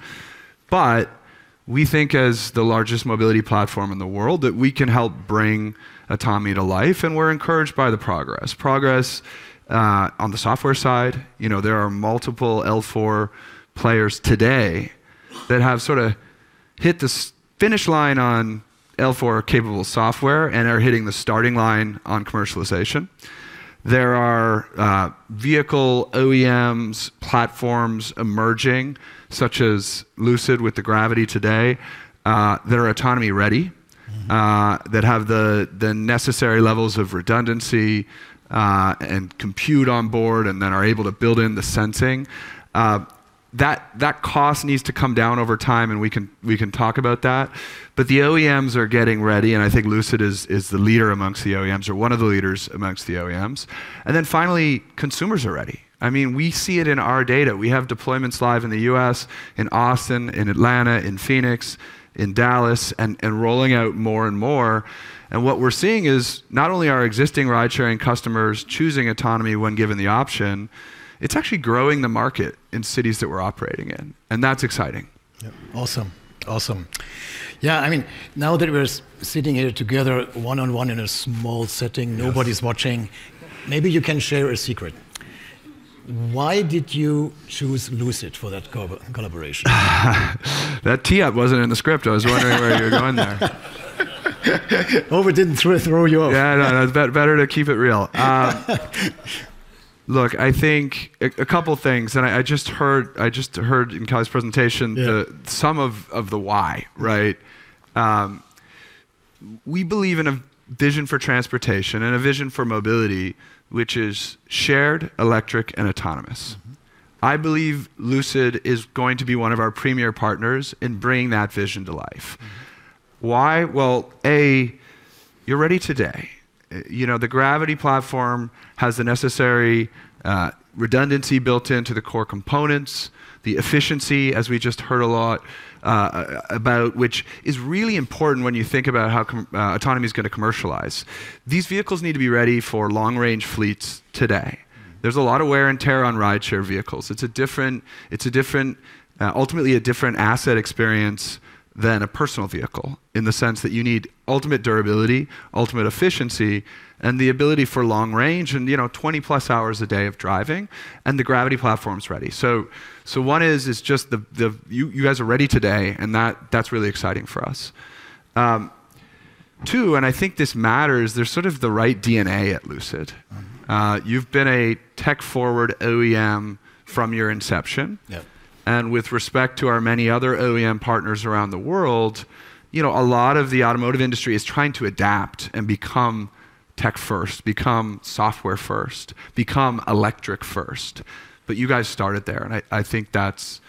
We think as the largest mobility platform in the world, that we can help bring autonomy to life, and we're encouraged by the progress. Progress on the software side, you know, there are multiple L4 players today that have sorta hit the finish line on L4 capable software and are hitting the starting line on commercialization. There are vehicle OEM platforms emerging, such as Lucid with the Gravity today that are autonomy ready- Mm-hmm That have the necessary levels of redundancy, and compute on board and then are able to build in the sensing. That cost needs to come down over time, and we can talk about that. The OEMs are getting ready, and I think Lucid is the leader amongst the OEMs or one of the leaders amongst the OEMs. Finally, consumers are ready. I mean, we see it in our data. We have deployments live in the U.S., in Austin, in Atlanta, in Phoenix, in Dallas, and rolling out more and more. What we're seeing is not only are existing ridesharing customers choosing autonomy when given the option, it's actually growing the market in cities that we're operating in. That's exciting. Yeah. Awesome. Yeah, I mean, now that we're sitting here together one-on-one in a small setting. Yes Nobody's watching, maybe you can share a secret. Why did you choose Lucid for that collaboration? That tee up wasn't in the script. I was wondering where you were going there. Hope it didn't throw you off. Yeah, I know. Better to keep it real. Look, I think a couple of things, and I just heard in Kai's presentation. Yeah We believe in a vision for transportation and a vision for mobility which is shared, electric, and autonomous. Mm-hmm. I believe Lucid is going to be one of our premier partners in bringing that vision to life. Why? Well, A, you're ready today. You know, the Gravity platform has the necessary redundancy built into the core components, the efficiency, as we just heard a lot about, which is really important when you think about how autonomy's gonna commercialize. These vehicles need to be ready for long range fleets today. Mm. There's a lot of wear and tear on rideshare vehicles. It's a different, ultimately a different asset experience than a personal vehicle, in the sense that you need ultimate durability, ultimate efficiency, and the ability for long range, and you know 20+ hours a day of driving, and the Gravity platform's ready. One is just you guys are ready today, and that's really exciting for us. Two, I think this matters, there's sort of the right DNA at Lucid. Mm-hmm. You've been a tech forward OEM from your inception. Yeah. With respect to our many other OEM partners around the world, you know, a lot of the automotive industry is trying to adapt and become tech first, become software first, become electric first. You guys started there, and I think that's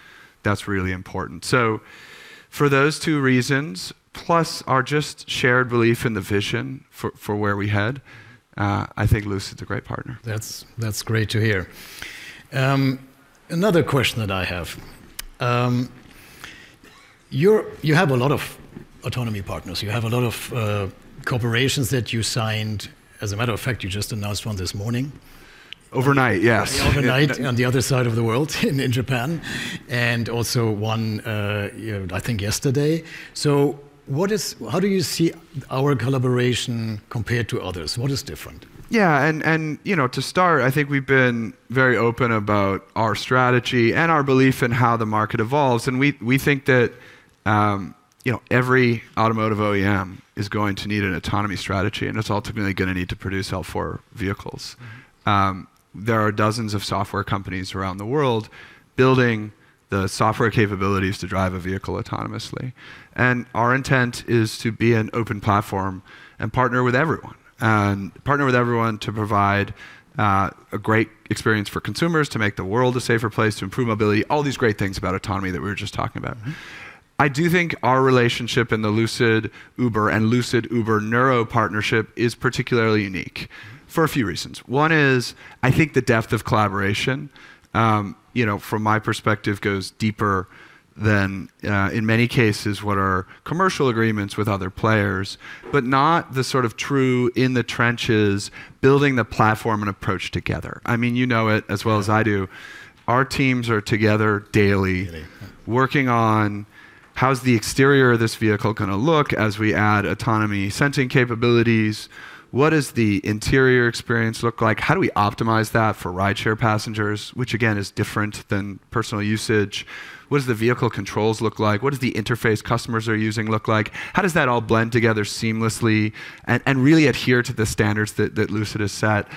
really important. For those two reasons, plus our just shared belief in the vision for where we head, I think Lucid's a great partner. That's great to hear. Another question that I have. You have a lot of autonomy partners. You have a lot of corporations that you signed. As a matter of fact, you just announced one this morning. Overnight, yes. Overnight on the other side of the world in Japan, and also, you know, I think yesterday. How do you see our collaboration compared to others? What is different? Yeah. To start, I think we've been very open about our strategy and our belief in how the market evolves, and we think that, you know, every automotive OEM is going to need an autonomy strategy, and it's ultimately gonna need to produce L4 vehicles. Mm. There are dozens of software companies around the world building the software capabilities to drive a vehicle autonomously, and our intent is to be an open platform and partner with everyone to provide a great experience for consumers, to make the world a safer place, to improve mobility, all these great things about autonomy that we were just talking about. Mm. I do think our relationship in the Lucid Uber and Lucid Uber Nuro partnership is particularly unique for a few reasons. One is I think the depth of collaboration, you know, from my perspective, goes deeper than, in many cases, what are commercial agreements with other players, but not the sort of true in the trenches building the platform and approach together. I mean, you know it as well as I do. Yeah. Our teams are together daily. Daily. We're working on how's the exterior of this vehicle gonna look as we add autonomy sensing capabilities, what does the interior experience look like, how do we optimize that for rideshare passengers, which again is different than personal usage, what does the vehicle controls look like, what does the interface customers are using look like, how does that all blend together seamlessly and really adhere to the standards that Lucid has set.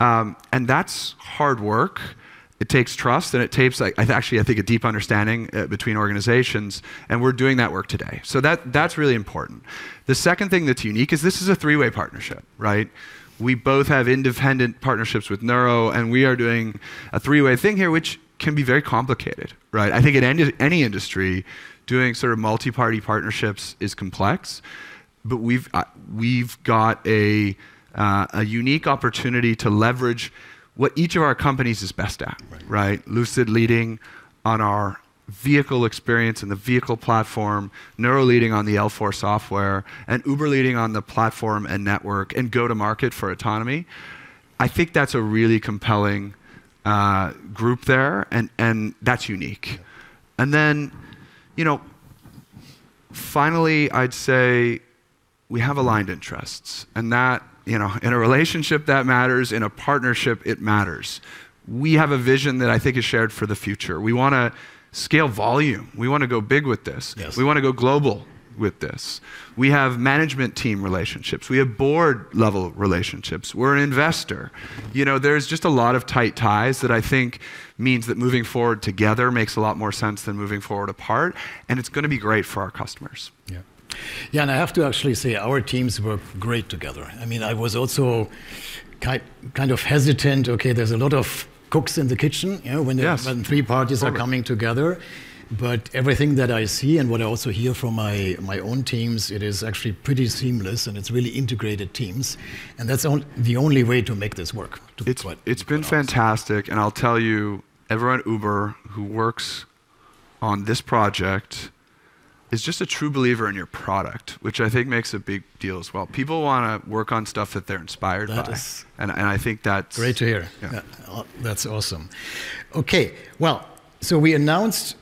That's hard work. It takes trust and it takes, like, I actually think a deep understanding between organizations, and we're doing that work today. That's really important. The second thing that's unique is this is a three-way partnership, right? We both have independent partnerships with Nuro, and we are doing a three-way thing here, which can be very complicated, right? I think in any industry doing sort of multi-party partnerships is complex, but we've got a unique opportunity to leverage what each of our companies is best at. Right. Right? Lucid leading on our vehicle experience and the vehicle platform, Nuro leading on the L4 software, and Uber leading on the platform and network and go to market for autonomy. I think that's a really compelling group there and that's unique. You know, finally, I'd say we have aligned interests and that, you know, in a relationship that matters, in a partnership it matters. We have a vision that I think is shared for the future. We wanna scale volume. We wanna go big with this. Yes. We wanna go global with this. We have management team relationships. We have board level relationships. We're an investor. You know, there's just a lot of tight ties that I think means that moving forward together makes a lot more sense than moving forward apart, and it's gonna be great for our customers. Yeah. Yeah, I have to actually say our teams work great together. I mean, I was also kind of hesitant, okay, there's a lot of cooks in the kitchen, you know, when Yes Three parties are coming together. Sure. Everything that I see and what I also hear from my own teams, it is actually pretty seamless and it's really integrated teams, and that's the only way to make this work to the point. It's been fantastic, and I'll tell you, everyone at Uber who works on this project is just a true believer in your product, which I think makes a big deal as well. People wanna work on stuff that they're inspired by. That is- I think that's. Great to hear. Yeah. Yeah. That's awesome. Okay. Well, we announced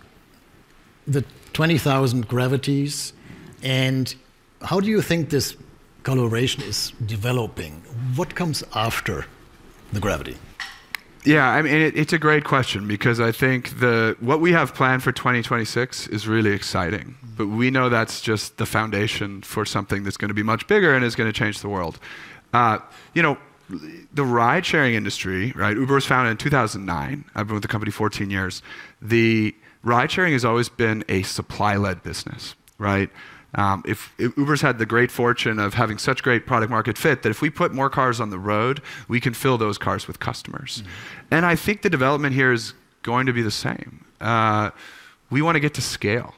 the 20,000 Gravities, and how do you think this collaboration is developing? What comes after the Gravity? Yeah, I mean, it's a great question because I think what we have planned for 2026 is really exciting. Mm. We know that's just the foundation for something that's gonna be much bigger and is gonna change the world. You know, the ride sharing industry, right? Uber was founded in 2009. I've been with the company 14 years. The ride sharing has always been a supply led business, right? Uber's had the great fortune of having such great product market fit that if we put more cars on the road, we can fill those cars with customers. Mm. I think the development here is going to be the same. We wanna get to scale.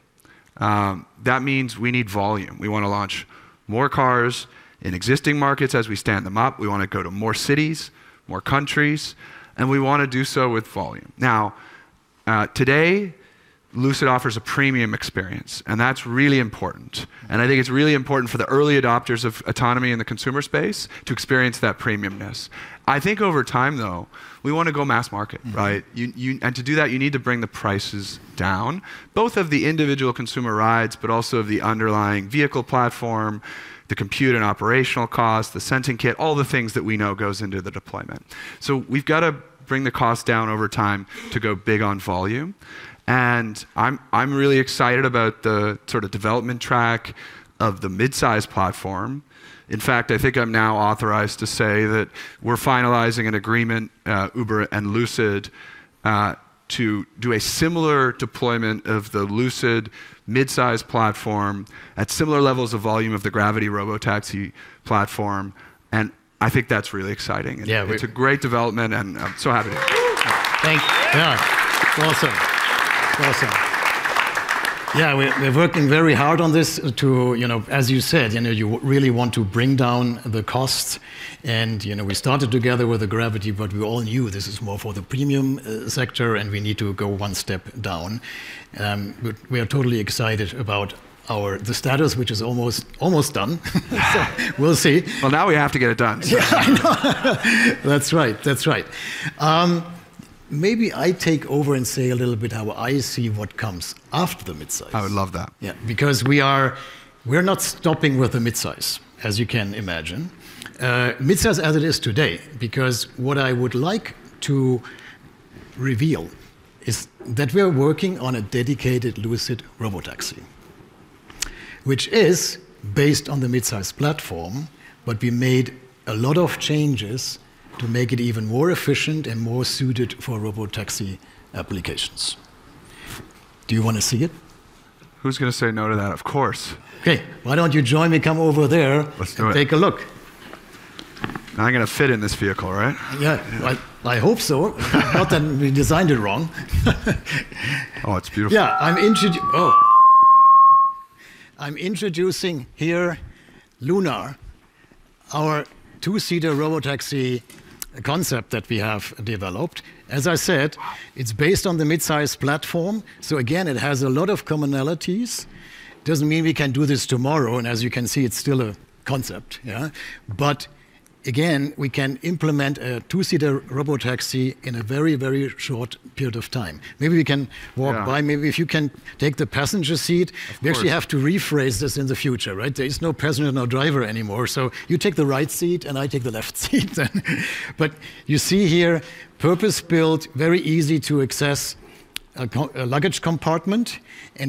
That means we need volume. We wanna launch more cars in existing markets as we stand them up. We wanna go to more cities, more countries, and we wanna do so with volume. Now, today, Lucid offers a premium experience, and that's really important. I think it's really important for the early adopters of autonomy in the consumer space to experience that premium-ness. I think over time, though, we wanna go mass market, right? Mm-hmm. To do that, you need to bring the prices down, both of the individual consumer rides, but also of the underlying vehicle platform, the compute and operational cost, the sensing kit, all the things that we know goes into the deployment. We've gotta bring the cost down over time to go big on volume, and I'm really excited about the sort of development track of the mid-size platform. In fact, I think I'm now authorized to say that we're finalizing an agreement, Uber and Lucid, to do a similar deployment of the Lucid mid-size platform at similar levels of volume of the Gravity Robotaxi platform, and I think that's really exciting. Yeah. It's a great development, and I'm so happy. Thank you. Yeah. Awesome. Yeah, we're working very hard on this to, you know, as you said, you know, you really want to bring down the cost and, you know, we started together with the Gravity, but we all knew this is more for the premium sector, and we need to go one step down. We are totally excited about the status, which is almost done. Yeah. We'll see. Well, now we have to get it done, so. Yeah, I know. That's right. Maybe I take over and say a little bit how I see what comes after the mid-size. I would love that. Yeah. Because we're not stopping with the mid-size, as you can imagine. Mid-size as it is today, because what I would like to reveal is that we are working on a dedicated Lucid robotaxi, which is based on the mid-size platform, but we made a lot of changes to make it even more efficient and more suited for robotaxi applications. Do you wanna see it? Who's gonna say no to that? Of course. Okay. Why don't you join me? Come over there. Let's do it. take a look. Now, I'm gonna fit in this vehicle, right? Yeah. Well, I hope so. Not that we designed it wrong. Oh, it's beautiful. I'm introducing here Lunar, our two-seater robotaxi concept that we have developed. As I said- Wow It's based on the mid-size platform, so again, it has a lot of commonalities. Doesn't mean we can do this tomorrow, and as you can see, it's still a concept, yeah? Again, we can implement a two-seater robotaxi in a very, very short period of time. Maybe we can walk by. Yeah. Maybe if you can take the passenger seat. Of course. We actually have to rephrase this in the future, right? There is no passenger, no driver anymore, so you take the right seat, and I take the left seat then. You see here, purpose-built, very easy to access a luggage compartment.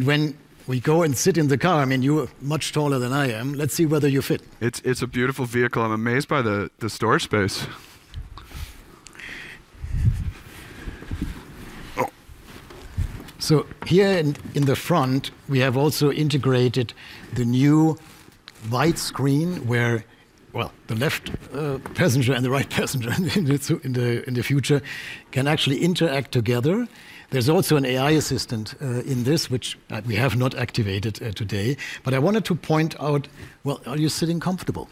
When we go and sit in the car, I mean, you're much taller than I am. Let's see whether you fit. It's a beautiful vehicle. I'm amazed by the storage space. Oh. Here in the front, we have also integrated the new wide screen where the left passenger and the right passenger in the future can actually interact together. There's also an AI assistant in this which we have not activated today. I wanted to point out. Well, are you sitting comfortable?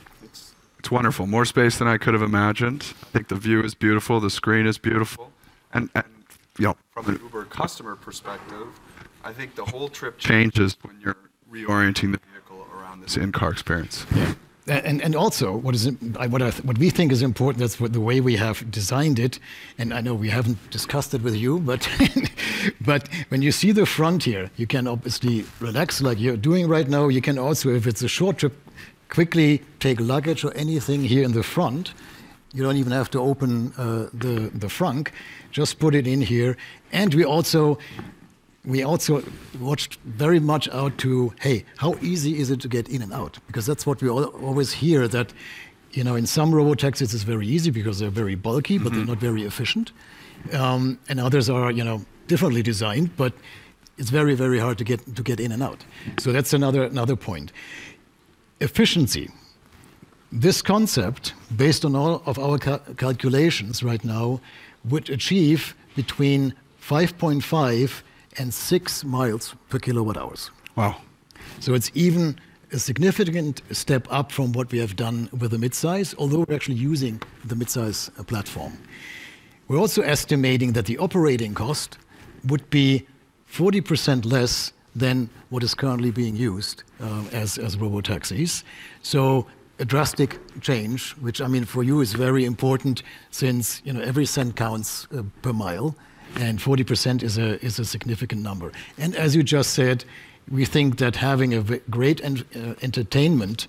It's wonderful. More space than I could have imagined. I think the view is beautiful. The screen is beautiful. Yep From an Uber customer perspective, I think the whole trip changes when you're reorienting the vehicle around this in-car experience. Yeah, what we think is important, that's with the way we have designed it. I know we haven't discussed it with you, but when you see the front here, you can obviously relax like you're doing right now. You can also, if it's a short trip, quickly take luggage or anything here in the front. You don't even have to open the frunk. Just put it in here. We also watched very much out to, hey, how easy is it to get in and out? Because that's what we always hear, that, you know, in some robotaxis, it's very easy because they're very bulky. Mm-hmm They're not very efficient. Others are, you know, differently designed, but it's very, very hard to get in and out. Mm-hmm. That's another point. Efficiency. This concept, based on all of our calculations right now, would achieve between 5.5 miles and 6 miles per kWh. Wow. It's even a significant step up from what we have done with the midsize, although we're actually using the midsize platform. We're also estimating that the operating cost would be 40% less than what is currently being used as robotaxis. It's a drastic change, which I mean for you is very important since you know every cent counts per mile, and 40% is a significant number. As you just said, we think that having great entertainment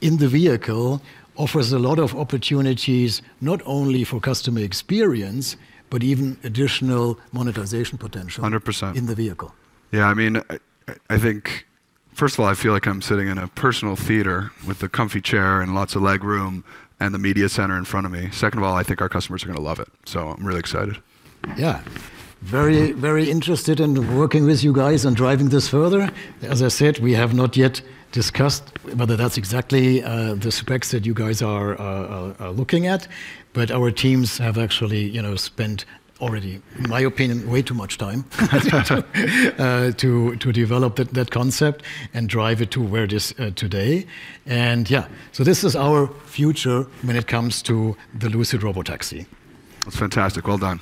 in the vehicle offers a lot of opportunities, not only for customer experience, but even additional monetization potential. 100%. in the vehicle. Yeah. I mean, I think, first of all, I feel like I'm sitting in a personal theater with a comfy chair and lots of leg room and the media center in front of me. Second of all, I think our customers are gonna love it, so I'm really excited. Yeah. Very interested in working with you guys and driving this further. As I said, we have not yet discussed whether that's exactly the specs that you guys are looking at, but our teams have actually, you know, spent already, in my opinion, way too much time to develop that concept and drive it to where it is today. Yeah. This is our future when it comes to the Lucid robotaxi. That's fantastic. Well done.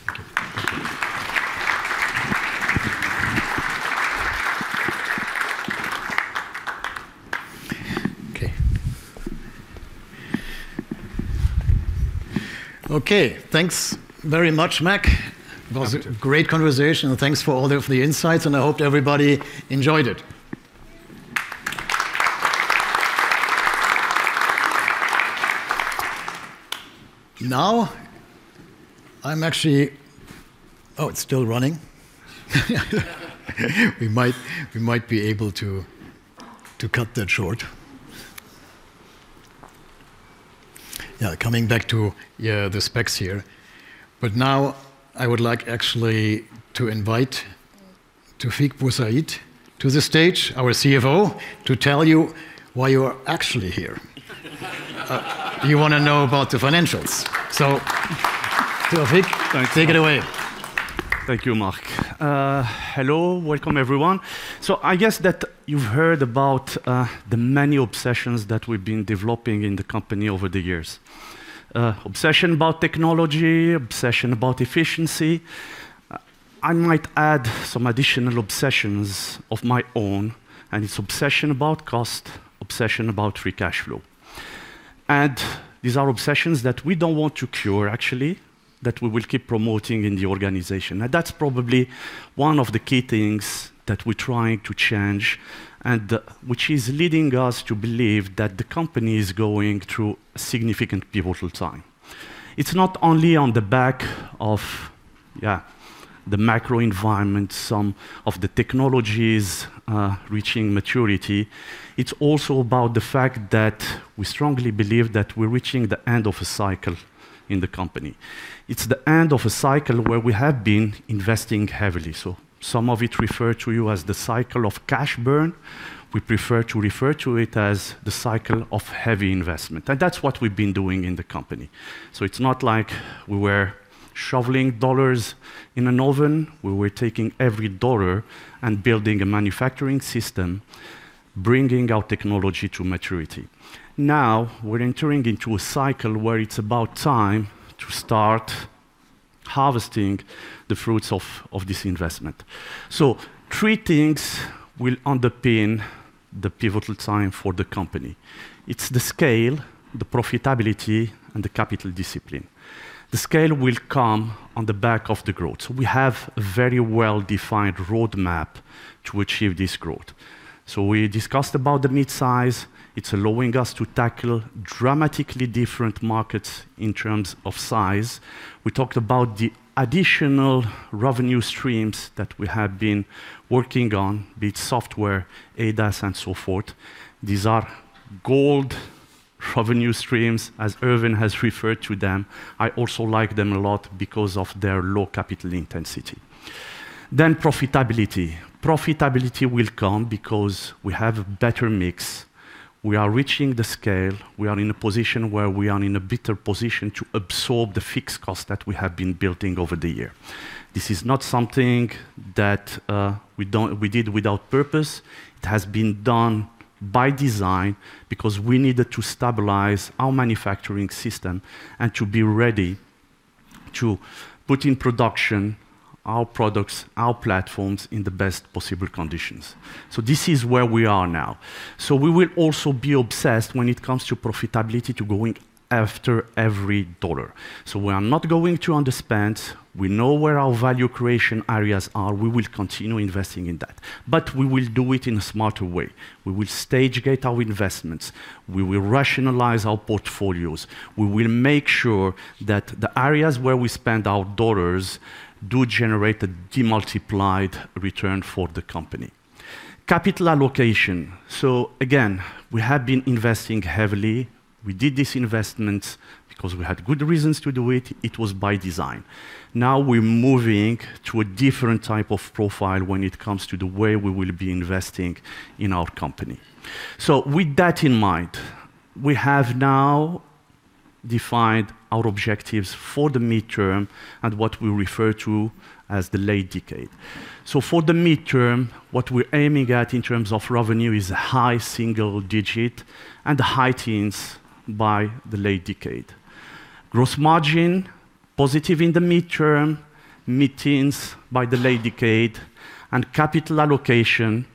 Okay, thanks very much, Mac. Thank you. It was a great conversation, and thanks for all of the insights, and I hope everybody enjoyed it. Now, I'm actually. Oh, it's still running. We might be able to cut that short. Yeah, coming back to the specs here. I would like actually to invite Taoufiq Boussaid to the stage, our CFO, to tell you why you are actually here. You wanna know about the financials. Taoufiq- Thanks. Take it away. Thank you, Marc. Hello. Welcome, everyone. I guess that you've heard about the many obsessions that we've been developing in the company over the years. Obsession about technology, obsession about efficiency. I might add some additional obsessions of my own, and it's obsession about cost, obsession about free cash flow. These are obsessions that we don't want to cure actually, that we will keep promoting in the organization. That's probably one of the key things that we're trying to change, which is leading us to believe that the company is going through a significant pivotal time. It's not only on the back of the macro environment, some of the technologies reaching maturity, it's also about the fact that we strongly believe that we're reaching the end of a cycle in the company. It's the end of a cycle where we have been investing heavily. Some refer to it as the cycle of cash burn. We prefer to refer to it as the cycle of heavy investment. That's what we've been doing in the company. It's not like we were shoveling dollars in an oven. We were taking every dollar and building a manufacturing system, bringing our technology to maturity. Now, we're entering into a cycle where it's about time to start harvesting the fruits of this investment. Three things will underpin the pivotal time for the company. It's the scale, the profitability, and the capital discipline. The scale will come on the back of the growth. We have a very well-defined roadmap to achieve this growth. We discussed about the mid-size. It's allowing us to tackle dramatically different markets in terms of size. We talked about the additional revenue streams that we have been working on, be it software, ADAS, and so forth. These are gold revenue streams, as Erwin has referred to them. I also like them a lot because of their low capital intensity. Profitability. Profitability will come because we have a better mix. We are reaching the scale. We are in a position where we are in a better position to absorb the fixed cost that we have been building over the year. This is not something that we did without purpose. It has been done by design because we needed to stabilize our manufacturing system and to be ready to put in production our products, our platforms in the best possible conditions. This is where we are now. We will also be obsessed when it comes to profitability to going after every dollar. We are not going to under-spend. We know where our value creation areas are. We will continue investing in that. We will do it in a smarter way. We will stage gate our investments. We will rationalize our portfolios. We will make sure that the areas where we spend our dollars do generate a multiplied return for the company. Capital allocation. Again, we have been investing heavily. We did this investment because we had good reasons to do it. It was by design. Now we're moving to a different type of profile when it comes to the way we will be investing in our company. With that in mind, we have now defined our objectives for the midterm and what we refer to as the late decade. For the midterm, what we're aiming at in terms of revenue is high single-digit% and high teens% by the late decade. Gross margin, positive in the midterm, mid-teens% by the late decade, and capital allocation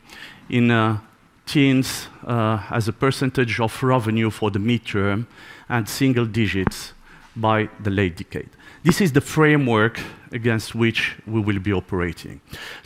in the teens as a percentage of revenue for the midterm and single digits% by the late decade. This is the framework against which we will be operating.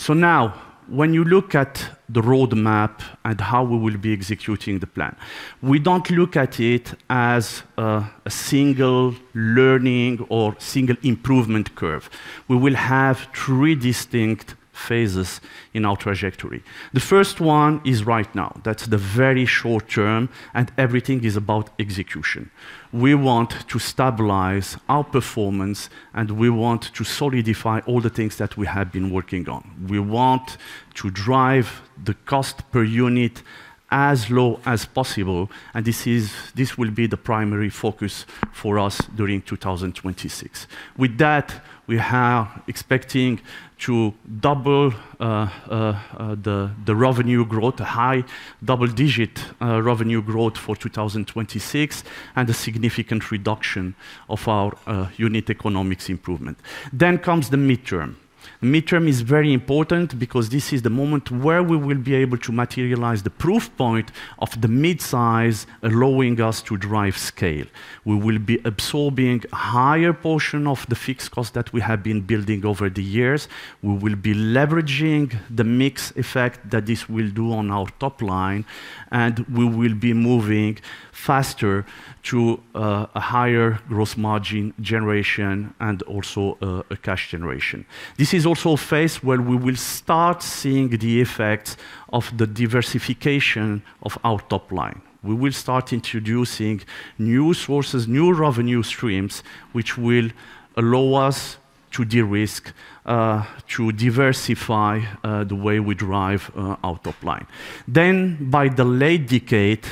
Now, when you look at the roadmap and how we will be executing the plan, we don't look at it as a single learning or single improvement curve. We will have three distinct phases in our trajectory. The first one is right now. That's the very short term and everything is about execution. We want to stabilize our performance, and we want to solidify all the things that we have been working on. We want to drive the cost per unit as low as possible, and this will be the primary focus for us during 2026. With that, we are expecting a high double-digit revenue growth for 2026 and a significant improvement in our unit economics. The mid-term comes. The mid-term is very important because this is the moment where we will be able to materialize the proof point of the mid-size, allowing us to drive scale. We will be absorbing a higher portion of the fixed cost that we have been building over the years. We will be leveraging the mix effect that this will do on our top line, and we will be moving faster to a higher gross margin generation and also a cash generation. This is also a phase where we will start seeing the effects of the diversification of our top line. We will start introducing new sources, new revenue streams, which will allow us to de-risk, to diversify, the way we drive, our top line. By the late decade,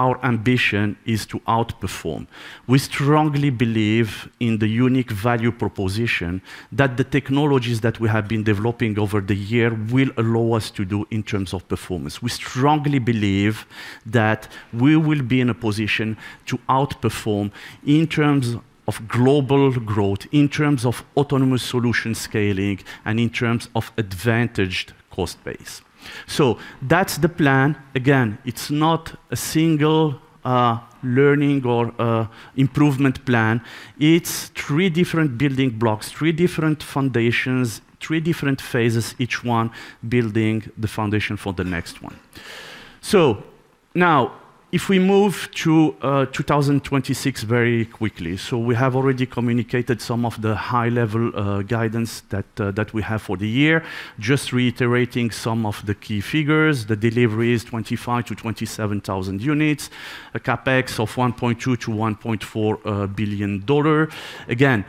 our ambition is to outperform. We strongly believe in the unique value proposition that the technologies that we have been developing over the year will allow us to do in terms of performance. We strongly believe that we will be in a position to outperform in terms of global growth, in terms of autonomous solution scaling, and in terms of advantaged cost base. That's the plan. Again, it's not a single learning or improvement plan. It's three different building blocks, three different foundations, three different phases, each one building the foundation for the next one. Now if we move to 2026 very quickly. We have already communicated some of the high level guidance that we have for the year. Just reiterating some of the key figures. The delivery is 25,000 units-27,000 units, a CapEx of $1.2 billion-$1.4 billion. Again,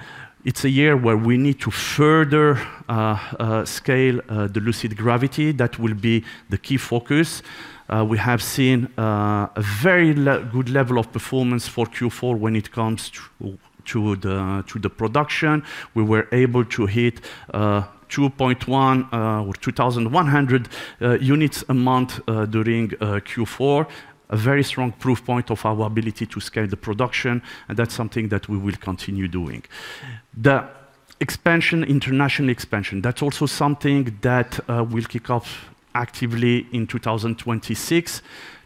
it is a year where we need to further scale the Lucid Gravity. That will be the key focus. We have seen a very good level of performance for Q4 when it comes to the production. We were able to hit 2.1 or 2,100 units a month during Q4. A very strong proof point of our ability to scale the production, and that is something that we will continue doing. The expansion, international expansion, that's also something that will kick off actively in 2026.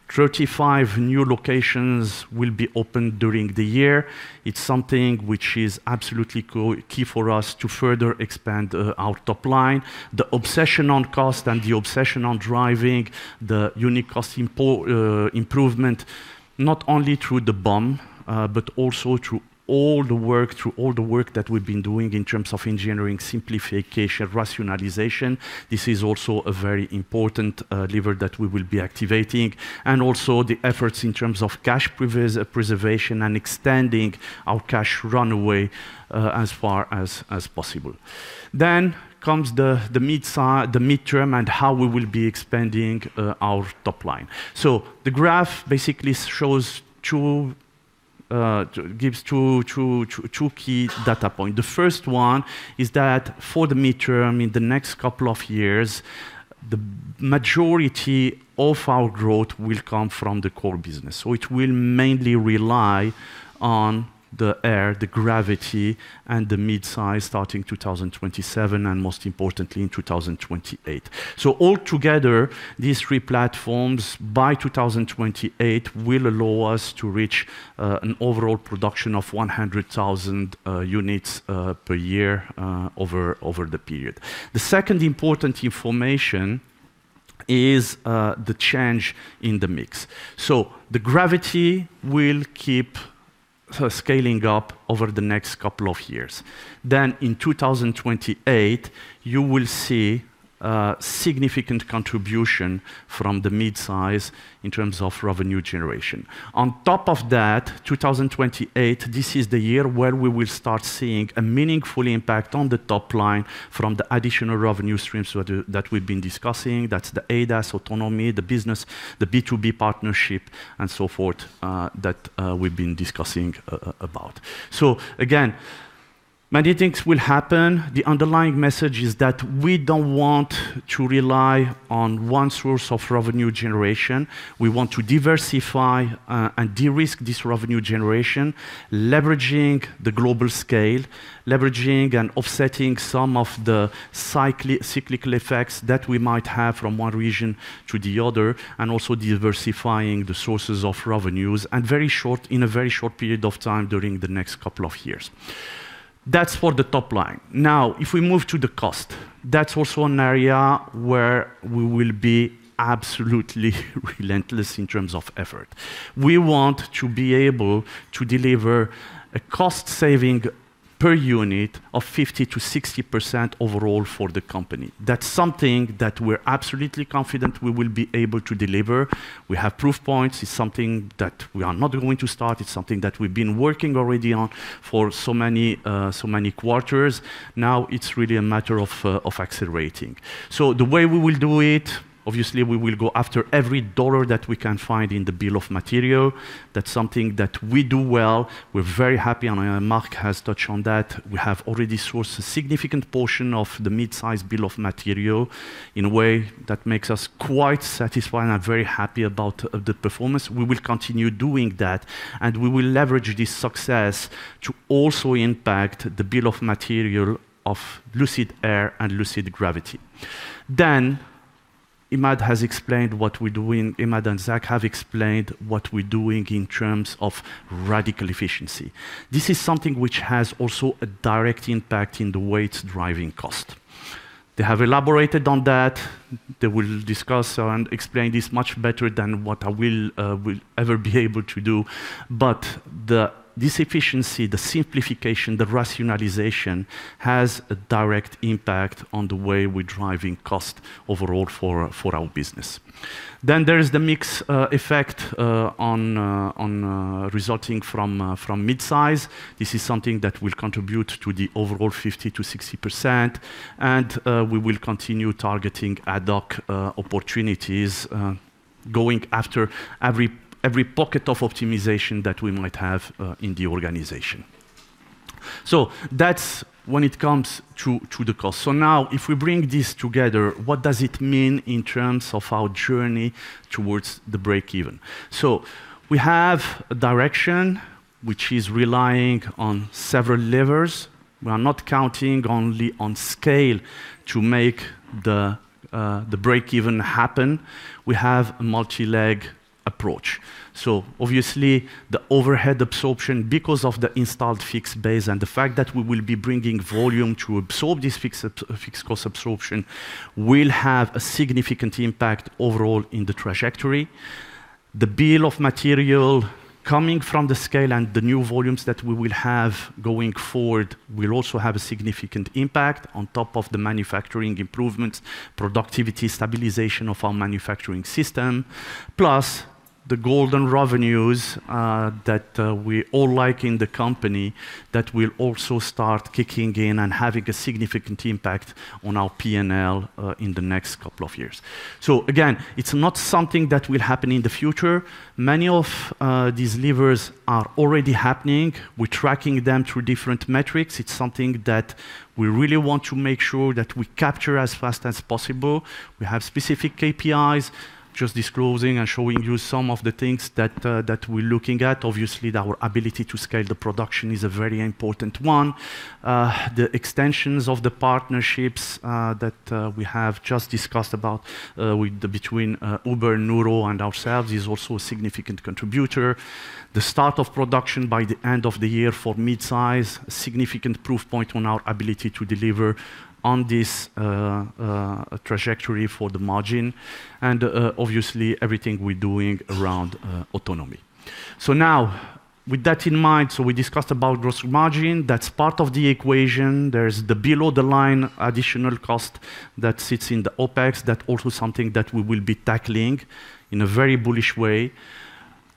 35 new locations will be opened during the year. It's something which is absolutely co-key for us to further expand our top line. The obsession on cost and the obsession on driving the unit cost improvement, not only through the BOM, but also through all the work that we've been doing in terms of engineering simplification, rationalization. This is also a very important lever that we will be activating. Also the efforts in terms of cash preservation and extending our cash runway as far as possible. Comes the midterm and how we will be expanding our top line. The graph basically shows two, gives two key data points. The first one is that for the midterm, in the next couple of years, the majority of our growth will come from the core business, which will mainly rely on the Air, the Gravity, and the midsize starting 2027, and most importantly, in 2028. Altogether, these three platforms by 2028 will allow us to reach an overall production of 100,000 units per year over the period. The second important information is the change in the mix. The Gravity will keep scaling up over the next couple of years. Then in 2028, you will see a significant contribution from the midsize in terms of revenue generation. On top of that, 2028, this is the year where we will start seeing a meaningful impact on the top line from the additional revenue streams that we've been discussing. That's the ADAS autonomy, the business, the B2B partnership and so forth, that we've been discussing about. Again, many things will happen. The underlying message is that we don't want to rely on one source of revenue generation. We want to diversify and de-risk this revenue generation, leveraging the global scale, leveraging and offsetting some of the cyclical effects that we might have from one region to the other, and also diversifying the sources of revenues in a very short period of time during the next couple of years. That's for the top line. If we move to the cost, that's also an area where we will be absolutely relentless in terms of effort. We want to be able to deliver a cost saving per unit of 50%-60% overall for the company. That's something that we're absolutely confident we will be able to deliver. We have proof points. It's something that we are not going to start. It's something that we've been working already on for so many quarters. Now it's really a matter of accelerating. The way we will do it, obviously, we will go after every dollar that we can find in the bill of material. That's something that we do well. We're very happy, and Mark has touched on that. We have already sourced a significant portion of the mid-size bill of material in a way that makes us quite satisfied and very happy about the performance. We will continue doing that, and we will leverage this success to also impact the bill of material of Lucid Air and Lucid Gravity. Emad has explained what we're doing. Emad and Zach have explained what we're doing in terms of radical efficiency. This is something which has also a direct impact in the way it's driving cost. They have elaborated on that. They will discuss and explain this much better than what I will ever be able to do. This efficiency, the simplification, the rationalization has a direct impact on the way we're driving cost overall for our business. There is the mix effect on resulting from midsize. This is something that will contribute to the overall 50%-60%, and we will continue targeting ad hoc opportunities, going after every pocket of optimization that we might have in the organization. That's when it comes to the cost. Now if we bring this together, what does it mean in terms of our journey towards the break even? We have a direction which is relying on several levers. We are not counting only on scale to make the break even happen. We have a multi-leg approach. Obviously the overhead absorption, because of the installed fixed base and the fact that we will be bringing volume to absorb this fixed cost absorption will have a significant impact overall in the trajectory. The bill of material coming from the scale and the new volumes that we will have going forward will also have a significant impact on top of the manufacturing improvements, productivity, stabilization of our manufacturing system, plus the golden revenues that we all like in the company that will also start kicking in and having a significant impact on our P&L in the next couple of years. Again, it's not something that will happen in the future. Many of these levers are already happening. We're tracking them through different metrics. It's something that we really want to make sure that we capture as fast as possible. We have specific KPIs. Just disclosing and showing you some of the things that we're looking at. Obviously, our ability to scale the production is a very important one. The extensions of the partnerships that we have just discussed about between Uber and Nuro and ourselves is also a significant contributor. The start of production by the end of the year for midsize, significant proof point on our ability to deliver on this trajectory for the margin. Obviously, everything we're doing around autonomy. Now with that in mind, we discussed about gross margin. That's part of the equation. There's the below the line additional cost that sits in the OpEx. That also something that we will be tackling in a very bullish way.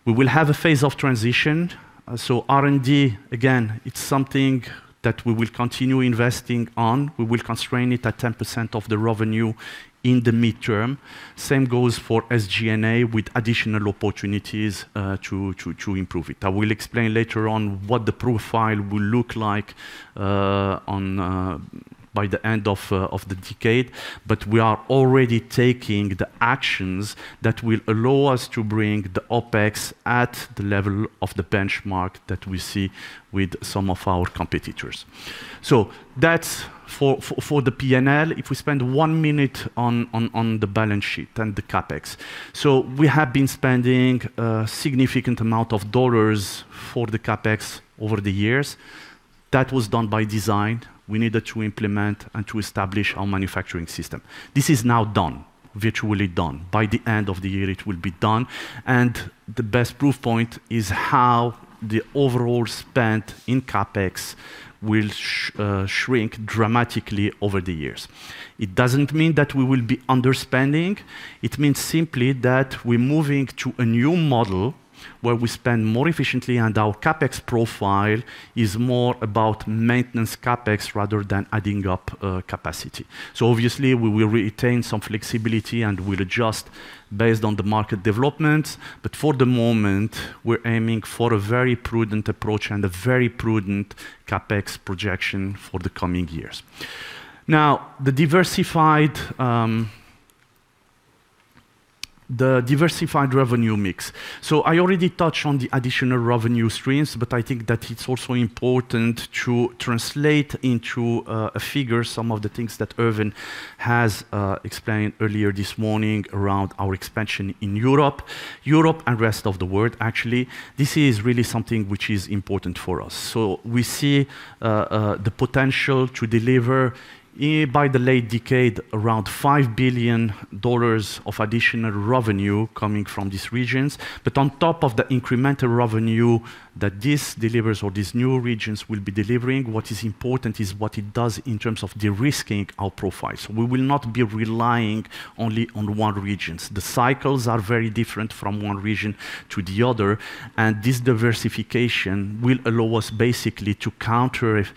We will have a phase of transition. R&D, again, it's something that we will continue investing on. We will constrain it at 10% of the revenue in the midterm. Same goes for SG&A with additional opportunities to improve it. I will explain later on what the profile will look like by the end of the decade. We are already taking the actions that will allow us to bring the OpEx at the level of the benchmark that we see with some of our competitors. That's for the P&L. If we spend one minute on the balance sheet and the CapEx. We have been spending a significant amount of dollars for the CapEx over the years. That was done by design. We needed to implement and to establish our manufacturing system. This is now done, virtually done. By the end of the year it will be done. The best proof point is how the overall spend in CapEx will shrink dramatically over the years. It doesn't mean that we will be underspending. It means simply that we're moving to a new model where we spend more efficiently and our CapEx profile is more about maintenance CapEx rather than adding up capacity. Obviously, we will retain some flexibility and we'll adjust based on the market development. For the moment, we're aiming for a very prudent approach and a very prudent CapEx projection for the coming years. Now, the diversified revenue mix. I already touched on the additional revenue streams, but I think that it's also important to translate into a figure some of the things that Erwin has explained earlier this morning around our expansion in Europe. Europe and rest of the world, actually, this is really something which is important for us. We see the potential to deliver by the late decade around $5 billion of additional revenue coming from these regions. On top of the incremental revenue that this delivers or these new regions will be delivering, what is important is what it does in terms of de-risking our profiles. We will not be relying only on one region. The cycles are very different from one region to the other, and this diversification will allow us basically to counter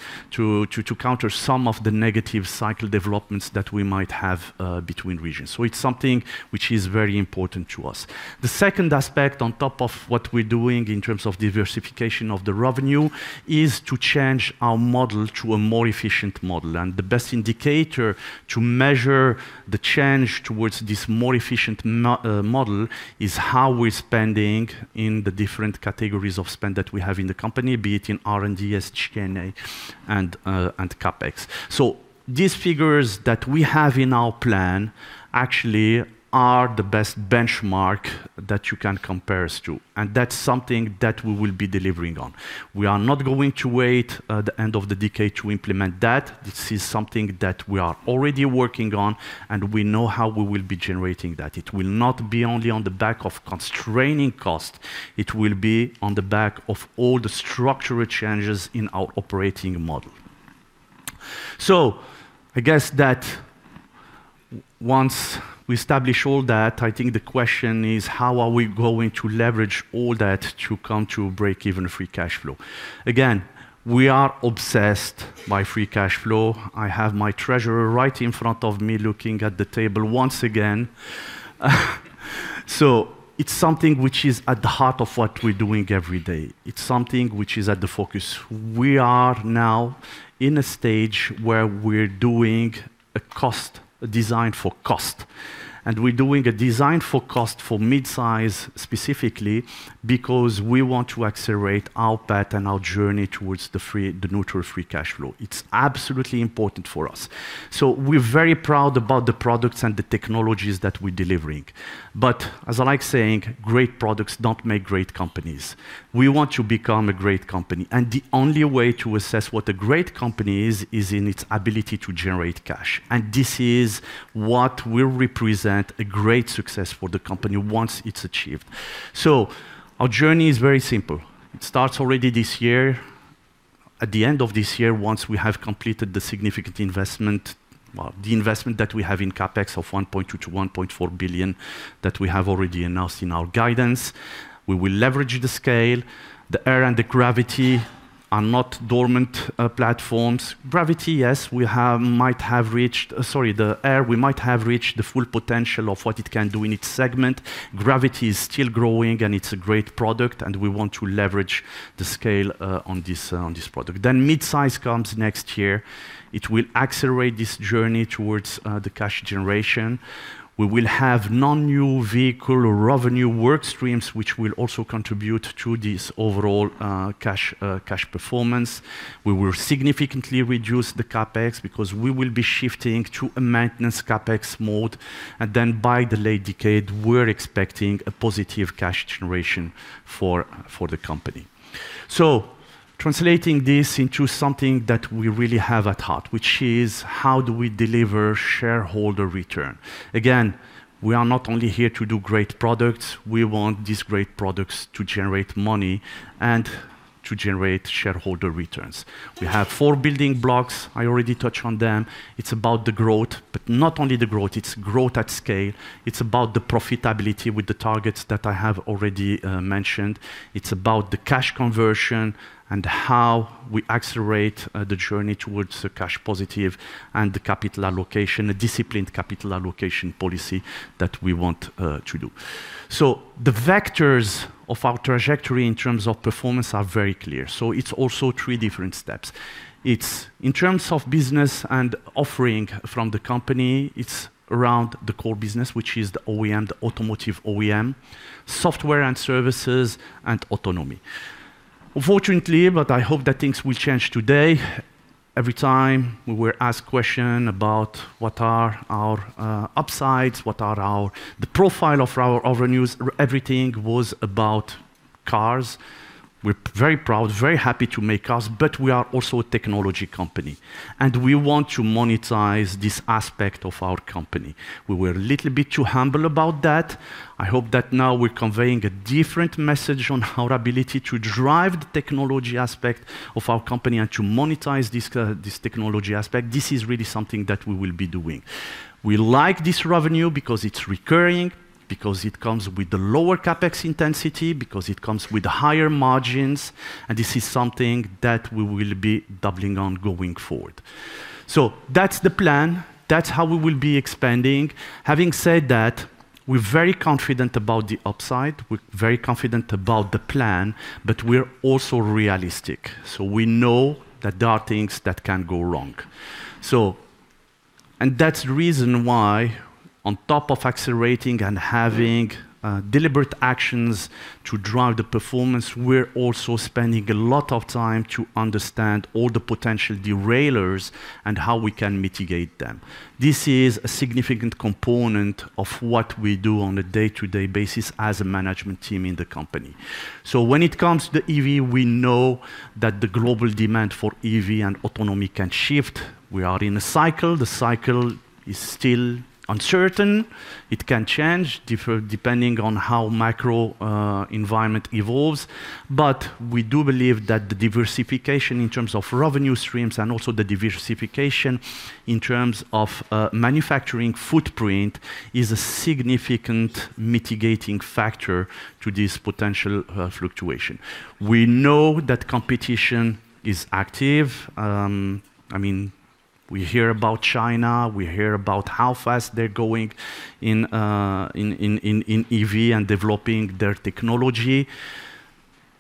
some of the negative cycle developments that we might have between regions. It's something which is very important to us. The second aspect on top of what we're doing in terms of diversification of the revenue is to change our model to a more efficient model. The best indicator to measure the change towards this more efficient model is how we're spending in the different categories of spend that we have in the company, be it in R&D, SG&A and CapEx. These figures that we have in our plan actually are the best benchmark that you can compare us to, and that's something that we will be delivering on. We are not going to wait at the end of the decade to implement that. This is something that we are already working on, and we know how we will be generating that. It will not be only on the back of constraining cost, it will be on the back of all the structural changes in our operating model. I guess that once we establish all that, I think the question is, how are we going to leverage all that to come to a break-even free cash flow? Again, we are obsessed by free cash flow. I have my treasurer right in front of me looking at the table once again. It's something which is at the heart of what we're doing every day. It's something which is at the focus. We are now in a stage where we're doing a cost, a design for cost, and we're doing a design for cost for midsize specifically because we want to accelerate our path and our journey towards the neutral free cash flow. It's absolutely important for us. We're very proud about the products and the technologies that we're delivering. As I like saying, great products don't make great companies. We want to become a great company, and the only way to assess what a great company is in its ability to generate cash. This is what will represent a great success for the company once it's achieved. Our journey is very simple. It starts already this year. At the end of this year, once we have completed the significant investment, the investment that we have in CapEx of $1.2 billion-$1.4 billion that we have already announced in our guidance, we will leverage the scale. The Air and the Gravity are not dormant platforms. The Air, we might have reached the full potential of what it can do in its segment. Gravity is still growing, and it's a great product, and we want to leverage the scale on this product. Midsize comes next year. It will accelerate this journey towards the cash generation. We will have non-new vehicle revenue work streams, which will also contribute to this overall cash performance. We will significantly reduce the CapEx because we will be shifting to a maintenance CapEx mode. By the late decade, we're expecting a positive cash generation for the company. Translating this into something that we really have at heart, which is how do we deliver shareholder return? Again, we are not only here to do great products, we want these great products to generate money and to generate shareholder returns. We have four building blocks. I already touch on them. It's about the growth, but not only the growth, it's growth at scale. It's about the profitability with the targets that I have already mentioned. It's about the cash conversion and how we accelerate the journey towards the cash positive and the capital allocation, a disciplined capital allocation policy that we want to do. The vectors of our trajectory in terms of performance are very clear. It's also three different steps. It's in terms of business and offering from the company, it's around the core business, which is the OEM, the automotive OEM, software and services, and autonomy. Unfortunately, but I hope that things will change today, every time we were asked question about what are our upsides, what are our, the profile of our revenues, everything was about cars. We're very proud, very happy to make cars, but we are also a technology company, and we want to monetize this aspect of our company. We were a little bit too humble about that. I hope that now we're conveying a different message on our ability to drive the technology aspect of our company and to monetize this technology aspect. This is really something that we will be doing. We like this revenue because it's recurring, because it comes with the lower CapEx intensity, because it comes with higher margins, and this is something that we will be doubling on going forward. That's the plan. That's how we will be expanding. Having said that, we're very confident about the upside, we're very confident about the plan, but we're also realistic. We know that there are things that can go wrong. That's the reason why on top of accelerating and having deliberate actions to drive the performance, we're also spending a lot of time to understand all the potential derailers and how we can mitigate them. This is a significant component of what we do on a day-to-day basis as a management team in the company. When it comes to the EV, we know that the global demand for EV and autonomy can shift. We are in a cycle. The cycle is still uncertain. It can change depending on how macro environment evolves. We do believe that the diversification in terms of revenue streams and also the diversification in terms of manufacturing footprint is a significant mitigating factor to this potential fluctuation. We know that competition is active. I mean, we hear about China, we hear about how fast they're going in EV and developing their technology.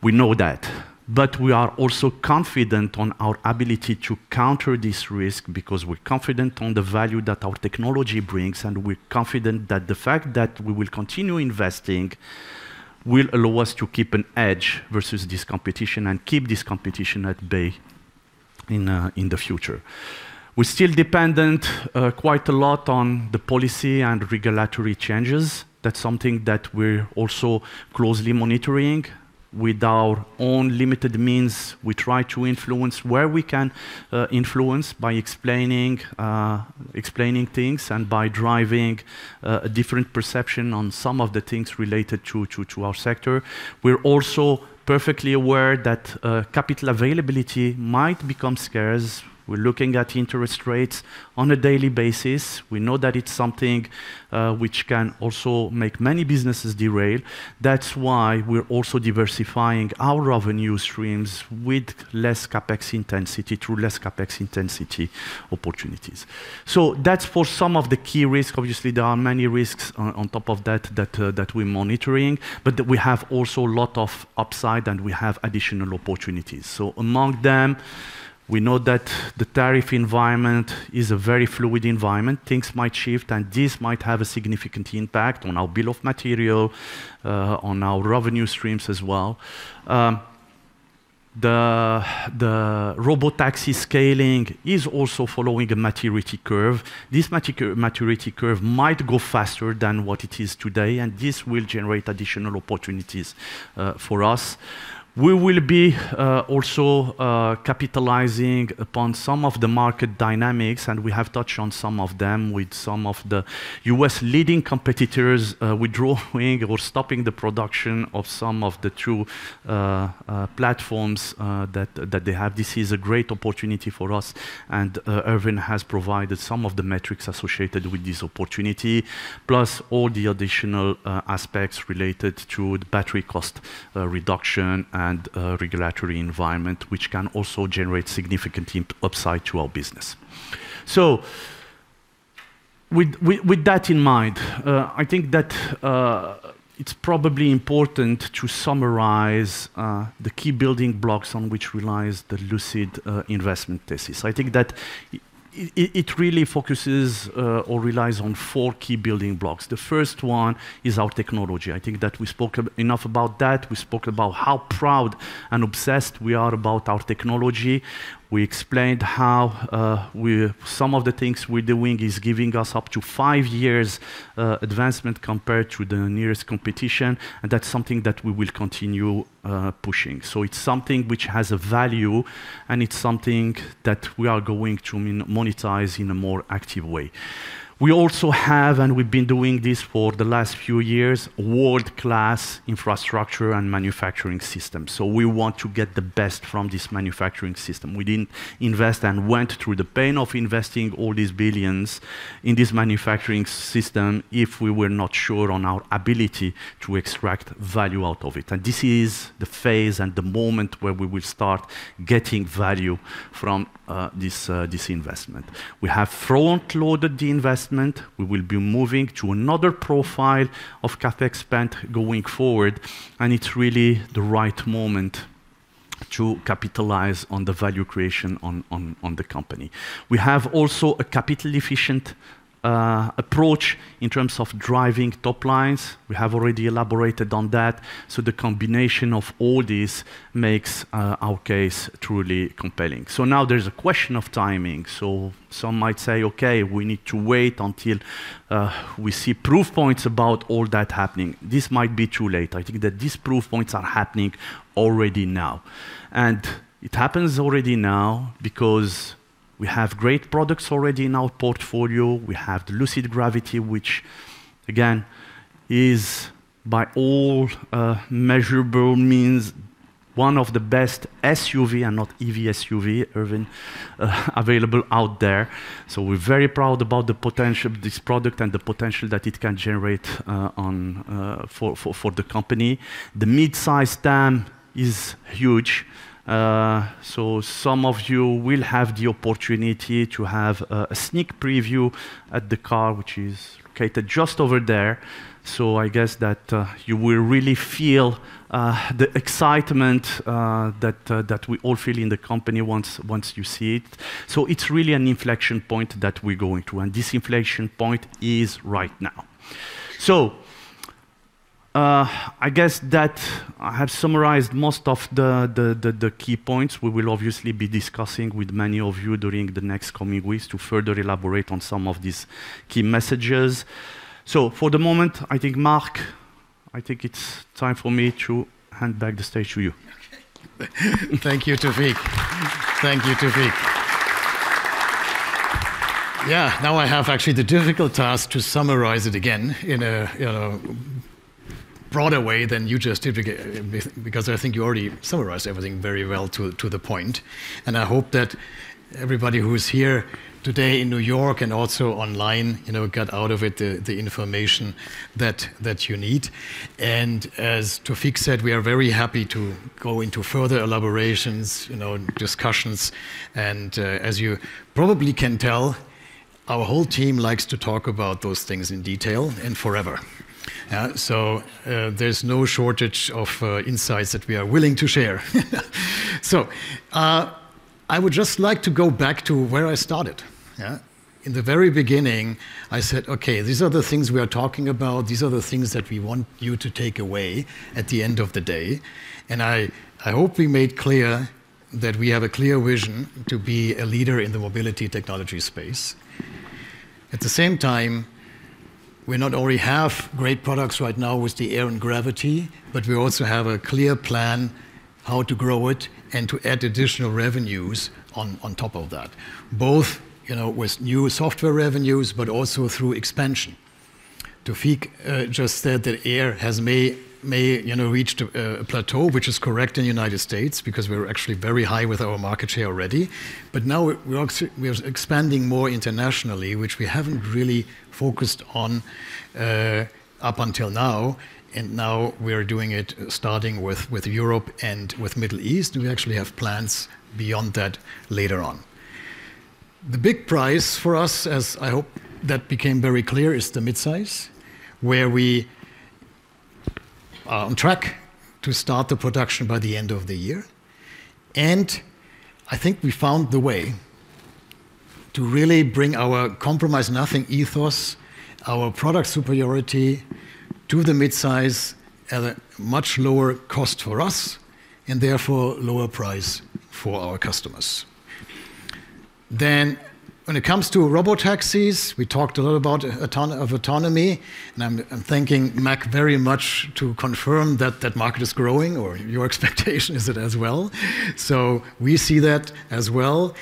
We know that, but we are also confident on our ability to counter this risk because we're confident on the value that our technology brings, and we're confident that the fact that we will continue investing will allow us to keep an edge versus this competition and keep this competition at bay in the future. We're still dependent quite a lot on the policy and regulatory changes. That's something that we're also closely monitoring. With our own limited means, we try to influence where we can, influence by explaining things and by driving a different perception on some of the things related to our sector. We're also perfectly aware that capital availability might become scarce. We're looking at interest rates on a daily basis. We know that it's something which can also make many businesses derail. That's why we're also diversifying our revenue streams with less CapEx intensity through less CapEx intensity opportunities. That's for some of the key risks. Obviously, there are many risks on top of that that we're monitoring, but we have also a lot of upside, and we have additional opportunities. Among them, we know that the tariff environment is a very fluid environment. Things might shift, and this might have a significant impact on our bill of material on our revenue streams as well. The robotaxi scaling is also following a maturity curve. This maturity curve might go faster than what it is today, and this will generate additional opportunities for us. We will be also capitalizing upon some of the market dynamics, and we have touched on some of them with some of the U.S. leading competitors withdrawing or stopping the production of some of their two platforms that they have. This is a great opportunity for us, and Erwin has provided some of the metrics associated with this opportunity, plus all the additional aspects related to the battery cost reduction and regulatory environment, which can also generate significant upside to our business. With that in mind, I think that it's probably important to summarize the key building blocks on which relies the Lucid investment thesis. I think that it really focuses or relies on four key building blocks. The first one is our technology. I think that we spoke enough about that. We spoke about how proud and obsessed we are about our technology. We explained how some of the things we're doing is giving us up to five years' advancement compared to the nearest competition, and that's something that we will continue pushing. It's something which has a value, and it's something that we are going to monetize in a more active way. We also have, and we've been doing this for the last few years, world class infrastructure and manufacturing system. We want to get the best from this manufacturing system. We didn't invest and went through the pain of investing all these $ billions in this manufacturing system if we were not sure on our ability to extract value out of it. This is the phase and the moment where we will start getting value from this investment. We have front-loaded the investment. We will be moving to another profile of CapEx spend going forward, and it's really the right moment to capitalize on the value creation on the company. We have also a capital efficient approach in terms of driving top lines. We have already elaborated on that. The combination of all this makes our case truly compelling. Now there's a question of timing. Some might say, "Okay, we need to wait until we see proof points about all that happening." This might be too late. I think that these proof points are happening already now. It happens already now because we have great products already in our portfolio. We have the Lucid Gravity, which again is by all measurable means one of the best SUVs, and not EV SUVs, Erwin, available out there. We're very proud about the potential of this product and the potential that it can generate on for the company. The mid-size TAM is huge. Some of you will have the opportunity to have a sneak preview at the car, which is located just over there. I guess that you will really feel the excitement that we all feel in the company once you see it. It's really an inflection point that we're going through, and this inflection point is right now. I guess that I have summarized most of the key points. We will obviously be discussing with many of you during the next coming weeks to further elaborate on some of these key messages. For the moment, I think, Marc, it's time for me to hand back the stage to you. Thank you, Taoufiq. Yeah. Now I have actually the difficult task to summarize it again in a broader way than you just did because I think you already summarized everything very well to the point. I hope that everybody who is here today in New York and also online, you know, got out of it the information that you need. As Taoufiq said, we are very happy to go into further elaborations, you know, discussions. As you probably can tell, our whole team likes to talk about those things in detail and forever. I would just like to go back to where I started. Yeah? In the very beginning, I said, "Okay, these are the things we are talking about. These are the things that we want you to take away at the end of the day. I hope we made clear that we have a clear vision to be a leader in the mobility technology space. At the same time, we not only have great products right now with the Air and Gravity, but we also have a clear plan how to grow it and to add additional revenues on top of that, both, you know, with new software revenues, but also through expansion. Taoufiq just said that Air has may, you know, reached a plateau, which is correct in the United States because we're actually very high with our market share already. We are expanding more internationally, which we haven't really focused on up until now, and now we're doing it starting with Europe and Middle East. We actually have plans beyond that later on. The big prize for us, as I hope that became very clear, is the midsize, where we are on track to start the production by the end of the year. I think we found the way to really bring our compromise nothing ethos, our product superiority to the midsize at a much lower cost for us and therefore lower price for our customers. When it comes to robotaxis, we talked a lot about autonomy, and I'm thanking Mac very much to confirm that market is growing or your expectation is it as well. We see that as well,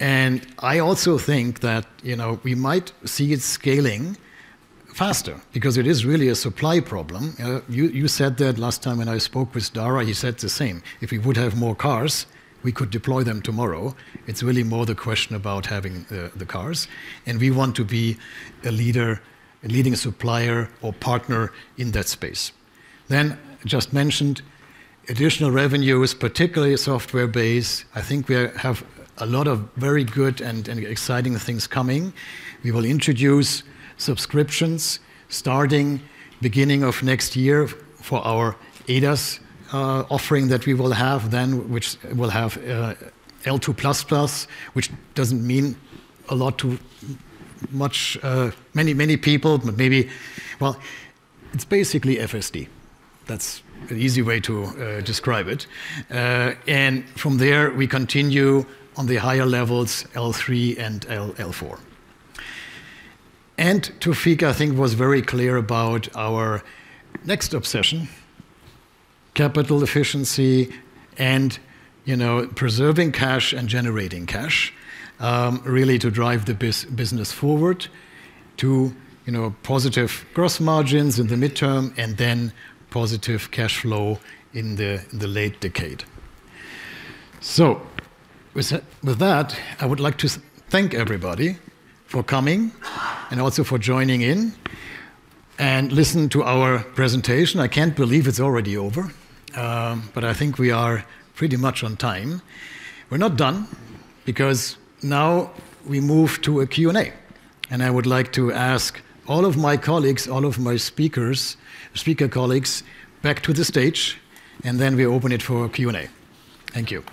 and I also think that, you know, we might see it scaling faster because it is really a supply problem. You said that last time when I spoke with Dara, he said the same. If we would have more cars, we could deploy them tomorrow. It's really more the question about having the cars, and we want to be a leader, a leading supplier or partner in that space. Just mentioned additional revenues, particularly software-based. I think we have a lot of very good and exciting things coming. We will introduce subscriptions starting beginning of next year for our ADAS offering that we will have then, which will have L2++, which doesn't mean a lot to many people, but maybe. Well, it's basically FSD. That's an easy way to describe it. From there, we continue on the higher levels, L3 and L4. Taoufiq, I think, was very clear about our next obsession, capital efficiency and, you know, preserving cash and generating cash, really to drive the business forward to, you know, positive gross margins in the midterm and then positive cash flow in the late decade. With that, I would like to thank everybody for coming and also for joining in and listen to our presentation. I can't believe it's already over, but I think we are pretty much on time. We're not done because now we move to a Q&A, and I would like to ask all of my colleagues, all of my speakers, speaker colleagues back to the stage, and then we open it for Q&A. Thank you.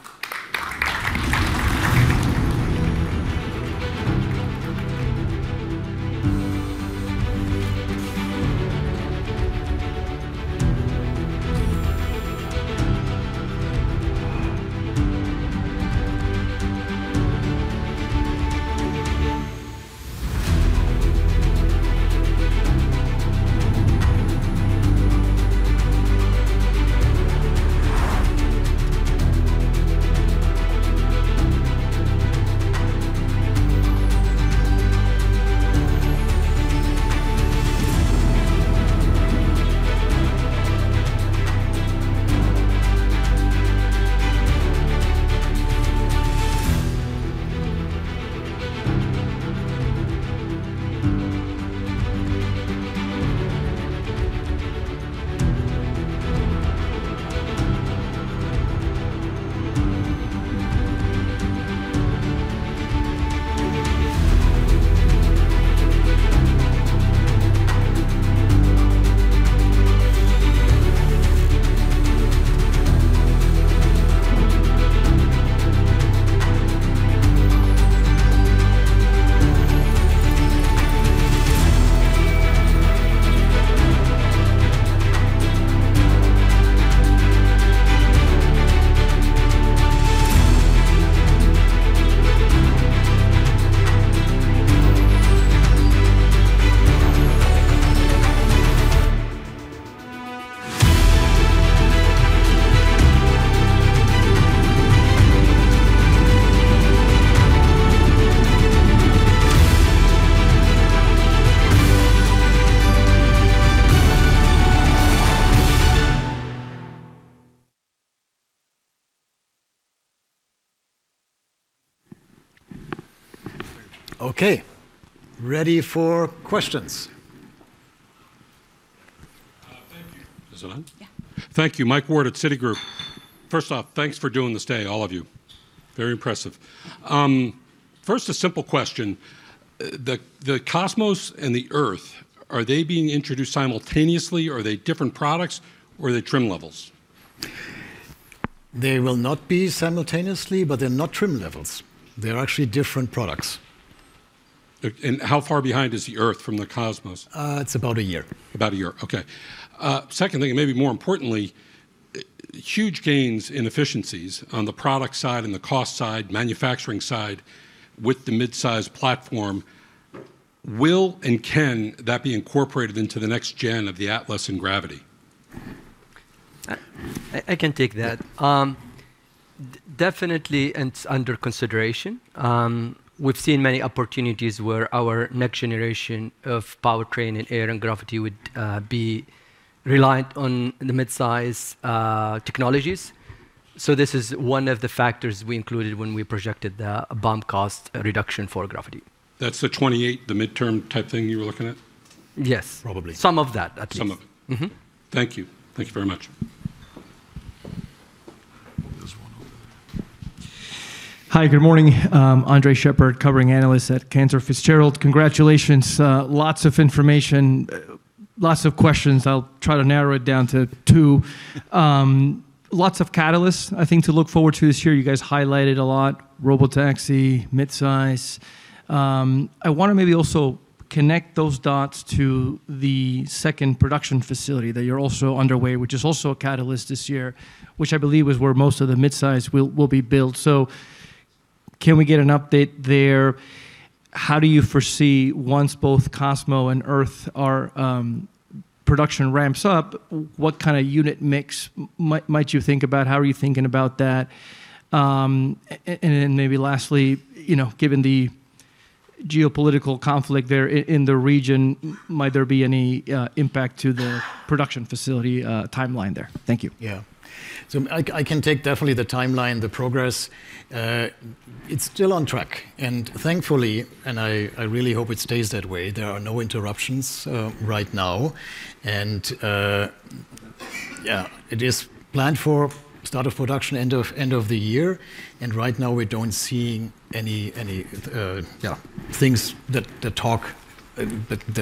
Okay. Ready for questions. Thank you. Is it on? Yeah. Thank you. Mike Ward at Citigroup. First off, thanks for doing this day, all of you. Very impressive. First, a simple question. The Cosmos and the Earth, are they being introduced simultaneously, or are they different products, or are they trim levels? They will not be simultaneously, but they're not trim levels. They're actually different products. Like, how far behind is the Earth from the Cosmos? It's about a year. About a year, okay. Second thing, and maybe more importantly, huge gains in efficiencies on the product side and the cost side, manufacturing side with the midsize platform. Will and can that be incorporated into the next gen of the Atlas and Gravity? I can take that. Definitely it's under consideration. We've seen many opportunities where our next generation of powertrain in Air and Gravity would be reliant on the midsize technologies. This is one of the factors we included when we projected the BOM cost reduction for Gravity. That's the 2028, the midterm type thing you were looking at? Yes. Probably. Some of that at least. Some of it. Mm-hmm. Thank you. Thank you very much. This one over there. Hi, good morning. Andres Sheppard, covering analyst at Cantor Fitzgerald. Congratulations. Lots of information, lots of questions. I'll try to narrow it down to two. Lots of catalysts, I think, to look forward to this year. You guys highlighted a lot, robotaxi, midsize. I wanna maybe also connect those dots to the second production facility that you're also underway, which is also a catalyst this year, which I believe is where most of the midsize will be built. Can we get an update there? How do you foresee once both Cosmos and Earth are production ramps up, what kinda unit mix might you think about? How are you thinking about that? And then maybe lastly, you know, given the geopolitical conflict there in the region, might there be any impact to the production facility timeline there? Thank you. Yeah. I can take definitely the timeline, the progress. It's still on track. Thankfully, I really hope it stays that way, there are no interruptions right now. It is planned for start of production end of the year, and right now we don't see any things that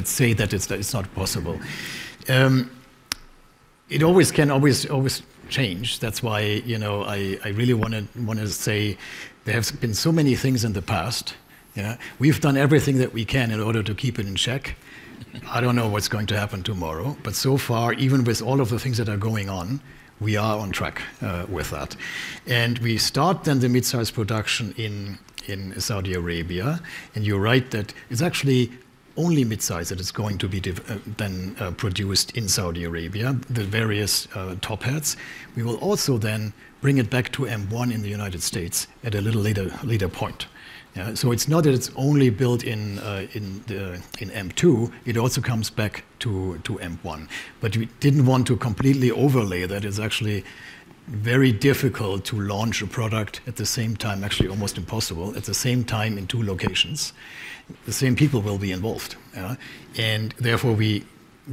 say that it's not possible. It always can change. That's why, you know, I really wanna say there have been so many things in the past. We've done everything that we can in order to keep it in check. I don't know what's going to happen tomorrow, but so far, even with all of the things that are going on, we are on track with that. We start then the midsize production in Saudi Arabia, and you're right that it's actually only midsize that is going to be produced in Saudi Arabia, the various top hats. We will also then bring it back to M1 in the United States at a little later point. It's not that it's only built in M2, it also comes back to M1. We didn't want to completely overlay. That is actually very difficult to launch a product at the same time, actually almost impossible, at the same time in two locations. The same people will be involved, and therefore we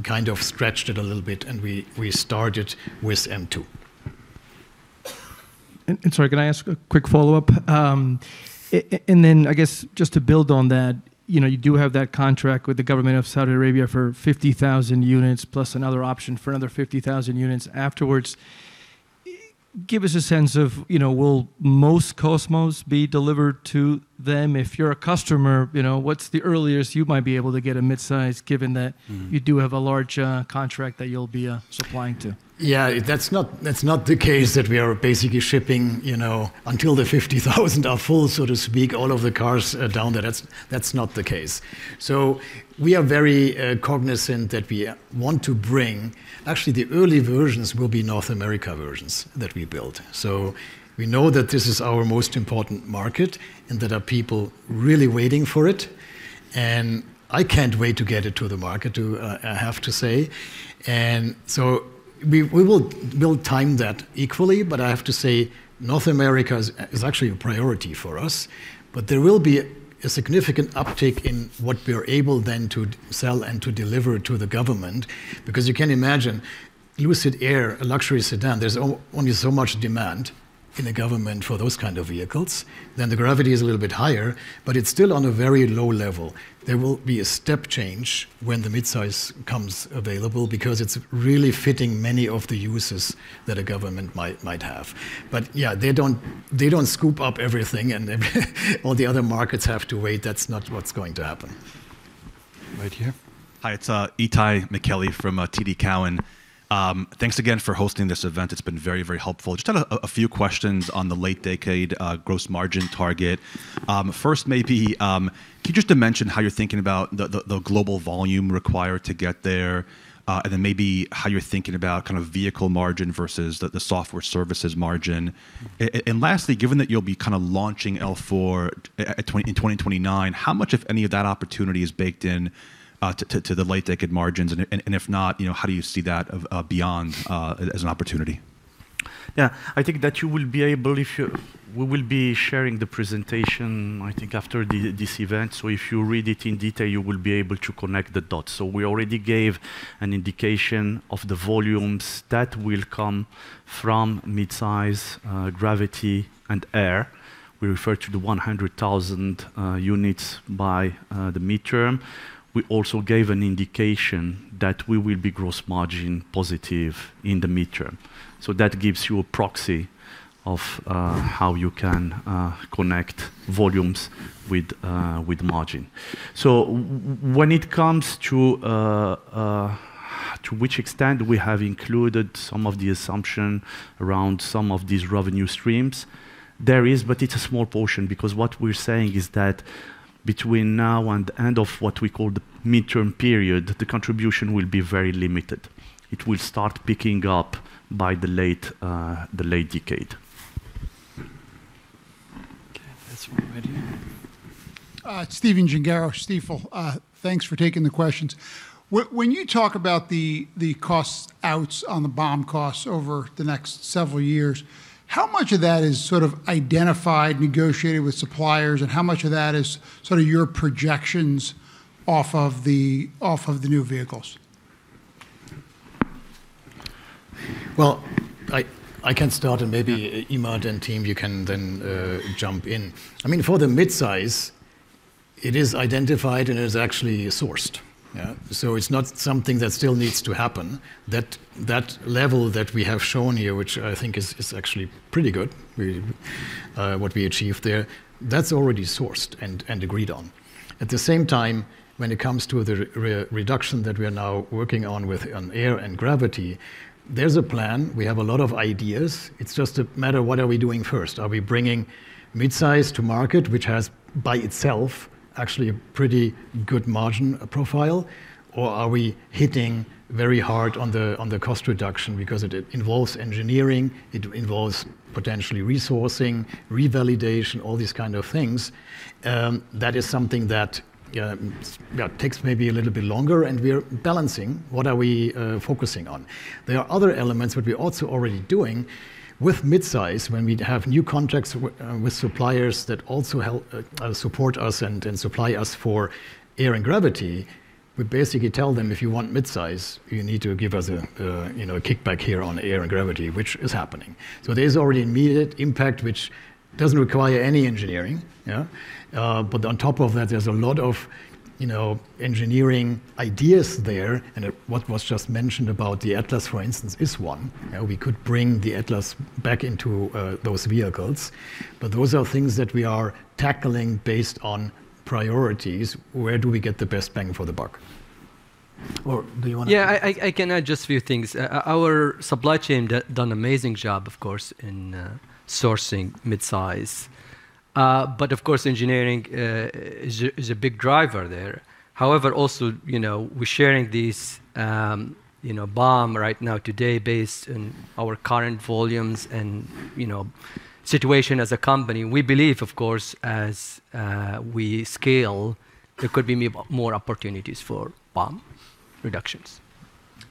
kind of stretched it a little bit and we started with M2. Sorry, can I ask a quick follow-up? I guess just to build on that, you know, you do have that contract with the government of Saudi Arabia for 50,000 units plus another option for another 50,000 units afterwards. Give us a sense of, you know, will most Cosmos be delivered to them? If you're a customer, you know, what's the earliest you might be able to get a midsize given that? Mm-hmm... you do have a large contract that you'll be supplying to? Yeah, that's not the case that we are basically shipping, you know, until the 50,000 are full, so to speak, all of the cars down there. That's not the case. We are very cognizant. Actually the early versions will be North America versions that we build. We know that this is our most important market, and there are people really waiting for it. I can't wait to get it to the market, I have to say. We will time that equally, but I have to say North America is actually a priority for us. There will be a significant uptick in what we're able then to sell and to deliver to the government, because you can imagine Lucid Air, a luxury sedan, there's only so much demand in the government for those kind of vehicles. The Gravity is a little bit higher, but it's still on a very low level. There will be a step change when the midsize comes available because it's really fitting many of the uses that a government might have. Yeah, they don't scoop up everything and then all the other markets have to wait. That's not what's going to happen. Right here. Hi, it's Itay Michaeli from TD Cowen. Thanks again for hosting this event. It's been very, very helpful. Just had a few questions on the late decade gross margin target. First maybe can you just mention how you're thinking about the global volume required to get there, and then maybe how you're thinking about kind of vehicle margin versus the software services margin? Lastly, given that you'll be kinda launching L4 in 2029, how much, if any, of that opportunity is baked in to the late decade margins? If not, you know, how do you see that as beyond as an opportunity? I think that you will be able. We will be sharing the presentation, I think, after this event. If you read it in detail, you will be able to connect the dots. We already gave an indication of the volumes that will come from midsize, Gravity, and Air. We refer to the 100,000 units by the midterm. We also gave an indication that we will be gross margin positive in the midterm. That gives you a proxy of how you can connect volumes with margin. When it comes to which extent we have included some of the assumption around some of these revenue streams, there is, but it's a small portion because what we're saying is that between now and the end of what we call the midterm period, the contribution will be very limited. It will start picking up by the late decade. Okay, this one right here. Stephen Gengaro, Stifel. Thanks for taking the questions. When you talk about the cost outs on the BOM costs over the next several years, how much of that is sort of identified, negotiated with suppliers, and how much of that is sort of your projections off of the new vehicles? Well, I can start and maybe Emad and team, you can then jump in. I mean, for the midsize, it is identified and is actually sourced. Yeah. It's not something that still needs to happen. That level that we have shown here, which I think is actually pretty good, what we achieved there, that's already sourced and agreed on. At the same time, when it comes to the reduction that we are now working on with on Air and Gravity, there's a plan. We have a lot of ideas. It's just a matter of what are we doing first. Are we bringing midsize to market, which has by itself actually a pretty good margin profile, or are we hitting very hard on the cost reduction because it involves engineering, it involves potentially resourcing, revalidation, all these kind of things. That is something that takes maybe a little bit longer, and we're balancing what we are focusing on. There are other elements that we're also already doing with Midsize when we have new contracts with suppliers that also help support us and supply us for Air and Gravity. We basically tell them, "If you want Midsize, you need to give us a kickback here on Air and Gravity," which is happening. There's already immediate impact which doesn't require any engineering. On top of that, there's a lot of you know engineering ideas there and what was just mentioned about the Atlas, for instance, is one. You know, we could bring the Atlas back into those vehicles. Those are things that we are tackling based on priorities. Where do we get the best bang for the buck? Or do you wanna- Yeah, I can add just a few things. Our supply chain has done an amazing job, of course, in sourcing Midsize. But of course, engineering is a big driver there. However, also, you know, we're sharing these, you know, BOM right now today based on our current volumes and, you know, situation as a company. We believe, of course, as we scale, there could be more opportunities for BOM reductions.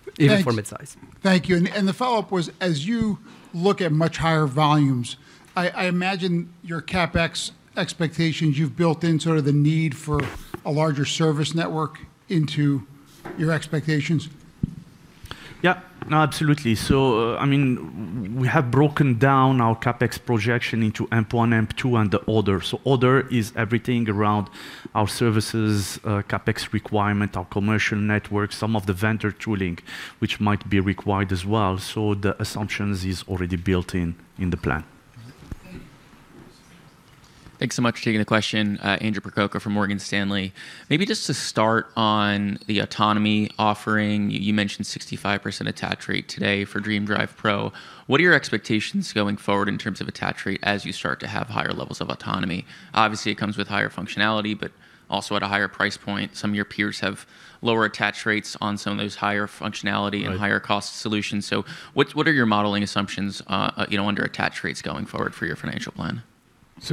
Thanks even for midsize. Thank you. The follow-up was, as you look at much higher volumes, I imagine your CapEx expectations, you've built in sort of the need for a larger service network into your expectations. Yeah. No, absolutely. I mean, we have broken down our CapEx projection into AMP-1, AMP-2, and the other. Other is everything around our services, CapEx requirement, our commercial network, some of the vendor tooling which might be required as well. The assumptions is already built in the plan. Okay. Thanks so much for taking the question. Andrew Percoco from Morgan Stanley. Maybe just to start on the autonomy offering, you mentioned 65% attach rate today for DreamDrive Pro. What are your expectations going forward in terms of attach rate as you start to have higher levels of autonomy? Obviously, it comes with higher functionality, but also at a higher price point. Some of your peers have lower attach rates on some of those higher functionality. Right... and higher cost solutions. What are your modeling assumptions, you know, under attach rates going forward for your financial plan?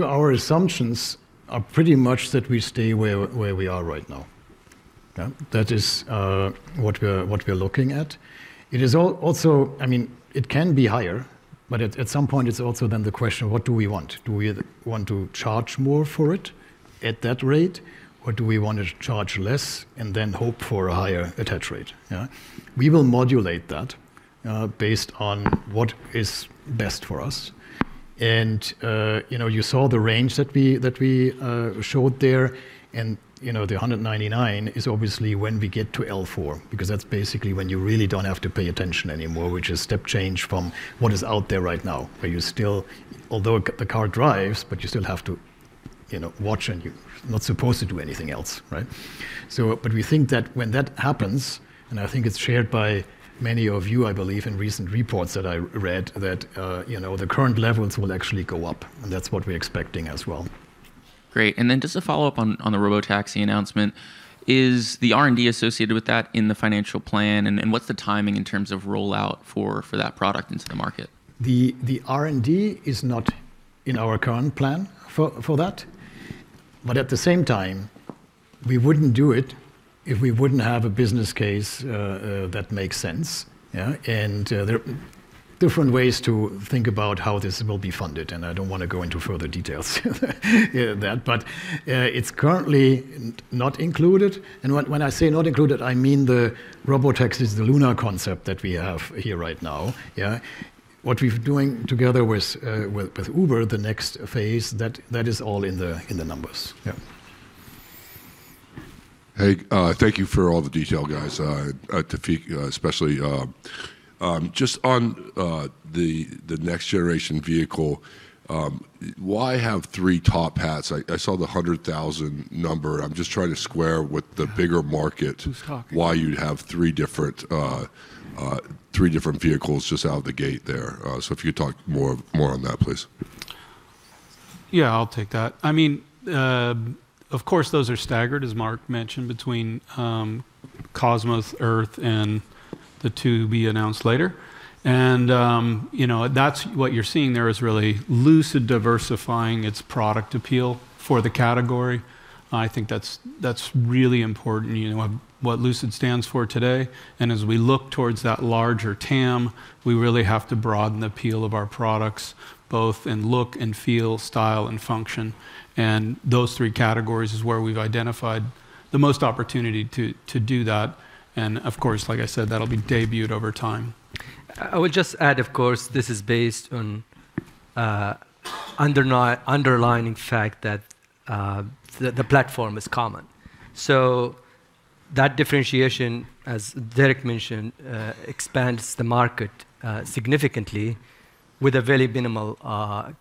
Our assumptions are pretty much that we stay where we are right now. Yeah. That is what we're looking at. It is also. I mean, it can be higher, but at some point, it's also then the question of what do we want? Do we want to charge more for it at that rate, or do we want to charge less and then hope for a higher attach rate? Yeah. We will modulate that based on what is best for us. You know, you saw the range that we showed there. You know, the 199 is obviously when we get to L4, because that's basically when you really don't have to pay attention anymore, which is step change from what is out there right now, where you still, although the car drives, but you still have to, you know, watch and you're not supposed to do anything else, right? But we think that when that happens, and I think it's shared by many of you, I believe, in recent reports that I read, that, you know, the current levels will actually go up, and that's what we're expecting as well. Great. Just a follow-up on the robotaxi announcement. Is the R&D associated with that in the financial plan, and what's the timing in terms of rollout for that product into the market? The R&D is not in our current plan for that. At the same time, we wouldn't do it if we wouldn't have a business case that makes sense. Yeah? There are different ways to think about how this will be funded, and I don't wanna go into further details yeah, that. It's currently not included. When I say not included, I mean the Robotaxi is the Lunar concept that we have here right now. Yeah? What we've doing together with Uber, the next phase, that is all in the numbers. Yeah. Hey, thank you for all the detail, guys. Taoufiq, especially. Just on the next generation vehicle, why have three top hats? I saw the 100,000 number. I'm just trying to square with the bigger market. Who's talking? Why you'd have three different vehicles just out of the gate there. If you could talk more on that, please. Yeah, I'll take that. I mean, of course, those are staggered, as Marc mentioned, between Cosmos, Earth, and the two we announced later. You know, that's what you're seeing there is really Lucid diversifying its product appeal for the category. I think that's really important, you know, what Lucid stands for today. As we look towards that larger TAM, we really have to broaden the appeal of our products, both in look and feel, style and function. Those three categories is where we've identified the most opportunity to do that. Of course, like I said, that'll be debuted over time. I would just add, of course, this is based on the underlying fact that the platform is common. That differentiation, as Derek mentioned, expands the market significantly with a very minimal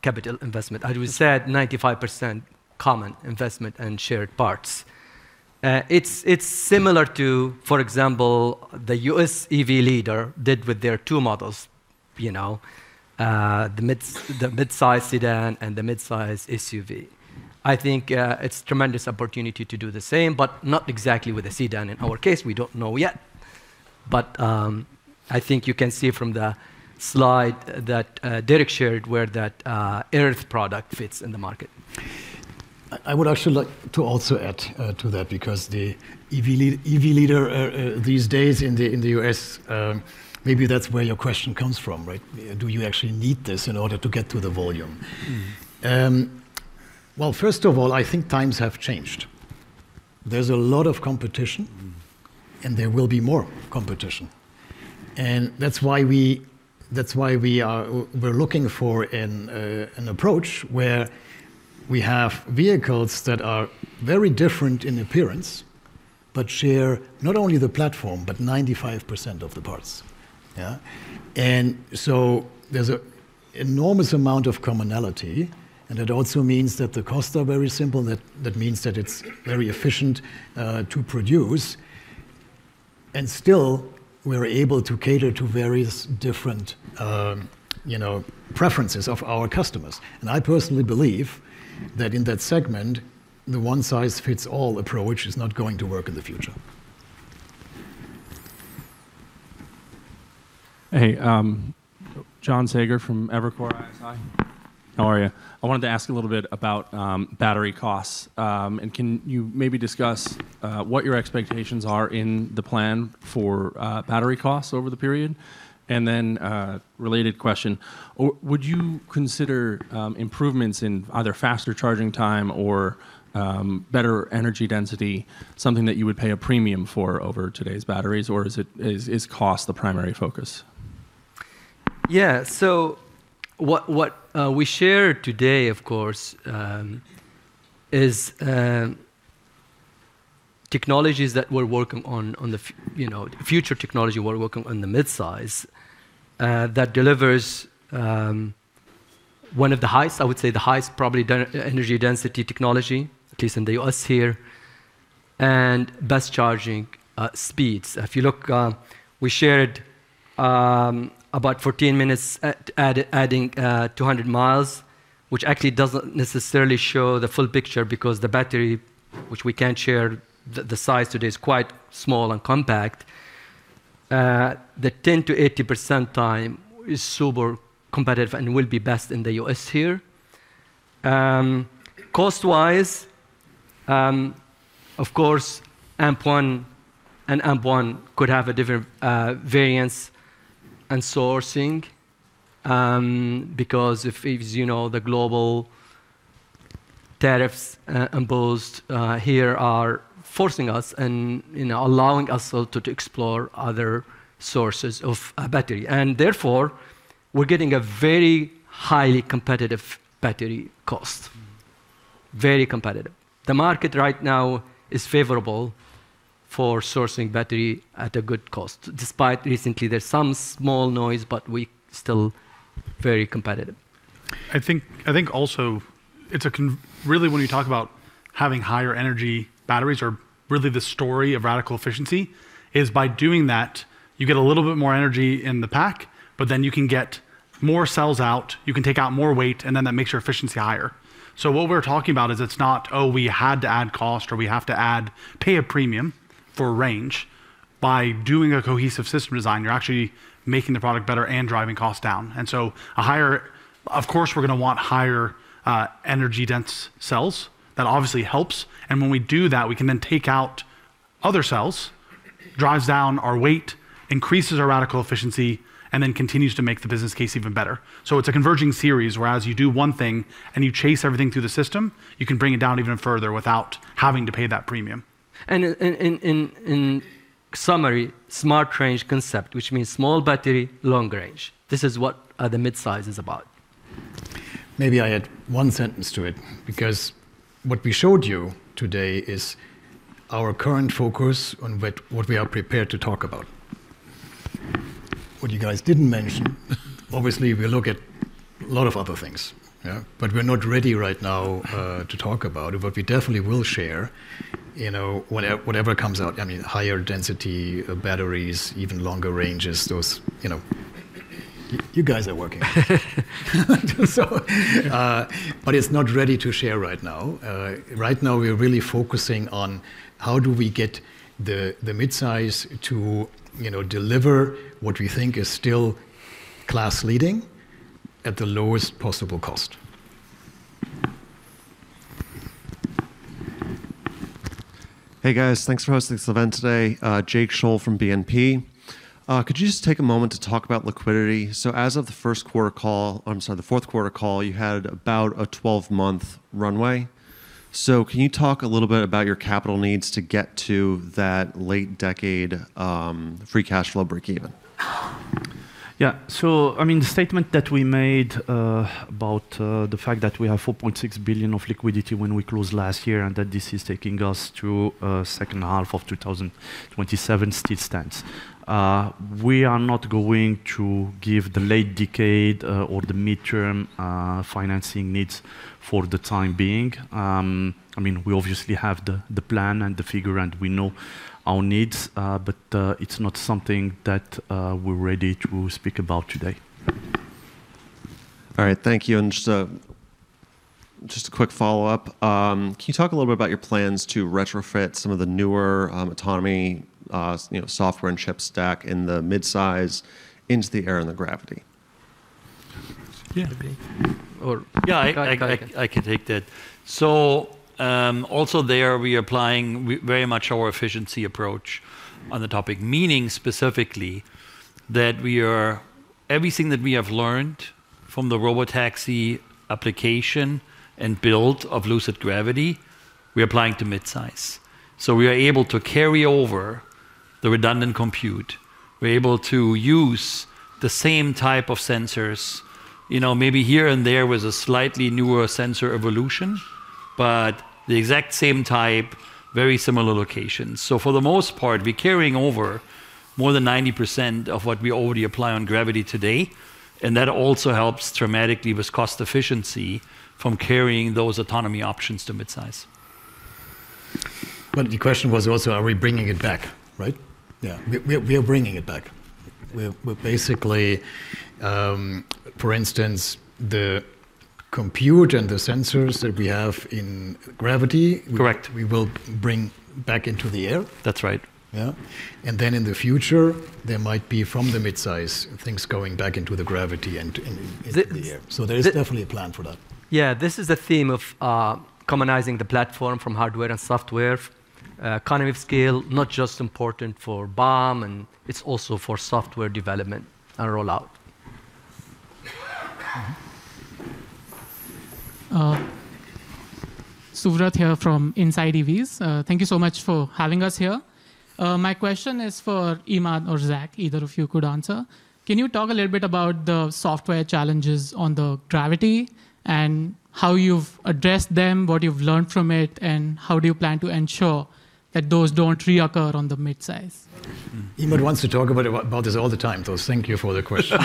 capital investment. As we said, 95% common investment and shared parts. It's similar to, for example, the U.S. EV leader did with their two models, you know, the mid-size sedan and the mid-size SUV. I think it's tremendous opportunity to do the same, but not exactly with the sedan in our case. We don't know yet. I think you can see from the slide that Derek shared where that Lucid Earth fits in the market. I would actually like to also add to that because the EV leader these days in the U.S., maybe that's where your question comes from, right? Do you actually need this in order to get to the volume? Well, first of all, I think times have changed. There's a lot of competition, and there will be more competition. That's why we're looking for an approach where we have vehicles that are very different in appearance, but share not only the platform, but 95% of the parts. Yeah? So there's an enormous amount of commonality, and it also means that the costs are very simple, that means that it's very efficient to produce. Still, we're able to cater to various different, you know, preferences of our customers. I personally believe that in that segment, the one-size-fits-all approach is not going to work in the future. Hey, John Sager from Evercore ISI. How are you? I wanted to ask a little bit about battery costs, and can you maybe discuss what your expectations are in the plan for battery costs over the period? Related question, would you consider improvements in either faster charging time or better energy density something that you would pay a premium for over today's batteries, or is it cost the primary focus? Yeah. What we shared today, of course, is technologies that we're working on, you know, future technology we're working on the mid-size that delivers one of the highest, I would say the highest probably energy density technology, at least in the U.S. here, and best charging speeds. If you look, we shared about 14 minutes adding 200 miles, which actually doesn't necessarily show the full picture because the battery, which we can't share the size today, is quite small and compact. The 10%-80% time is super competitive and will be best in the U.S. here. Cost-wise, of course, AMP-1 could have a different variance in sourcing, because if you know, the global tariffs imposed here are forcing us and, you know, allowing us also to explore other sources of battery. Therefore, we're getting a very highly competitive battery cost. Very competitive. The market right now is favorable for sourcing battery at a good cost. Despite recently, there's some small noise, but we still very competitive. I think also, it's really when we talk about having higher energy batteries or really the story of radical efficiency is by doing that, you get a little bit more energy in the pack, but then you can get more cells out, you can take out more weight, and then that makes your efficiency higher. What we're talking about is it's not, oh, we had to add cost or we have to add, pay a premium. For range. By doing a cohesive system design, you're actually making the product better and driving costs down. A higher, of course, we're gonna want higher, energy-dense cells. That obviously helps. When we do that, we can then take out other cells, drives down our weight, increases our radical efficiency, and then continues to make the business case even better. It's a converging series, whereas you do one thing and you chase everything through the system, you can bring it down even further without having to pay that premium. In summary, smart range concept, which means small battery, long range. This is what the midsize is about. Maybe I add one sentence to it, because what we showed you today is our current focus on what we are prepared to talk about. What you guys didn't mention, obviously, we look at a lot of other things. Yeah. We're not ready right now to talk about it, but we definitely will share, you know, whatever comes out, I mean, higher density batteries, even longer ranges, those, you know. You guys are working on it. It's not ready to share right now. Right now we're really focusing on how do we get the midsize to, you know, deliver what we think is still class leading at the lowest possible cost. Hey, guys. Thanks for hosting this event today. Jake Scholl from BNP. Could you just take a moment to talk about liquidity? As of the fourth quarter call, you had about a 12-month runway. Can you talk a little bit about your capital needs to get to that late decade free cash flow breakeven? Yeah. I mean, the statement that we made about the fact that we have $4.6 billion of liquidity when we closed last year and that this is taking us to second half of 2027 still stands. We are not going to give the late decade or the midterm financing needs for the time being. I mean, we obviously have the plan and the figure, and we know our needs, but it's not something that we're ready to speak about today. All right. Thank you. Just a quick follow-up. Can you talk a little bit about your plans to retrofit some of the newer autonomy you know software and chip stack in the midsize into the Air and the Gravity? Yeah. Yeah, I can take that. Also there, we are applying very much our efficiency approach on the topic, meaning specifically that everything that we have learned from the robotaxi application and build of Lucid Gravity, we're applying to midsize. We are able to carry over the redundant compute. We're able to use the same type of sensors, you know, maybe here and there with a slightly newer sensor evolution, but the exact same type, very similar locations. For the most part, we're carrying over more than 90% of what we already apply on Gravity today, and that also helps dramatically with cost efficiency from carrying those autonomy options to midsize. The question was also, are we bringing it back, right? Yeah. We are bringing it back. We're basically, for instance, the compute and the sensors that we have in Gravity. Correct We will bring back into the Air. That's right. Yeah. Then in the future, there might be from the mid-size things going back into the Gravity and into the Air. There is definitely a plan for that. Yeah. This is the theme of commonizing the platform from hardware and software, economies of scale, not just important for BOM and it's also for software development and rollout. Suvrat here from InsideEVs. Thank you so much for having us here. My question is for Emad or Zach, either of you could answer. Can you talk a little bit about the software challenges on the Gravity and how you've addressed them, what you've learned from it, and how do you plan to ensure that those don't reoccur on the midsize? Emad wants to talk about it, about this all the time, so thank you for the question.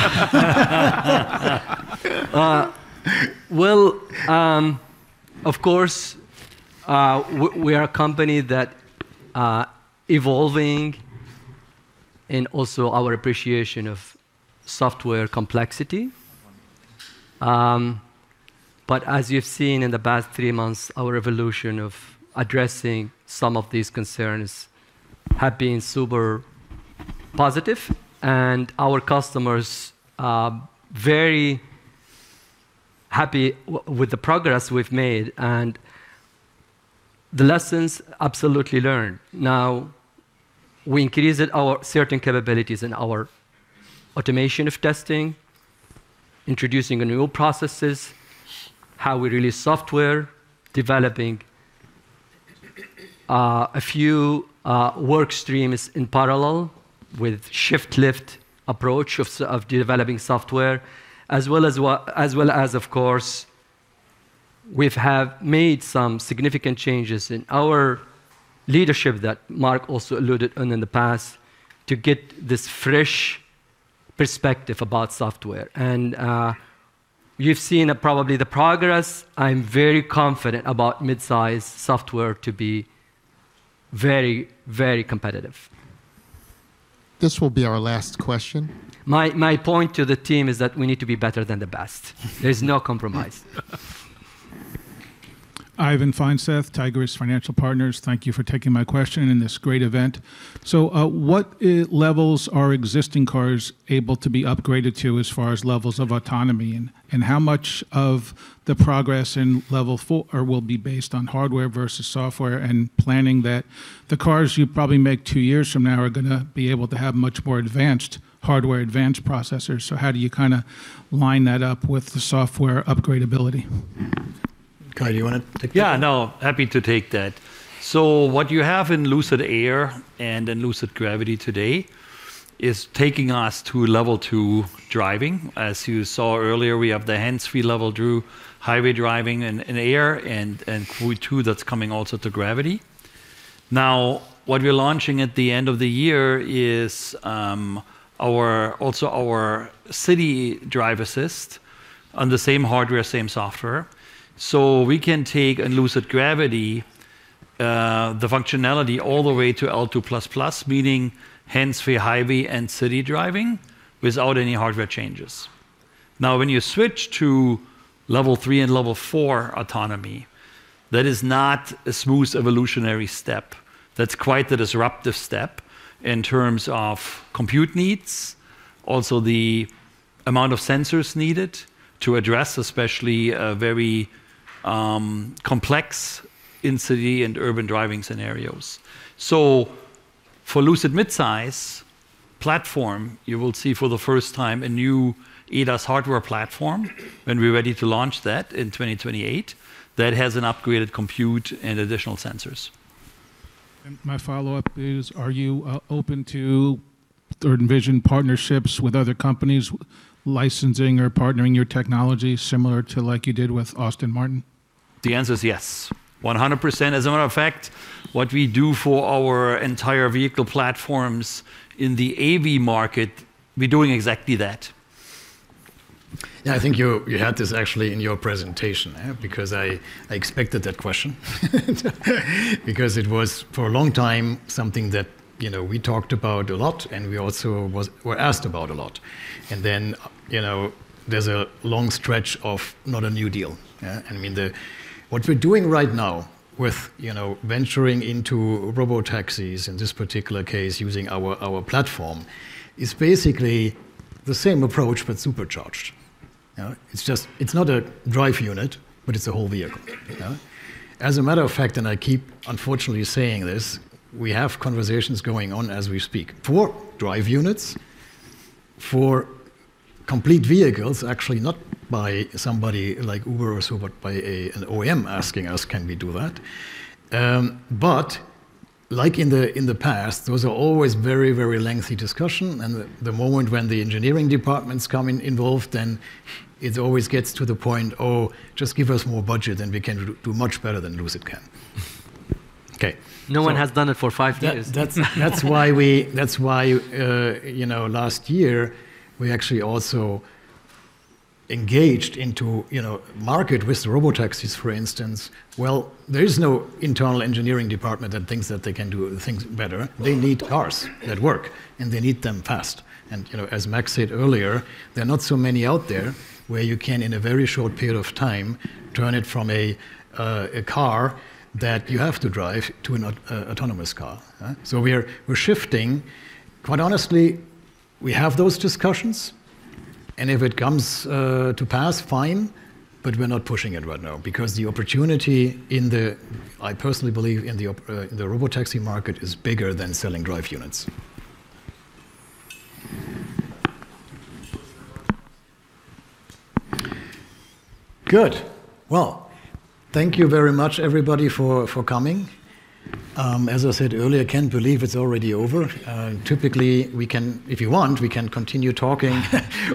Well, of course, we are a company that evolving and also our appreciation of software complexity. As you've seen in the past three months, our evolution of addressing some of these concerns have been super positive, and our customers are very happy with the progress we've made and the lessons absolutely learned. Now, we increased our certain capabilities in our automation of testing, introducing the new processes, how we release software, developing a few work streams in parallel with shift left approach of developing software, as well as, of course, we've made some significant changes in our leadership that Mark also alluded on in the past to get this fresh perspective about software. You've seen probably the progress. I'm very confident about midsize software to be very, very competitive. This will be our last question. My point to the team is that we need to be better than the best. There's no compromise. Ivan Feinseth, Tigress Financial Partners. Thank you for taking my question in this great event. What levels are existing cars able to be upgraded to as far as levels of autonomy? And how much of the progress in Level 4 will be based on hardware versus software and planning that the cars you probably make two years from now are gonna be able to have much more advanced hardware, advanced processors. How do you kinda line that up with the software upgradeability? Kai, do you wanna take that? Yeah, no, happy to take that. What you have in Lucid Air and in Lucid Gravity today is taking us to level two driving. As you saw earlier, we have the hands-free level two highway driving in Air and Q2 that's coming also to Gravity. What we're launching at the end of the year is our city drive assist on the same hardware, same software. We can take in Lucid Gravity the functionality all the way to L2++, meaning hands-free highway and city driving without any hardware changes. When you switch to level three and level four autonomy, that is not a smooth evolutionary step. That's quite the disruptive step in terms of compute needs, also the amount of sensors needed to address especially a very complex in-city and urban driving scenarios. For the Lucid midsize platform, you will see for the first time a new ADAS hardware platform, and we're ready to launch that in 2028, that has an upgraded compute and additional sensors. My follow-up is, are you open to third-party partnerships with other companies licensing or partnering your technology similar to like you did with Aston Martin? The answer is yes, 100%. As a matter of fact, what we do for our entire vehicle platforms in the AV market, we're doing exactly that. Yeah, I think you had this actually in your presentation, because I expected that question because it was, for a long time, something that, you know, we talked about a lot, and we also were asked about a lot. Then, you know, there's a long stretch of not a new deal, yeah? I mean, what we're doing right now with, you know, venturing into robotaxis, in this particular case, using our platform, is basically the same approach, but supercharged. You know? It's just not a drive unit, but it's a whole vehicle. You know? As a matter of fact, I keep unfortunately saying this, we have conversations going on as we speak for drive units, for complete vehicles, actually not by somebody like Uber or so, but by an OEM asking us can we do that. Like in the past, those are always very lengthy discussion. The moment when the engineering department's coming involved, it always gets to the point, "Oh, just give us more budget and we can do much better than Lucid can." Okay. No one has done it for five years. That's why, you know, last year, we actually also engaged in the market with the robotaxis, for instance. Well, there is no internal engineering department that thinks that they can do things better. They need cars that work, and they need them fast. You know, as Max said earlier, there are not so many out there where you can, in a very short period of time, turn it from a car that you have to drive to an autonomous car. So we're shifting. Quite honestly, we have those discussions, and if it comes to pass, fine, but we're not pushing it right now because the opportunity in the robotaxi market is bigger than selling drive units. Good. Well, thank you very much, everybody, for coming. As I said earlier, can't believe it's already over. Typically, if you want, we can continue talking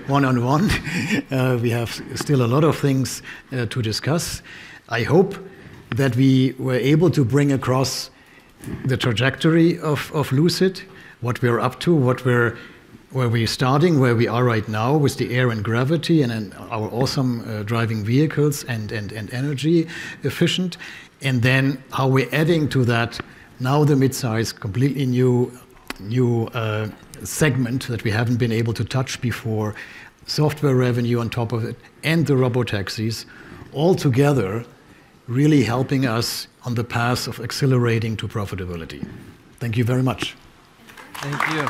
one-on-one. We have still a lot of things to discuss. I hope that we were able to bring across the trajectory of Lucid, what we're up to, where we're starting, where we are right now with the Air and Gravity and then our awesome driving vehicles and energy efficient. Then how we're adding to that now the midsize, completely new segment that we haven't been able to touch before, software revenue on top of it, and the robotaxis all together really helping us on the path of accelerating to profitability. Thank you very much. Thank you.